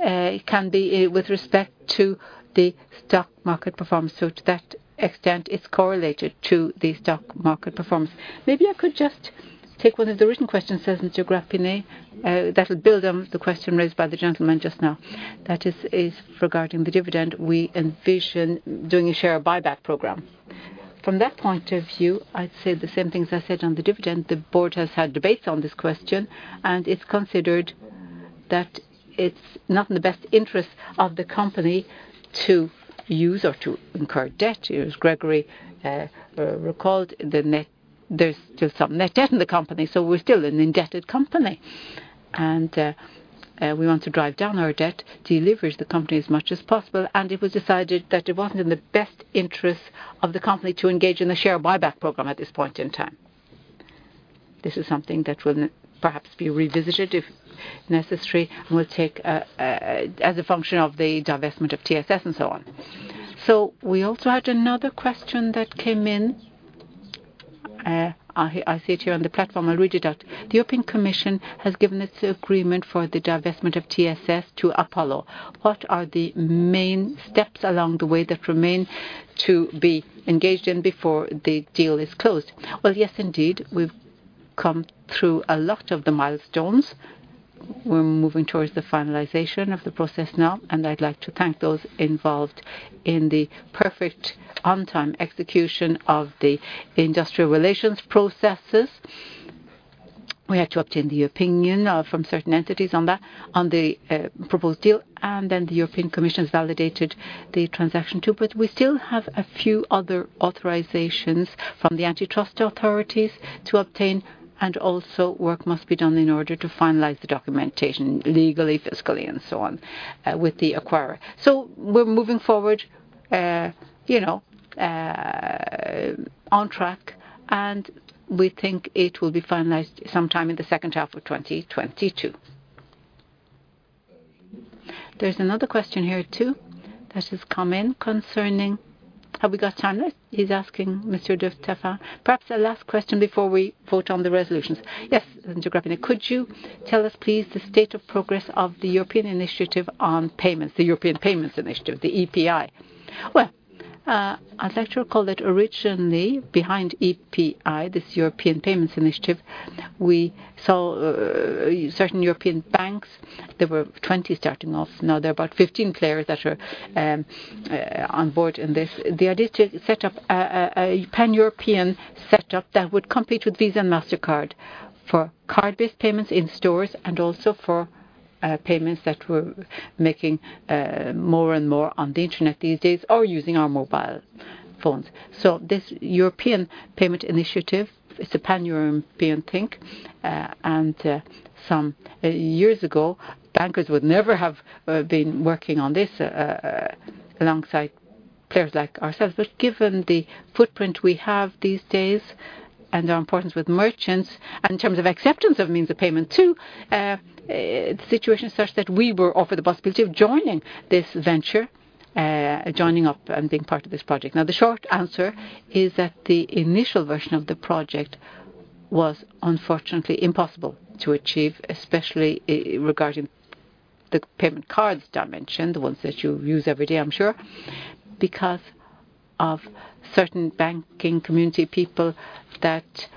it can be with respect to the stock market performance. To that extent, it's correlated to the stock market performance. Maybe I could just take one of the written questions, Gilles Grapinet. That'll build on the question raised by the gentleman just now. That is regarding the dividend we envision doing a share buyback program. From that point of view, I'd say the same things I said on the dividend. The board has had debates on this question, and it's considered that it's not in the best interest of the company to use or to incur debt. As Grégory recalled, there's still some net debt in the company, so we're still an indebted company. We want to drive down our debt, deleverage the company as much as possible, and it was decided that it wasn't in the best interest of the company to engage in a share buyback program at this point in time. This is something that will perhaps be revisited if necessary, and we'll take as a function of the divestment of TSS and so on. We also had another question that came in. I see it here on the platform. I'll read it out. The European Commission has given its agreement for the divestment of TSS to Apollo. What are the main steps along the way that remain to be engaged in before the deal is closed? Well, yes, indeed. We've come through a lot of the milestones. We're moving towards the finalization of the process now, and I'd like to thank those involved in the perfect on-time execution of the industrial relations processes. We had to obtain the opinion from certain entities on that, on the proposed deal, and then the European Commission has validated the transaction too. We still have a few other authorizations from the antitrust authorities to obtain, and also work must be done in order to finalize the documentation legally, fiscally, and so on with the acquirer. We're moving forward, you know, on track. We think it will be finalized sometime in the second half of 2022. There's another question here too that has come in concerning. Have we got time left? He's asking Mr. de Taffin. Perhaps the last question before we vote on the resolutions. Yes, Mr. Gilles Grapinet, could you tell us please the state of progress of the European Initiative on payments, the European Payments Initiative, the EPI? Well, I'd like to recall that originally behind EPI, this European Payments Initiative, we saw certain European banks. There were 20 starting off. Now, there are about 15 players that are on board in this. The idea is to set up a pan-European setup that would compete with Visa and Mastercard for card-based payments in stores and also for payments that we're making more and more on the Internet these days or using our mobile phones. This European Payments Initiative is a pan-European thing. Some years ago, bankers would never have been working on this alongside players like ourselves. Given the footprint we have these days and our importance with merchants and in terms of acceptance of means of payment too, the situation is such that we were offered the possibility of joining this venture, joining up and being part of this project. Now, the short answer is that the initial version of the project was unfortunately impossible to achieve, especially, regarding the payment cards dimension, the ones that you use every day, I'm sure, because of certain banking community people that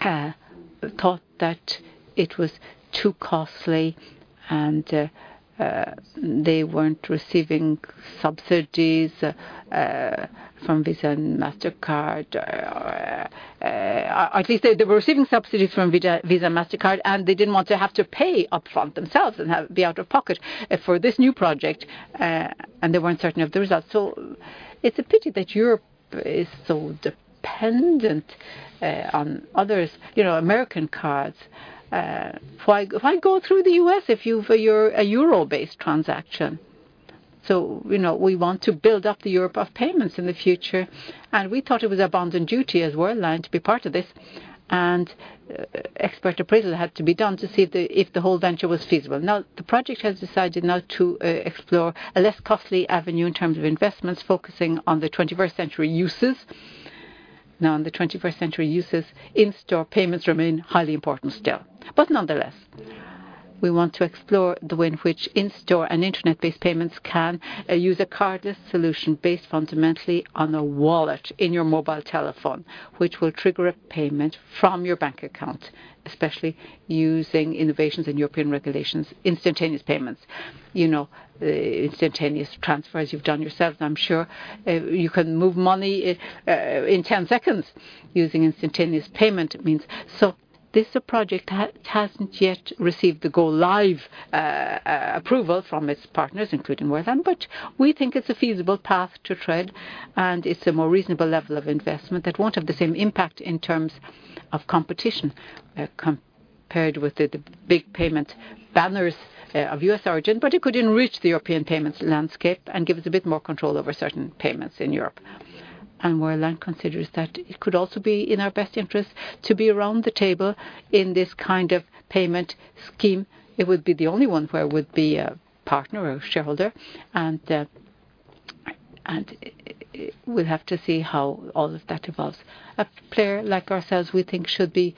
thought that it was too costly and they weren't receiving subsidies from Visa and Mastercard. Or, at least they were receiving subsidies from Visa, Mastercard, and they didn't want to have to pay upfront themselves and have the out-of-pocket for this new project and they weren't certain of the results. It's a pity that Europe is so dependent on others, you know, American cards. Why go through the U.S. if you've a euro-based transaction? You know, we want to build up the Europe of payments in the future, and we thought it was our bond and duty as Worldline to be part of this. Expert appraisal had to be done to see if the whole venture was feasible. The project has decided to explore a less costly avenue in terms of investments, focusing on the twenty-first century uses. In the twenty-first century uses, in-store payments remain highly important still. Nonetheless, we want to explore the way in which in-store and Internet-based payments can use a cardless solution based fundamentally on a wallet in your mobile telephone, which will trigger a payment from your bank account, especially using innovations in European regulations, instantaneous payments. You know, instantaneous transfers you've done yourself, I'm sure. You can move money in 10 seconds using instantaneous payment means. This project hasn't yet received the go live approval from its partners, including Worldline, but we think it's a feasible path to tread, and it's a more reasonable level of investment that won't have the same impact in terms of competition compared with the big payment banners of U.S origin. It could enrich the European payments landscape and give us a bit more control over certain payments in Europe. Worldline considers that it could also be in our best interest to be around the table in this kind of payment scheme. It would be the only one where we'd be a partner or shareholder, and we'll have to see how all of that evolves. A player like ourselves, we think, should be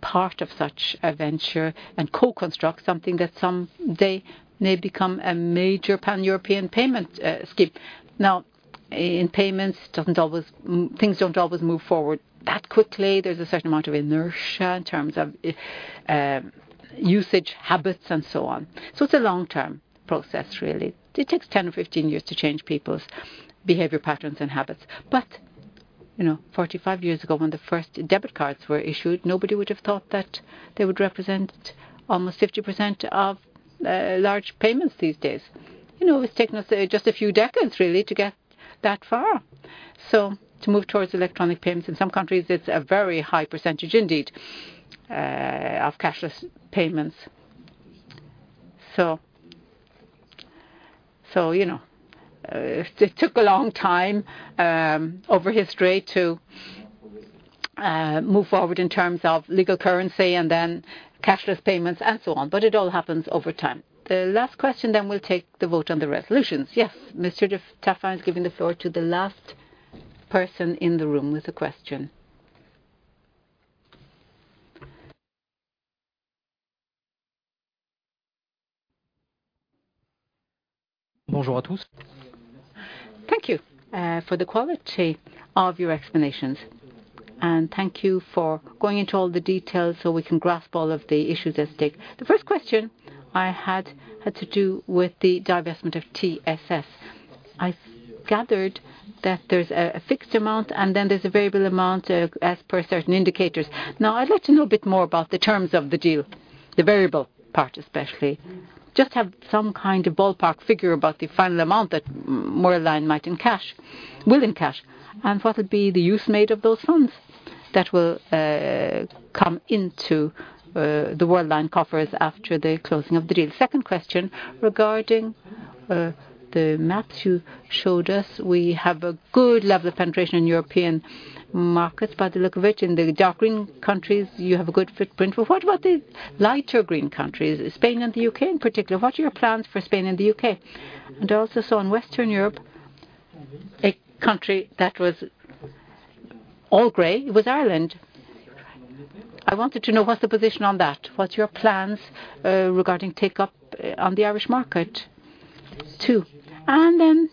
part of such a venture and co-construct something that some day may become a major Pan-European payment scheme. Now, in payments, things don't always move forward that quickly. There's a certain amount of inertia in terms of usage habits and so on. So it's a long-term process, really. It takes 10-15 years to change people's behavior patterns and habits. You know, 45 years ago, when the first debit cards were issued, nobody would have thought that they would represent almost 50% of large payments these days. You know, it's taken us just a few decades, really, to get that far. To move towards electronic payments, in some countries, it's a very high percentage indeed of cashless payments. You know, it took a long time over history to move forward in terms of legal currency and then cashless payments and so on. It all happens over time. The last question then we'll take the vote on the resolutions. Yes. Mr. de Taffin is giving the floor to the last person in the room with a question. Bonjour à tous. Thank you for the quality of your explanations, and thank you for going into all the details so we can grasp all of the issues at stake. The first question I had to do with the divestment of TSS. I gathered that there's a fixed amount, and then there's a variable amount as per certain indicators. Now, I'd like to know a bit more about the terms of the deal, the variable part especially. Just have some kind of ballpark figure about the final amount that Worldline might in cash, will in cash, and what would be the use made of those funds? That will come into the Worldline coffers after the closing of the deal. Second question, regarding the maps you showed us, we have a good level of penetration in European markets by the look of it. In the dark green countries, you have a good footprint. What about the lighter green countries, Spain and the U.K. in particular? What are your plans for Spain and the U.K.? I also saw in Western Europe, a country that was all gray was Ireland. I wanted to know what's the position on that. What's your plans regarding take-up on the Irish market too? I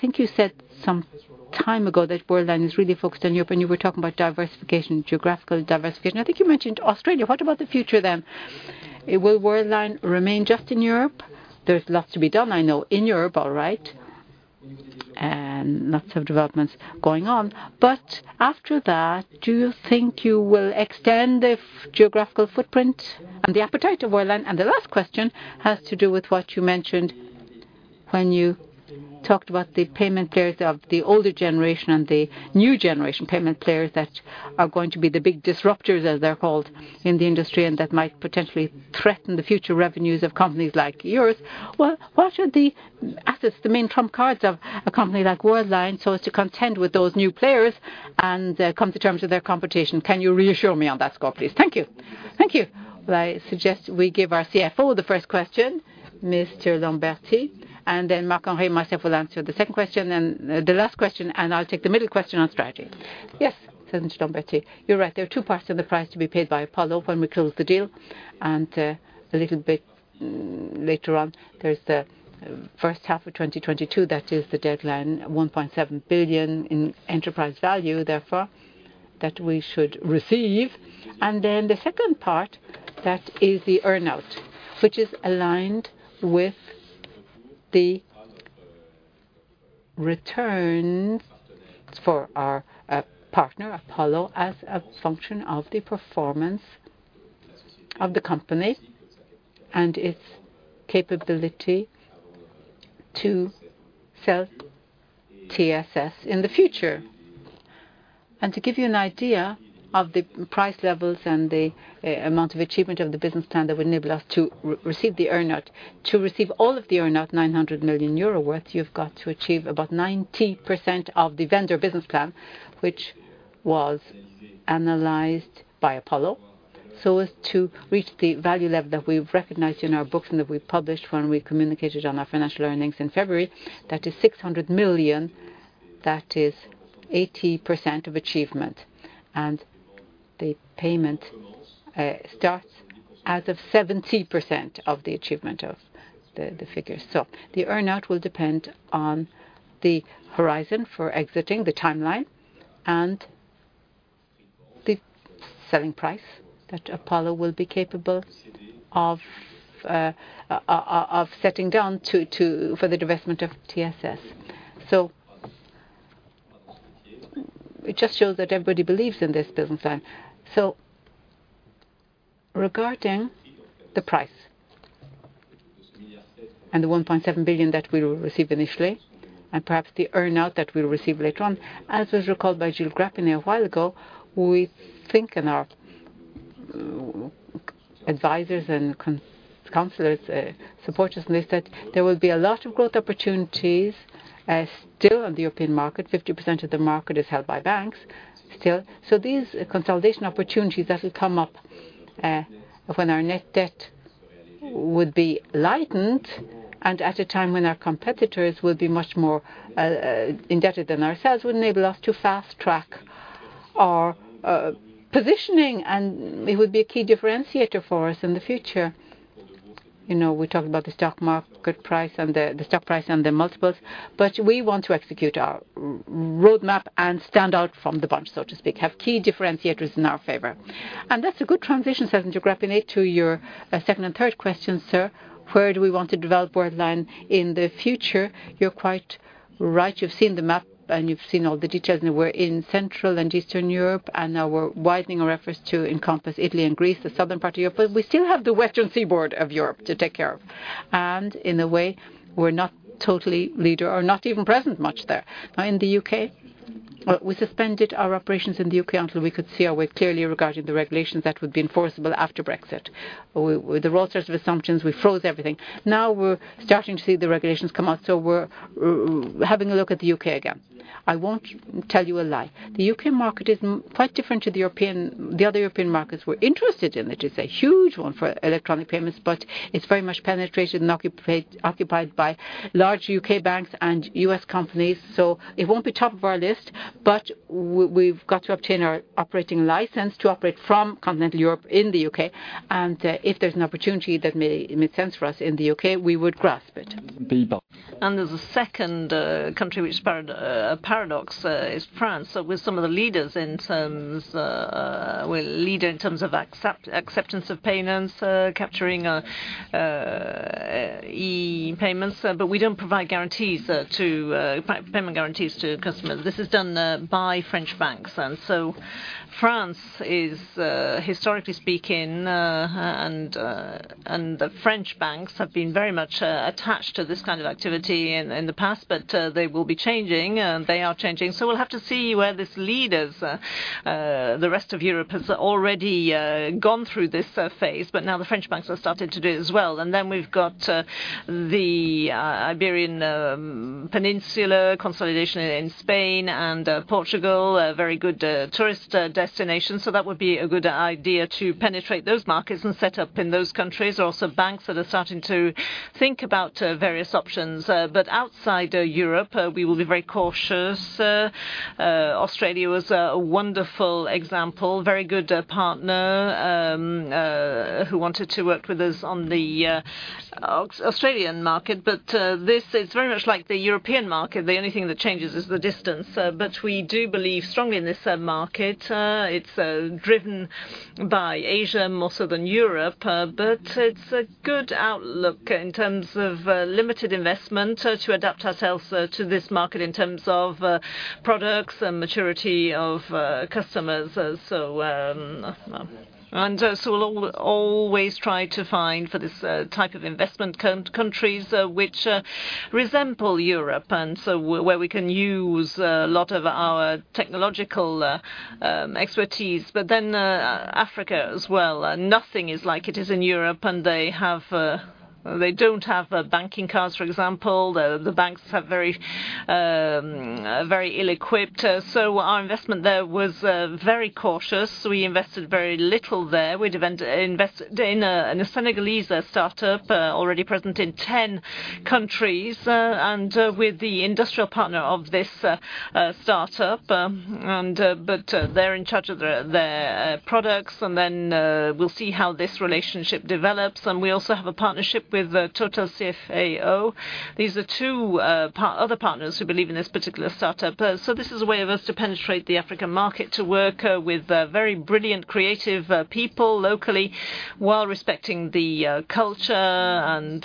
think you said some time ago that Worldline is really focused on Europe, and you were talking about diversification, geographical diversification. I think you mentioned Australia. What about the future then? Will Worldline remain just in Europe? There's lots to be done, I know, in Europe all right, and lots of developments going on. After that, do you think you will extend the geographical footprint and the appetite of Worldline? The last question has to do with what you mentioned when you talked about the payment players of the older generation and the new generation payment players that are going to be the big disruptors, as they're called, in the industry, and that might potentially threaten the future revenues of companies like yours. Well, what are the assets, the main trump cards of a company like Worldline so as to contend with those new players and, come to terms with their competition? Can you reassure me on that score, please? Thank you. Thank you. I suggest we give our CFO the first question, Mr. Lambertié, and then Marc-Henri and myself will answer the second question and the last question, and I'll take the middle question on strategy. Yes, Grégory Lambertié. You're right, there are two parts of the price to be paid by Apollo when we close the deal. A little bit later on, there's the first half of 2022, that is the deadline, 1.7 billion in enterprise value, therefore, that we should receive. Then the second part, that is the earn-out, which is aligned with the returns for our partner, Apollo, as a function of the performance of the company and its capability to sell TSS in the future. To give you an idea of the price levels and the amount of achievement of the business plan that will enable us to receive the earn-out. To receive all of the earn-out, 900 million euro worth, you've got to achieve about 90% of the vendor business plan, which was analyzed by Apollo. So as to reach the value level that we've recognized in our books and that we published when we communicated on our financial earnings in February, that is 600 million, that is 80% of achievement. The payment starts as of 70% of the achievement of the figure. The earn-out will depend on the horizon for exiting the timeline and the selling price that Apollo will be capable of setting down to for the divestment of TSS. It just shows that everybody believes in this business plan. Regarding the price and the 1.7 billion that we will receive initially, and perhaps the earn-out that we'll receive later on, as was recalled by Gilles Grapinet a while ago, we think in our advisors and consultants, supporters listed, there will be a lot of growth opportunities still on the European market. 50% of the market is held by banks still. These consolidation opportunities that will come up, when our net debt would be lightened and at a time when our competitors will be much more indebted than ourselves, would enable us to fast-track our positioning, and it would be a key differentiator for us in the future. You know, we talk about the stock market price and the stock price and the multiples, but we want to execute our roadmap and stand out from the bunch, so to speak, have key differentiators in our favor. That's a good transition, Gilles Grapinet, to your second and third question, sir. Where do we want to develop Worldline in the future? You're quite right. You've seen the map, and you've seen all the details. We're in Central and Eastern Europe, and now we're widening our efforts to encompass Italy and Greece, the southern part of Europe. We still have the western seaboard of Europe to take care of. In a way, we're not totally leader or not even present much there. Now in the U.K., we suspended our operations in the U.K. until we could see our way clearly regarding the regulations that would be enforceable after Brexit. With the wrong sorts of assumptions, we froze everything. Now we're starting to see the regulations come out, so we're having a look at the U.K. again. I won't tell you a lie. The U.K. market is quite different to the European, the other European markets we're interested in. It is a huge one for electronic payments, but it's very much penetrated and occupied by large U.K. banks and U.S. companies. So it won't be top of our list, but we've got to obtain our operating license to operate from continental Europe in the U.K. If there's an opportunity that may make sense for us in the U.K., we would grasp it. Beebop. There's a second country which paradox is France. We're some of the leaders in terms, we're leader in terms of acceptance of payments, capturing e-payments, but we don't provide guarantees to provide payment guarantees to customers. This is done by French banks. France is historically speaking, and the French banks have been very much attached to this kind of activity in the past, but they will be changing, and they are changing. We'll have to see where this leads. The rest of Europe has already gone through this phase, but now the French banks have started to do it as well. Then we've got the Iberian Peninsula consolidation in Spain and Portugal, a very good tourist destination. That would be a good idea to penetrate those markets and set up in those countries. Also, banks that are starting to think about various options. Outside of Europe, we will be very cautious. Australia was a wonderful example, very good partner who wanted to work with us on the Australian market. This is very much like the European market. The only thing that changes is the distance. We do believe strongly in this market. It's driven by Asia more so than Europe, but it's a good outlook in terms of limited investment to adapt ourselves to this market in terms of products and maturity of customers. We'll always try to find for this type of investment countries which resemble Europe, and where we can use a lot of our technological expertise. Africa as well. Nothing is like it is in Europe, and they have. They don't have banking cards, for example. The banks have very ill-equipped. Our investment there was very cautious. We invested very little there. We invest in a Senegalese startup already present in 10 countries, and with the industrial partner of this startup. But they're in charge of their products, and then we'll see how this relationship develops. We also have a partnership with TotalEnergies. These are two other partners who believe in this particular startup. This is a way of us to penetrate the African market, to work with very brilliant, creative people locally while respecting the culture, and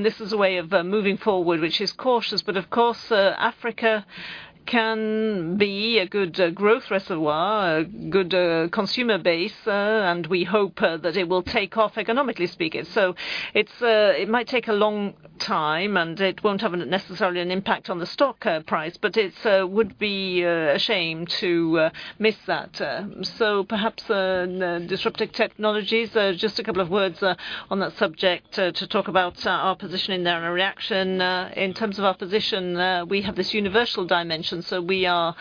this is a way of moving forward, which is cautious. Of course, Africa can be a good growth reservoir, a good consumer base, and we hope that it will take off economically speaking. It might take a long time, and it won't have necessarily an impact on the stock price, but it would be a shame to miss that. Perhaps disruptive technologies. Just a couple of words on that subject to talk about our position in there and our reaction. In terms of our position, we have this universal dimension, so we are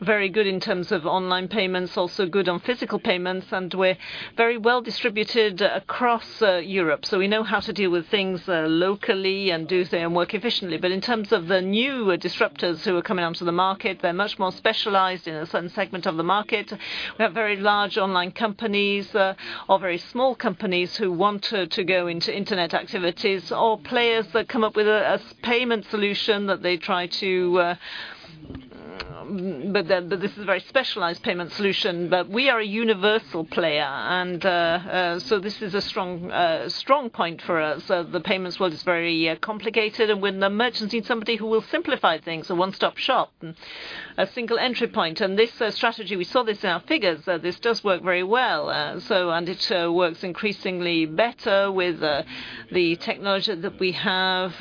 very good in terms of online payments, also good on physical payments, and we're very well distributed across Europe. We know how to deal with things locally and do their work efficiently. In terms of the new disruptors who are coming onto the market, they're much more specialized in a certain segment of the market. We have very large online companies or very small companies who want to go into internet activities or players that come up with a payment solution that they try to this is a very specialized payment solution. We are a universal player, and so this is a strong point for us. The payments world is very complicated, and when the merchant needs somebody who will simplify things, a one-stop shop and a single entry point, and this strategy, we saw this in our figures, this does work very well. It works increasingly better with the technology that we have.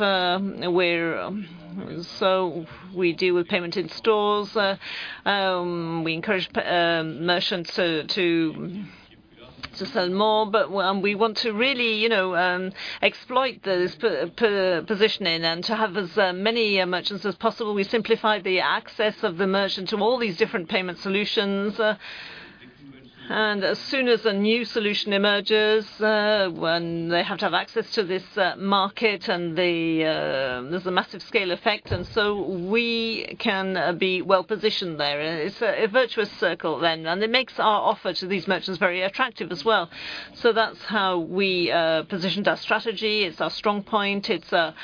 We're We deal with payment in stores. We encourage merchants to sell more, but we want to really, you know, exploit those positioning and to have as many merchants as possible. We simplify the access of the merchant to all these different payment solutions. As soon as a new solution emerges, when they have to have access to this market, and there's a massive scale effect. We can be well-positioned there. It's a virtuous circle then, and it makes our offer to these merchants very attractive as well. That's how we positioned our strategy. It's our strong point. It's a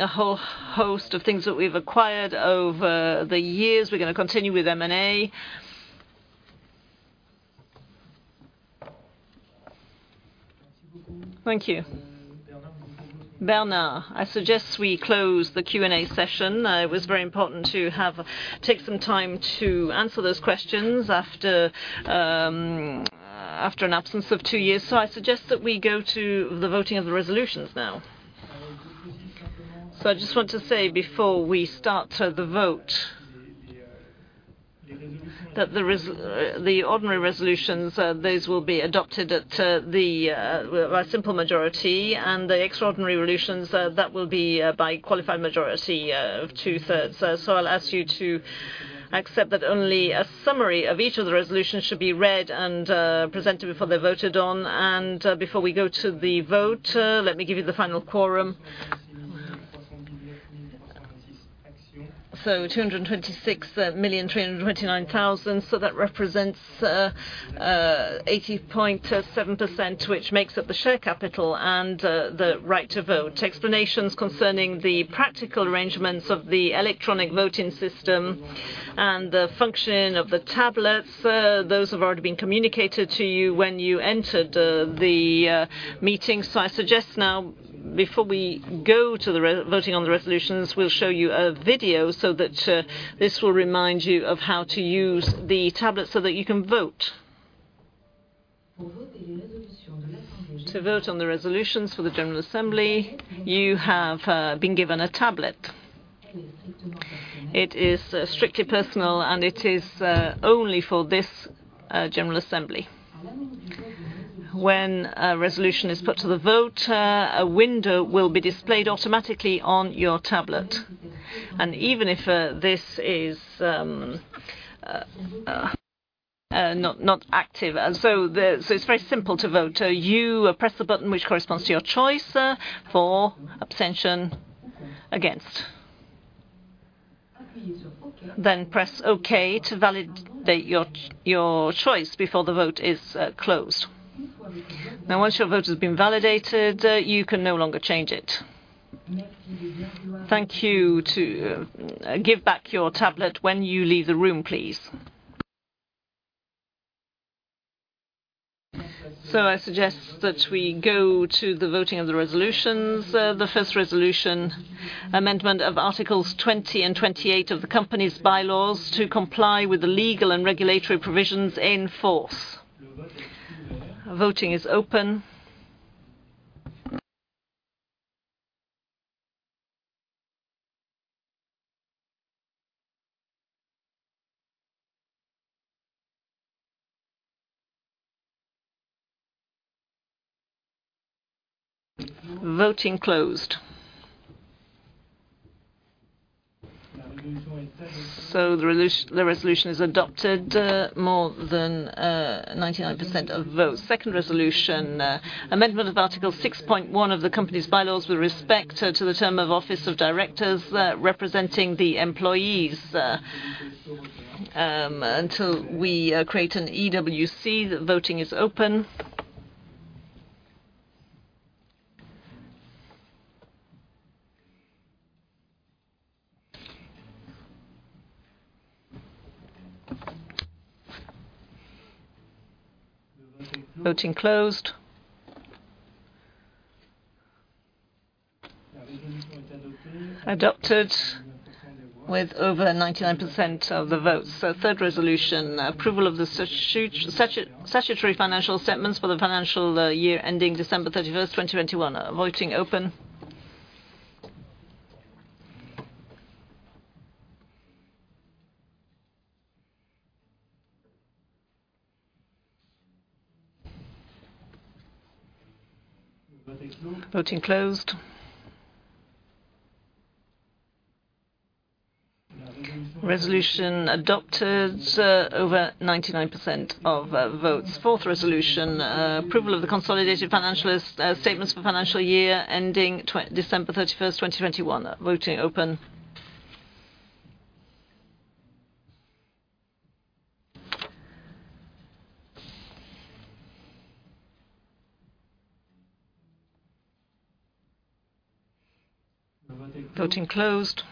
whole host of things that we've acquired over the years. We're gonna continue with M&A. Thank you. Bernard, I suggest we close the Q&A session. It was very important to take some time to answer those questions after an absence of two years. I suggest that we go to the voting of the resolutions now. I just want to say before we start the vote that the ordinary resolutions those will be adopted at a simple majority, and the extraordinary resolutions that will be by qualified majority of two-thirds. I'll ask you to accept that only a summary of each of the resolutions should be read and presented before they're voted on. Before we go to the vote, let me give you the final quorum. 226,329,000. That represents 80.7%, which makes up the share capital and the right to vote. Explanations concerning the practical arrangements of the electronic voting system and the function of the tablets, those have already been communicated to you when you entered the meeting. I suggest now before we go to the voting on the resolutions, we'll show you a video so that this will remind you of how to use the tablet so that you can vote. To vote on the resolutions for the general assembly, you have been given a tablet. It is strictly personal, and it is only for this general assembly. When a resolution is put to the vote, a window will be displayed automatically on your tablet. Even if this is not active. It's very simple to vote. You press the button which corresponds to your choice for abstention against. Then press Okay to validate your choice before the vote is closed. Now, once your vote has been validated, you can no longer change it. Thank you. To give back your tablet when you leave the room, please. I suggest that we go to the voting of the resolutions. The first resolution, amendment of articles 20 and 28 of the company's bylaws to comply with the legal and regulatory provisions in force. Voting is open. Voting closed. The resolution is adopted, more than 99% of votes. Second resolution, amendment of article six point one of the company's bylaws with respect to the term of office of directors representing the employees until we create an EWC. The voting is open. Voting closed. Adopted with over 99% of the votes. Third resolution, approval of the statutory financial statements for the financial year ending December 31, 2021. Voting open. Voting closed. Resolution adopted, over 99% of votes. Fourth resolution, approval of the consolidated financial statements for financial year ending December 31, 2021. Voting open. Voting closed.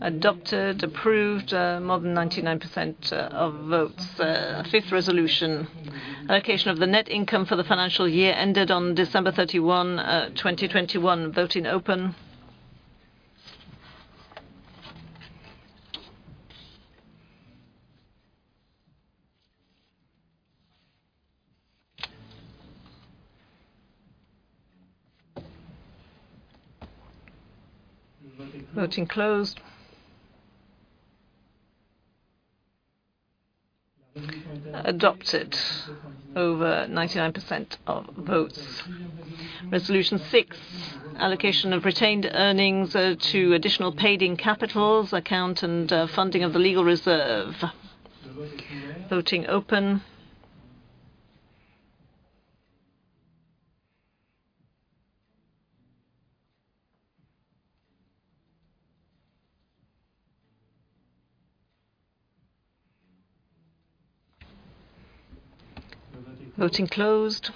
Adopted. Approved, more than 99% of votes. Fifth resolution, allocation of the net income for the financial year ended on December 31, 2021. Voting open. Voting closed. Adopted, over 99% of votes. Resolution six, allocation of retained earnings to additional paid-in capital account and funding of the legal reserve. Voting open. Voting closed.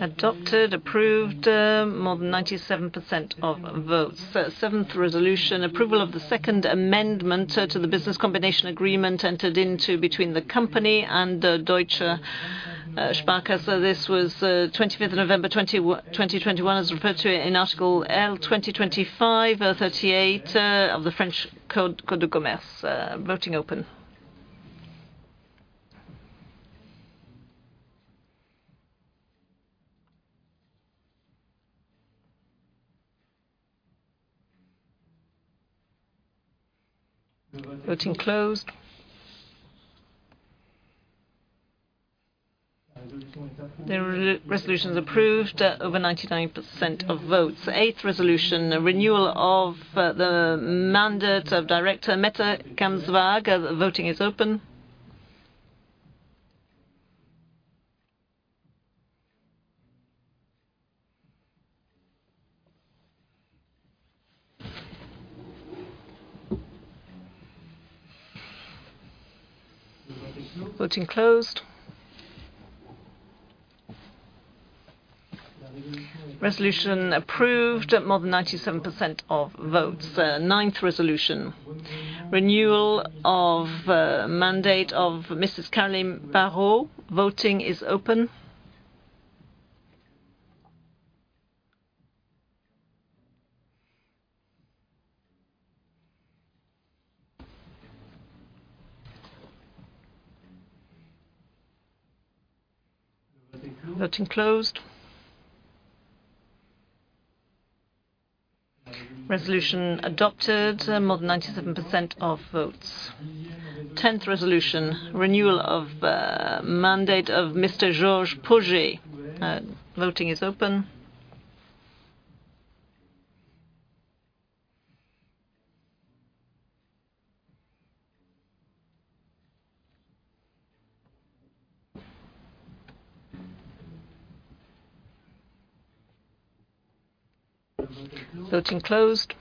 Adopted. Approved, more than 97% of votes. Seventh resolution, approval of the second amendment to the business combination agreement entered into between the company and Deutsche Sparkasse. This was 25th November 2021, as referred to in Article L. 225-38 of the French Code de commerce. Voting open. Voting closed. The resolution is approved over 99% of votes. Eighth resolution, a renewal of the mandate of Director Mette Kamsvåg. Voting is open. Voting closed. Resolution approved, more than 97% of votes. Ninth resolution, renewal of mandate of Mrs. Caroline Parot. Voting is open. Voting closed. Resolution adopted more than 97% of votes. Tenth resolution, renewal of mandate of Mr. Georges Pauget. Voting is open. Voting closed.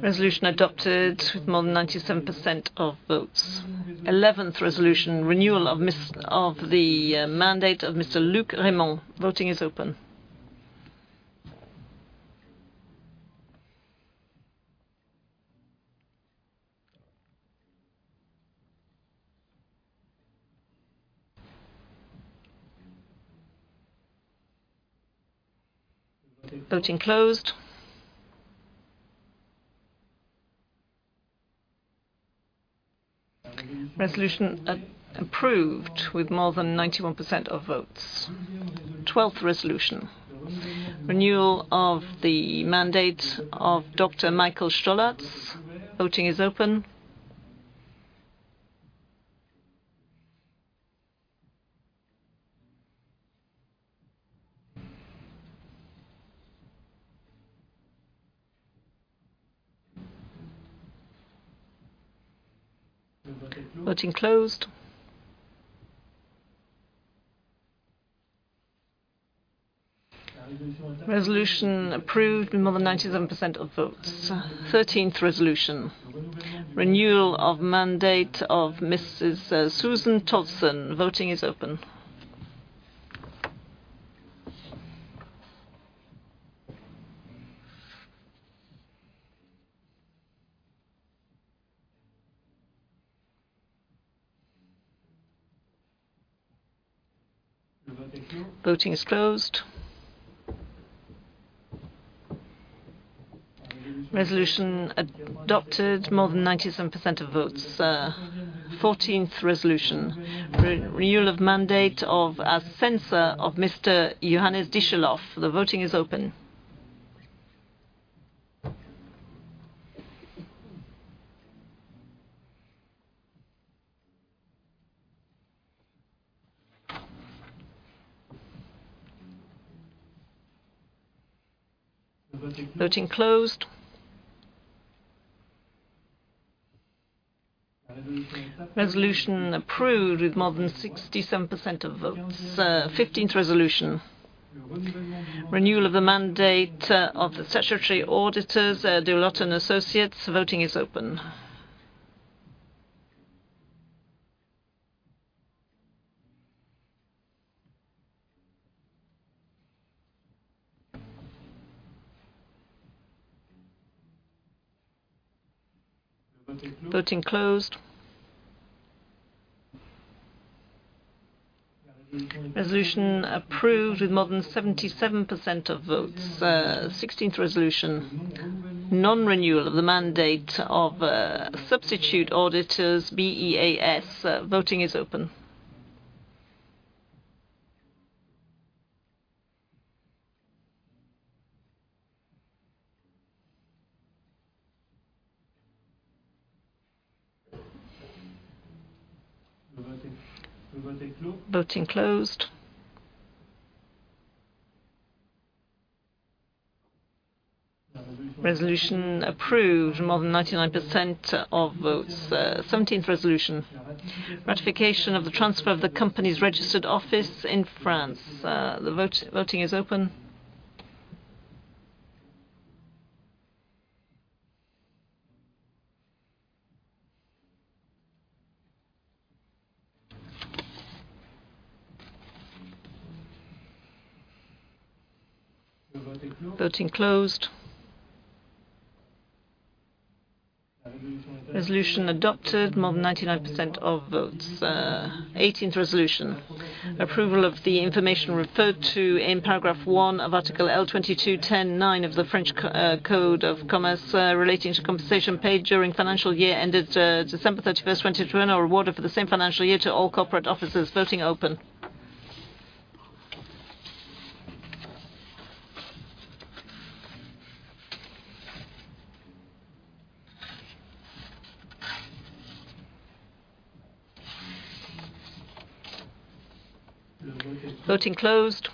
Resolution adopted with more than 97% of votes. Eleventh resolution, renewal of the mandate of Mr. Luc Rémont. Voting is open. Voting closed. Resolution approved with more than 91% of votes. Twelfth resolution, renewal of the mandate of Dr. Michael Stollarz. Voting is open. Voting closed. Resolution approved with more than 97% of votes. Thirteenth resolution, renewal of mandate of Mrs. Susan M. Tolson. Voting is open. Voting is closed. Resolution adopted, more than 97% of votes. Fourteenth resolution, renewal of mandate of, as censor of Mr. Johannes Dijsselhof. The voting is open. Voting closed. Resolution approved with more than 67% of votes. Fifteenth resolution, renewal of the mandate of the Statutory Auditors, Deloitte & Associés. Voting is open. Voting closed. Resolution approved with more than 77% of votes. Sixteenth resolution, non-renewal of the mandate of substitute auditors B.E.A.S. Voting is open. Voting closed. Resolution approved, more than 99% of votes. Seventeenth resolution, ratification of the transfer of the company's registered office in France. Voting is open. Voting closed. Resolution adopted, more than 99% of votes. Eighteenth resolution, approval of the information referred to in paragraph one of article L. 22-10-9 of the French Code of Commerce, relating to compensation paid during financial year ended December 31, 2022, and/or awarded for the same financial year to all corporate officers. Voting open. Voting closed.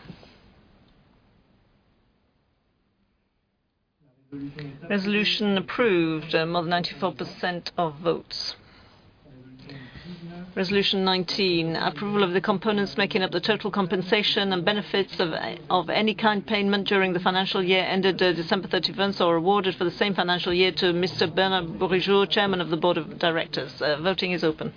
Resolution approved, more than 94% of votes. Resolution 19, approval of the components making up the total compensation and benefits of any kind of payment during the financial year ended December 31, or awarded for the same financial year to Mr. Bernard Bourigeaud, Chairman of the Board of Directors. Voting is open.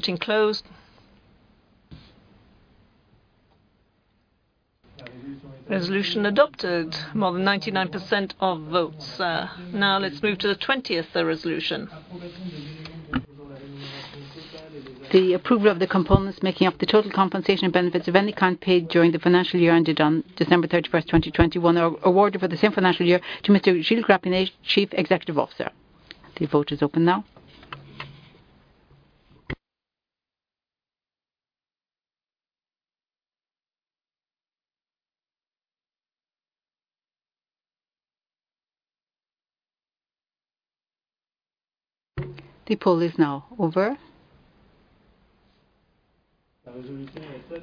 Voting closed. Resolution adopted more than 99% of votes. Now let's move to the 20th resolution. The approval of the components making up the total compensation and benefits of any kind paid during the financial year ended on December 31, 2021, awarded for the same financial year to Mr. Gilles Grapinet, Chief Executive Officer. The vote is open now. The poll is now over.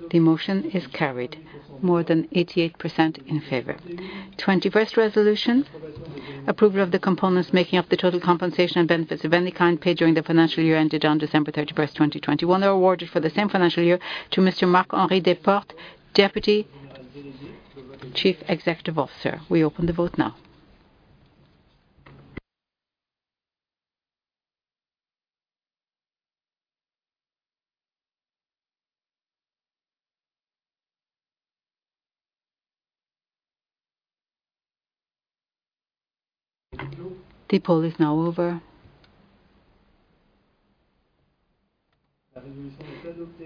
The motion is carried more than 88% in favor. 21st resolution. Approval of the components making up the total compensation and benefits of any kind paid during the financial year ended on December 31, 2021, awarded for the same financial year to Mr. Marc-Henri Desportes, Deputy Chief Executive Officer. We open the vote now. The poll is now over.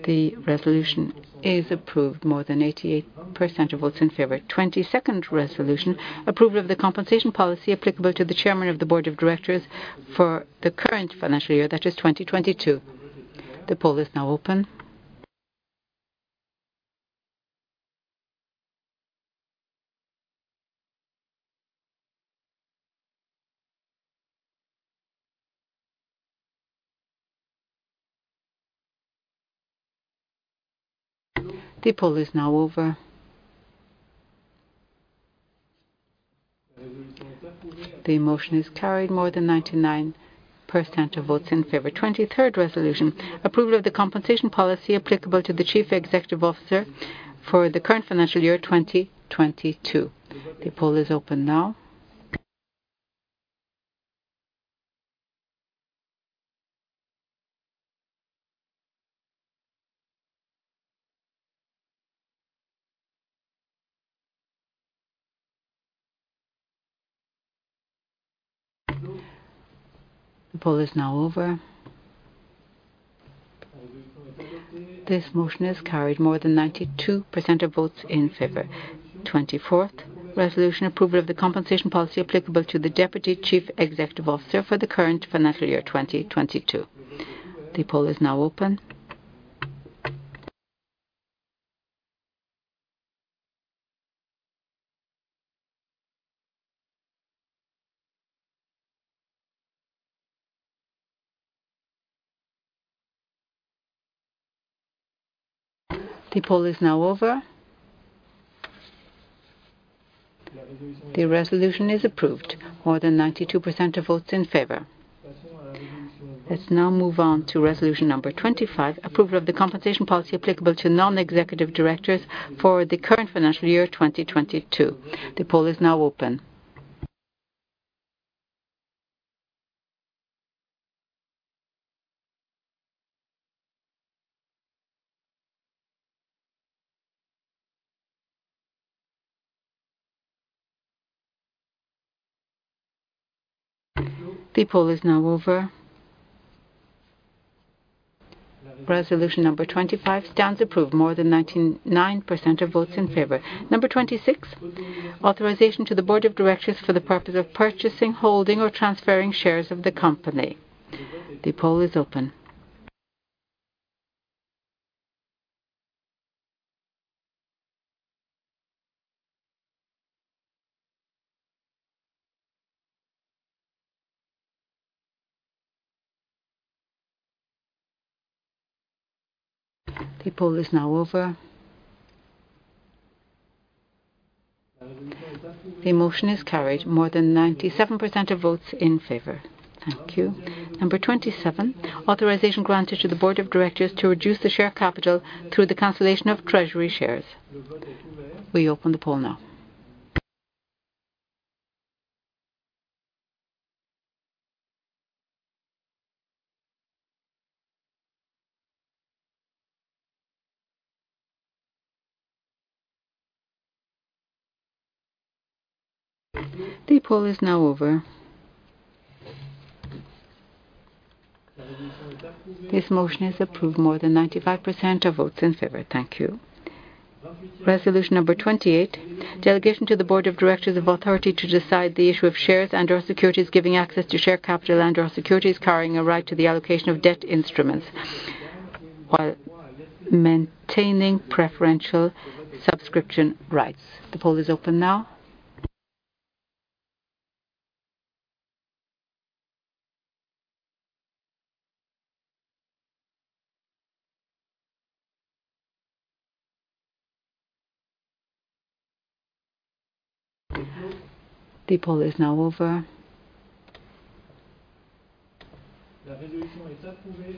The resolution is approved more than 88% of votes in favor. 22nd resolution: approval of the compensation policy applicable to the Chairman of the Board of Directors for the current financial year, that is 2022. The poll is now open. The poll is now over. The motion is carried more than 99% of votes in favor. 23rd resolution: approval of the compensation policy applicable to the Chief Executive Officer for the current financial year, 2022. The poll is open now. The poll is now over. This motion is carried more than 92% of votes in favor. 24th resolution: approval of the compensation policy applicable to the Deputy Chief Executive Officer for the current financial year, 2022. The poll is now open. The poll is now over. The resolution is approved more than 92% of votes in favor. Let's now move on to resolution number 25: approval of the compensation policy applicable to non-executive directors for the current financial year, 2022. The poll is now open. The poll is now over. Resolution number 25 stands approved more than 99% of votes in favor. Number 26: authorization to the Board of Directors for the purpose of purchasing, holding or transferring shares of the company. The poll is open. The poll is now over. The motion is carried more than 97% of votes in favor. Thank you. Number 27: authorization granted to the Board of Directors to reduce the share capital through the cancellation of treasury shares. We open the poll now. The poll is now over. This motion is approved more than 95% of votes in favor. Thank you. Resolution number 28: delegation to the Board of Directors of authority to decide the issue of shares and/or securities giving access to share capital and/or securities carrying a right to the allocation of debt instruments while maintaining preferential subscription rights. The poll is open now. The poll is now over.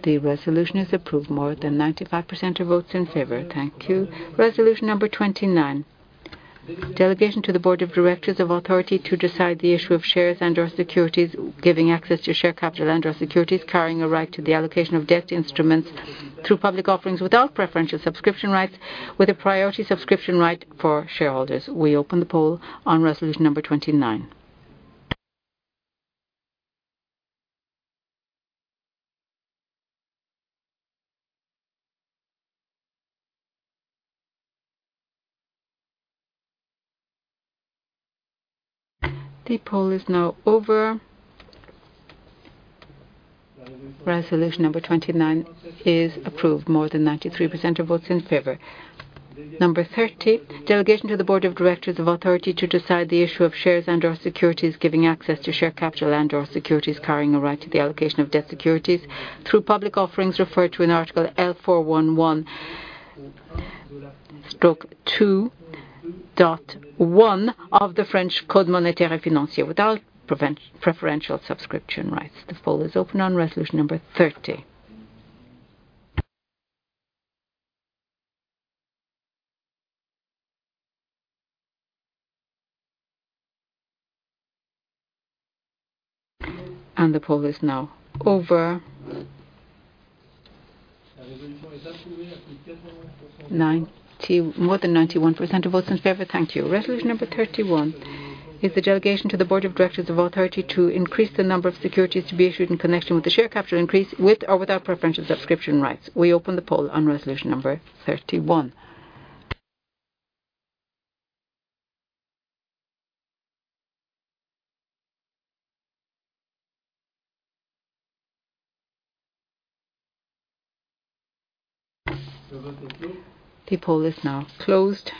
The resolution is approved, more than 95% of votes in favor. Thank you. Resolution number 29. Delegation to the Board of Directors of authority to decide the issue of shares and/or securities, giving access to share capital and/or securities, carrying a right to the allocation of debt instruments through public offerings without preferential subscription rights with a priority subscription right for shareholders. We open the poll on resolution number 29. The poll is now over. Resolution number 29 is approved, more than 93% of votes in favor. Number 30, delegation to the board of directors of authority to decide the issue of shares and/or securities giving access to share capital and/or securities carrying a right to the allocation of debt securities through public offerings referred to in Article L.411-2.1 of the French Code monétaire et financier without preferential subscription rights. The poll is open on resolution number 30. The poll is now over. More than 91% of votes in favor. Thank you. Resolution number 31 is the delegation to the board of directors of authority to increase the number of securities to be issued in connection with the share capital increase, with or without preferential subscription rights. We open the poll on resolution number 31. The poll is now closed.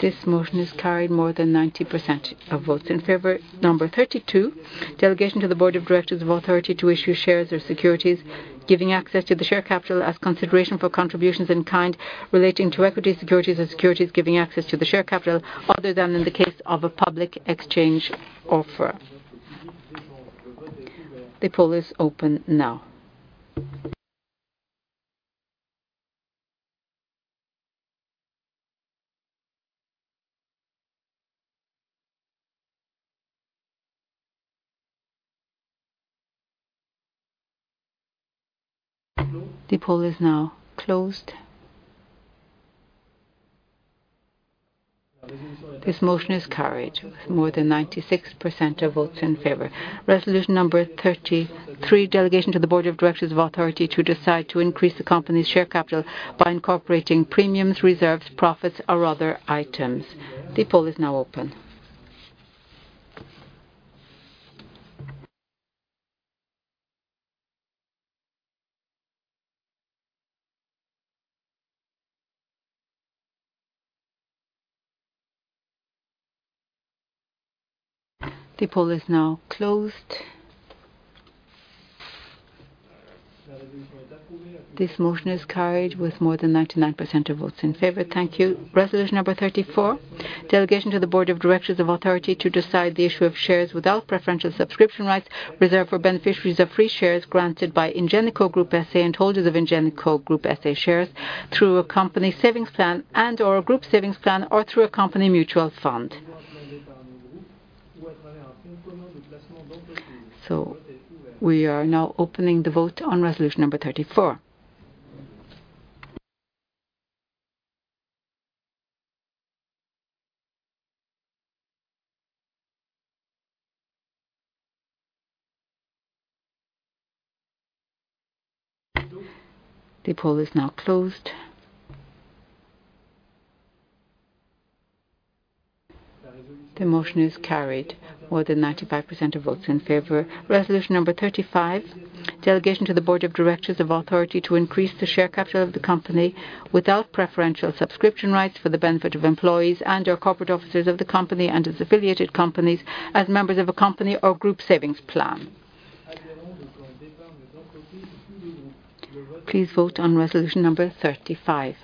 This motion is carried, more than 90% of votes in favor. Number 32, delegation to the board of directors of authority to issue shares or securities, giving access to the share capital as consideration for contributions in kind relating to equity securities or securities giving access to the share capital other than in the case of a public exchange offer. The poll is open now. The poll is now closed. This motion is carried with more than 96% of votes in favor. Resolution number 33, delegation to the board of directors of authority to decide to increase the company's share capital by incorporating premiums, reserves, profits or other items. The poll is now open. The poll is now closed. This motion is carried with more than 99% of votes in favor. Thank you. Resolution number 34, delegation to the board of directors of authority to decide the issue of shares without preferential subscription rights reserved for beneficiaries of free shares granted by Ingenico Group SA and holders of Ingenico Group SA shares through a company savings plan and/or a group savings plan or through a company mutual fund. We are now opening the vote on resolution number 34. The poll is now closed. The motion is carried, more than 95% of votes in favor. Resolution number 35, delegation to the board of directors of authority to increase the share capital of the company without preferential subscription rights for the benefit of employees and/or corporate officers of the company and its affiliated companies as members of a company or group savings plan. Please vote on resolution number 35.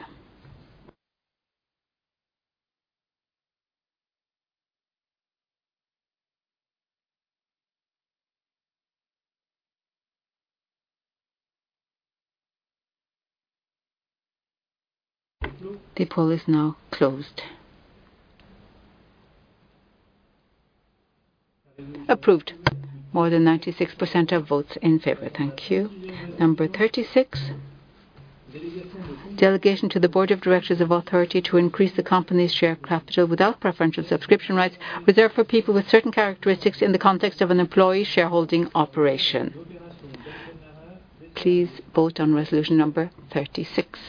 The poll is now closed. Approved, more than 96% of votes in favor. Thank you. Number 36, delegation to the board of directors of authority to increase the company's share capital without preferential subscription rights reserved for people with certain characteristics in the context of an employee shareholding operation. Please vote on resolution number 36.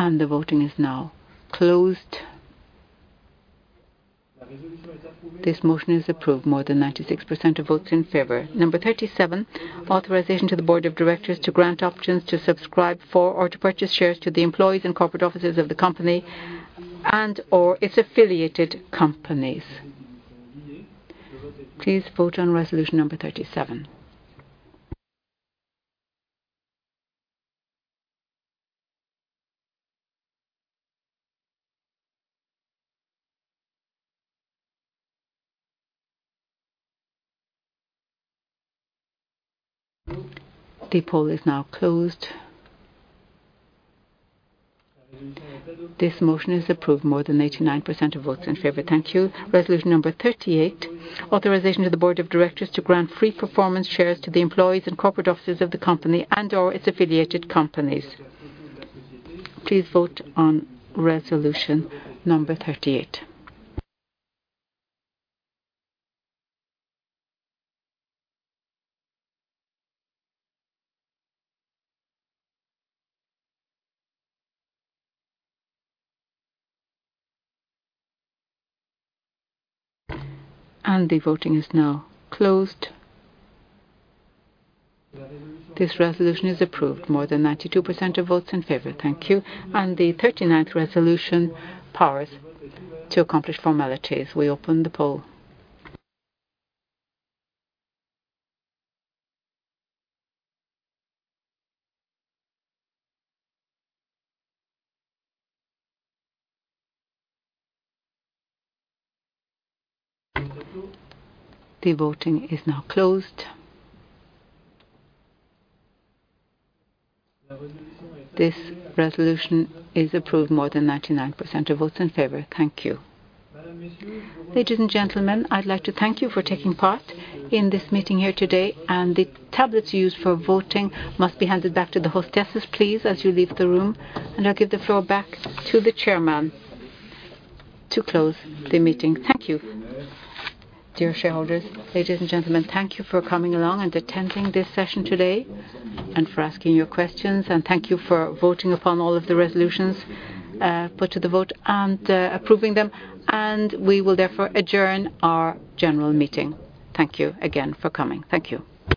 The voting is now closed. This motion is approved, more than 96% of votes in favor. Number 37, authorization to the board of directors to grant options to subscribe for or to purchase shares to the employees and corporate officers of the company and/or its affiliated companies. Please vote on resolution number 37. The poll is now closed. This motion is approved, more than 89% of votes in favor. Thank you. Resolution number 38, authorization to the board of directors to grant free performance shares to the employees and corporate officers of the company and/or its affiliated companies. Please vote on resolution number 38. The voting is now closed. This resolution is approved, more than 92% of votes in favor. Thank you. The thirty-ninth resolution, powers to accomplish formalities. We open the poll. The voting is now closed. This resolution is approved, more than 99% of votes in favor. Thank you. Ladies and gentlemen, I'd like to thank you for taking part in this meeting here today, and the tablets used for voting must be handed back to the hostesses, please, as you leave the room. I'll give the floor back to the chairman to close the meeting. Thank you. Dear shareholders, ladies and gentlemen, thank you for coming along and attending this session today and for asking your questions, and thank you for voting upon all of the resolutions put to the vote and approving them. We will therefore adjourn our general meeting. Thank you again for coming. Thank you.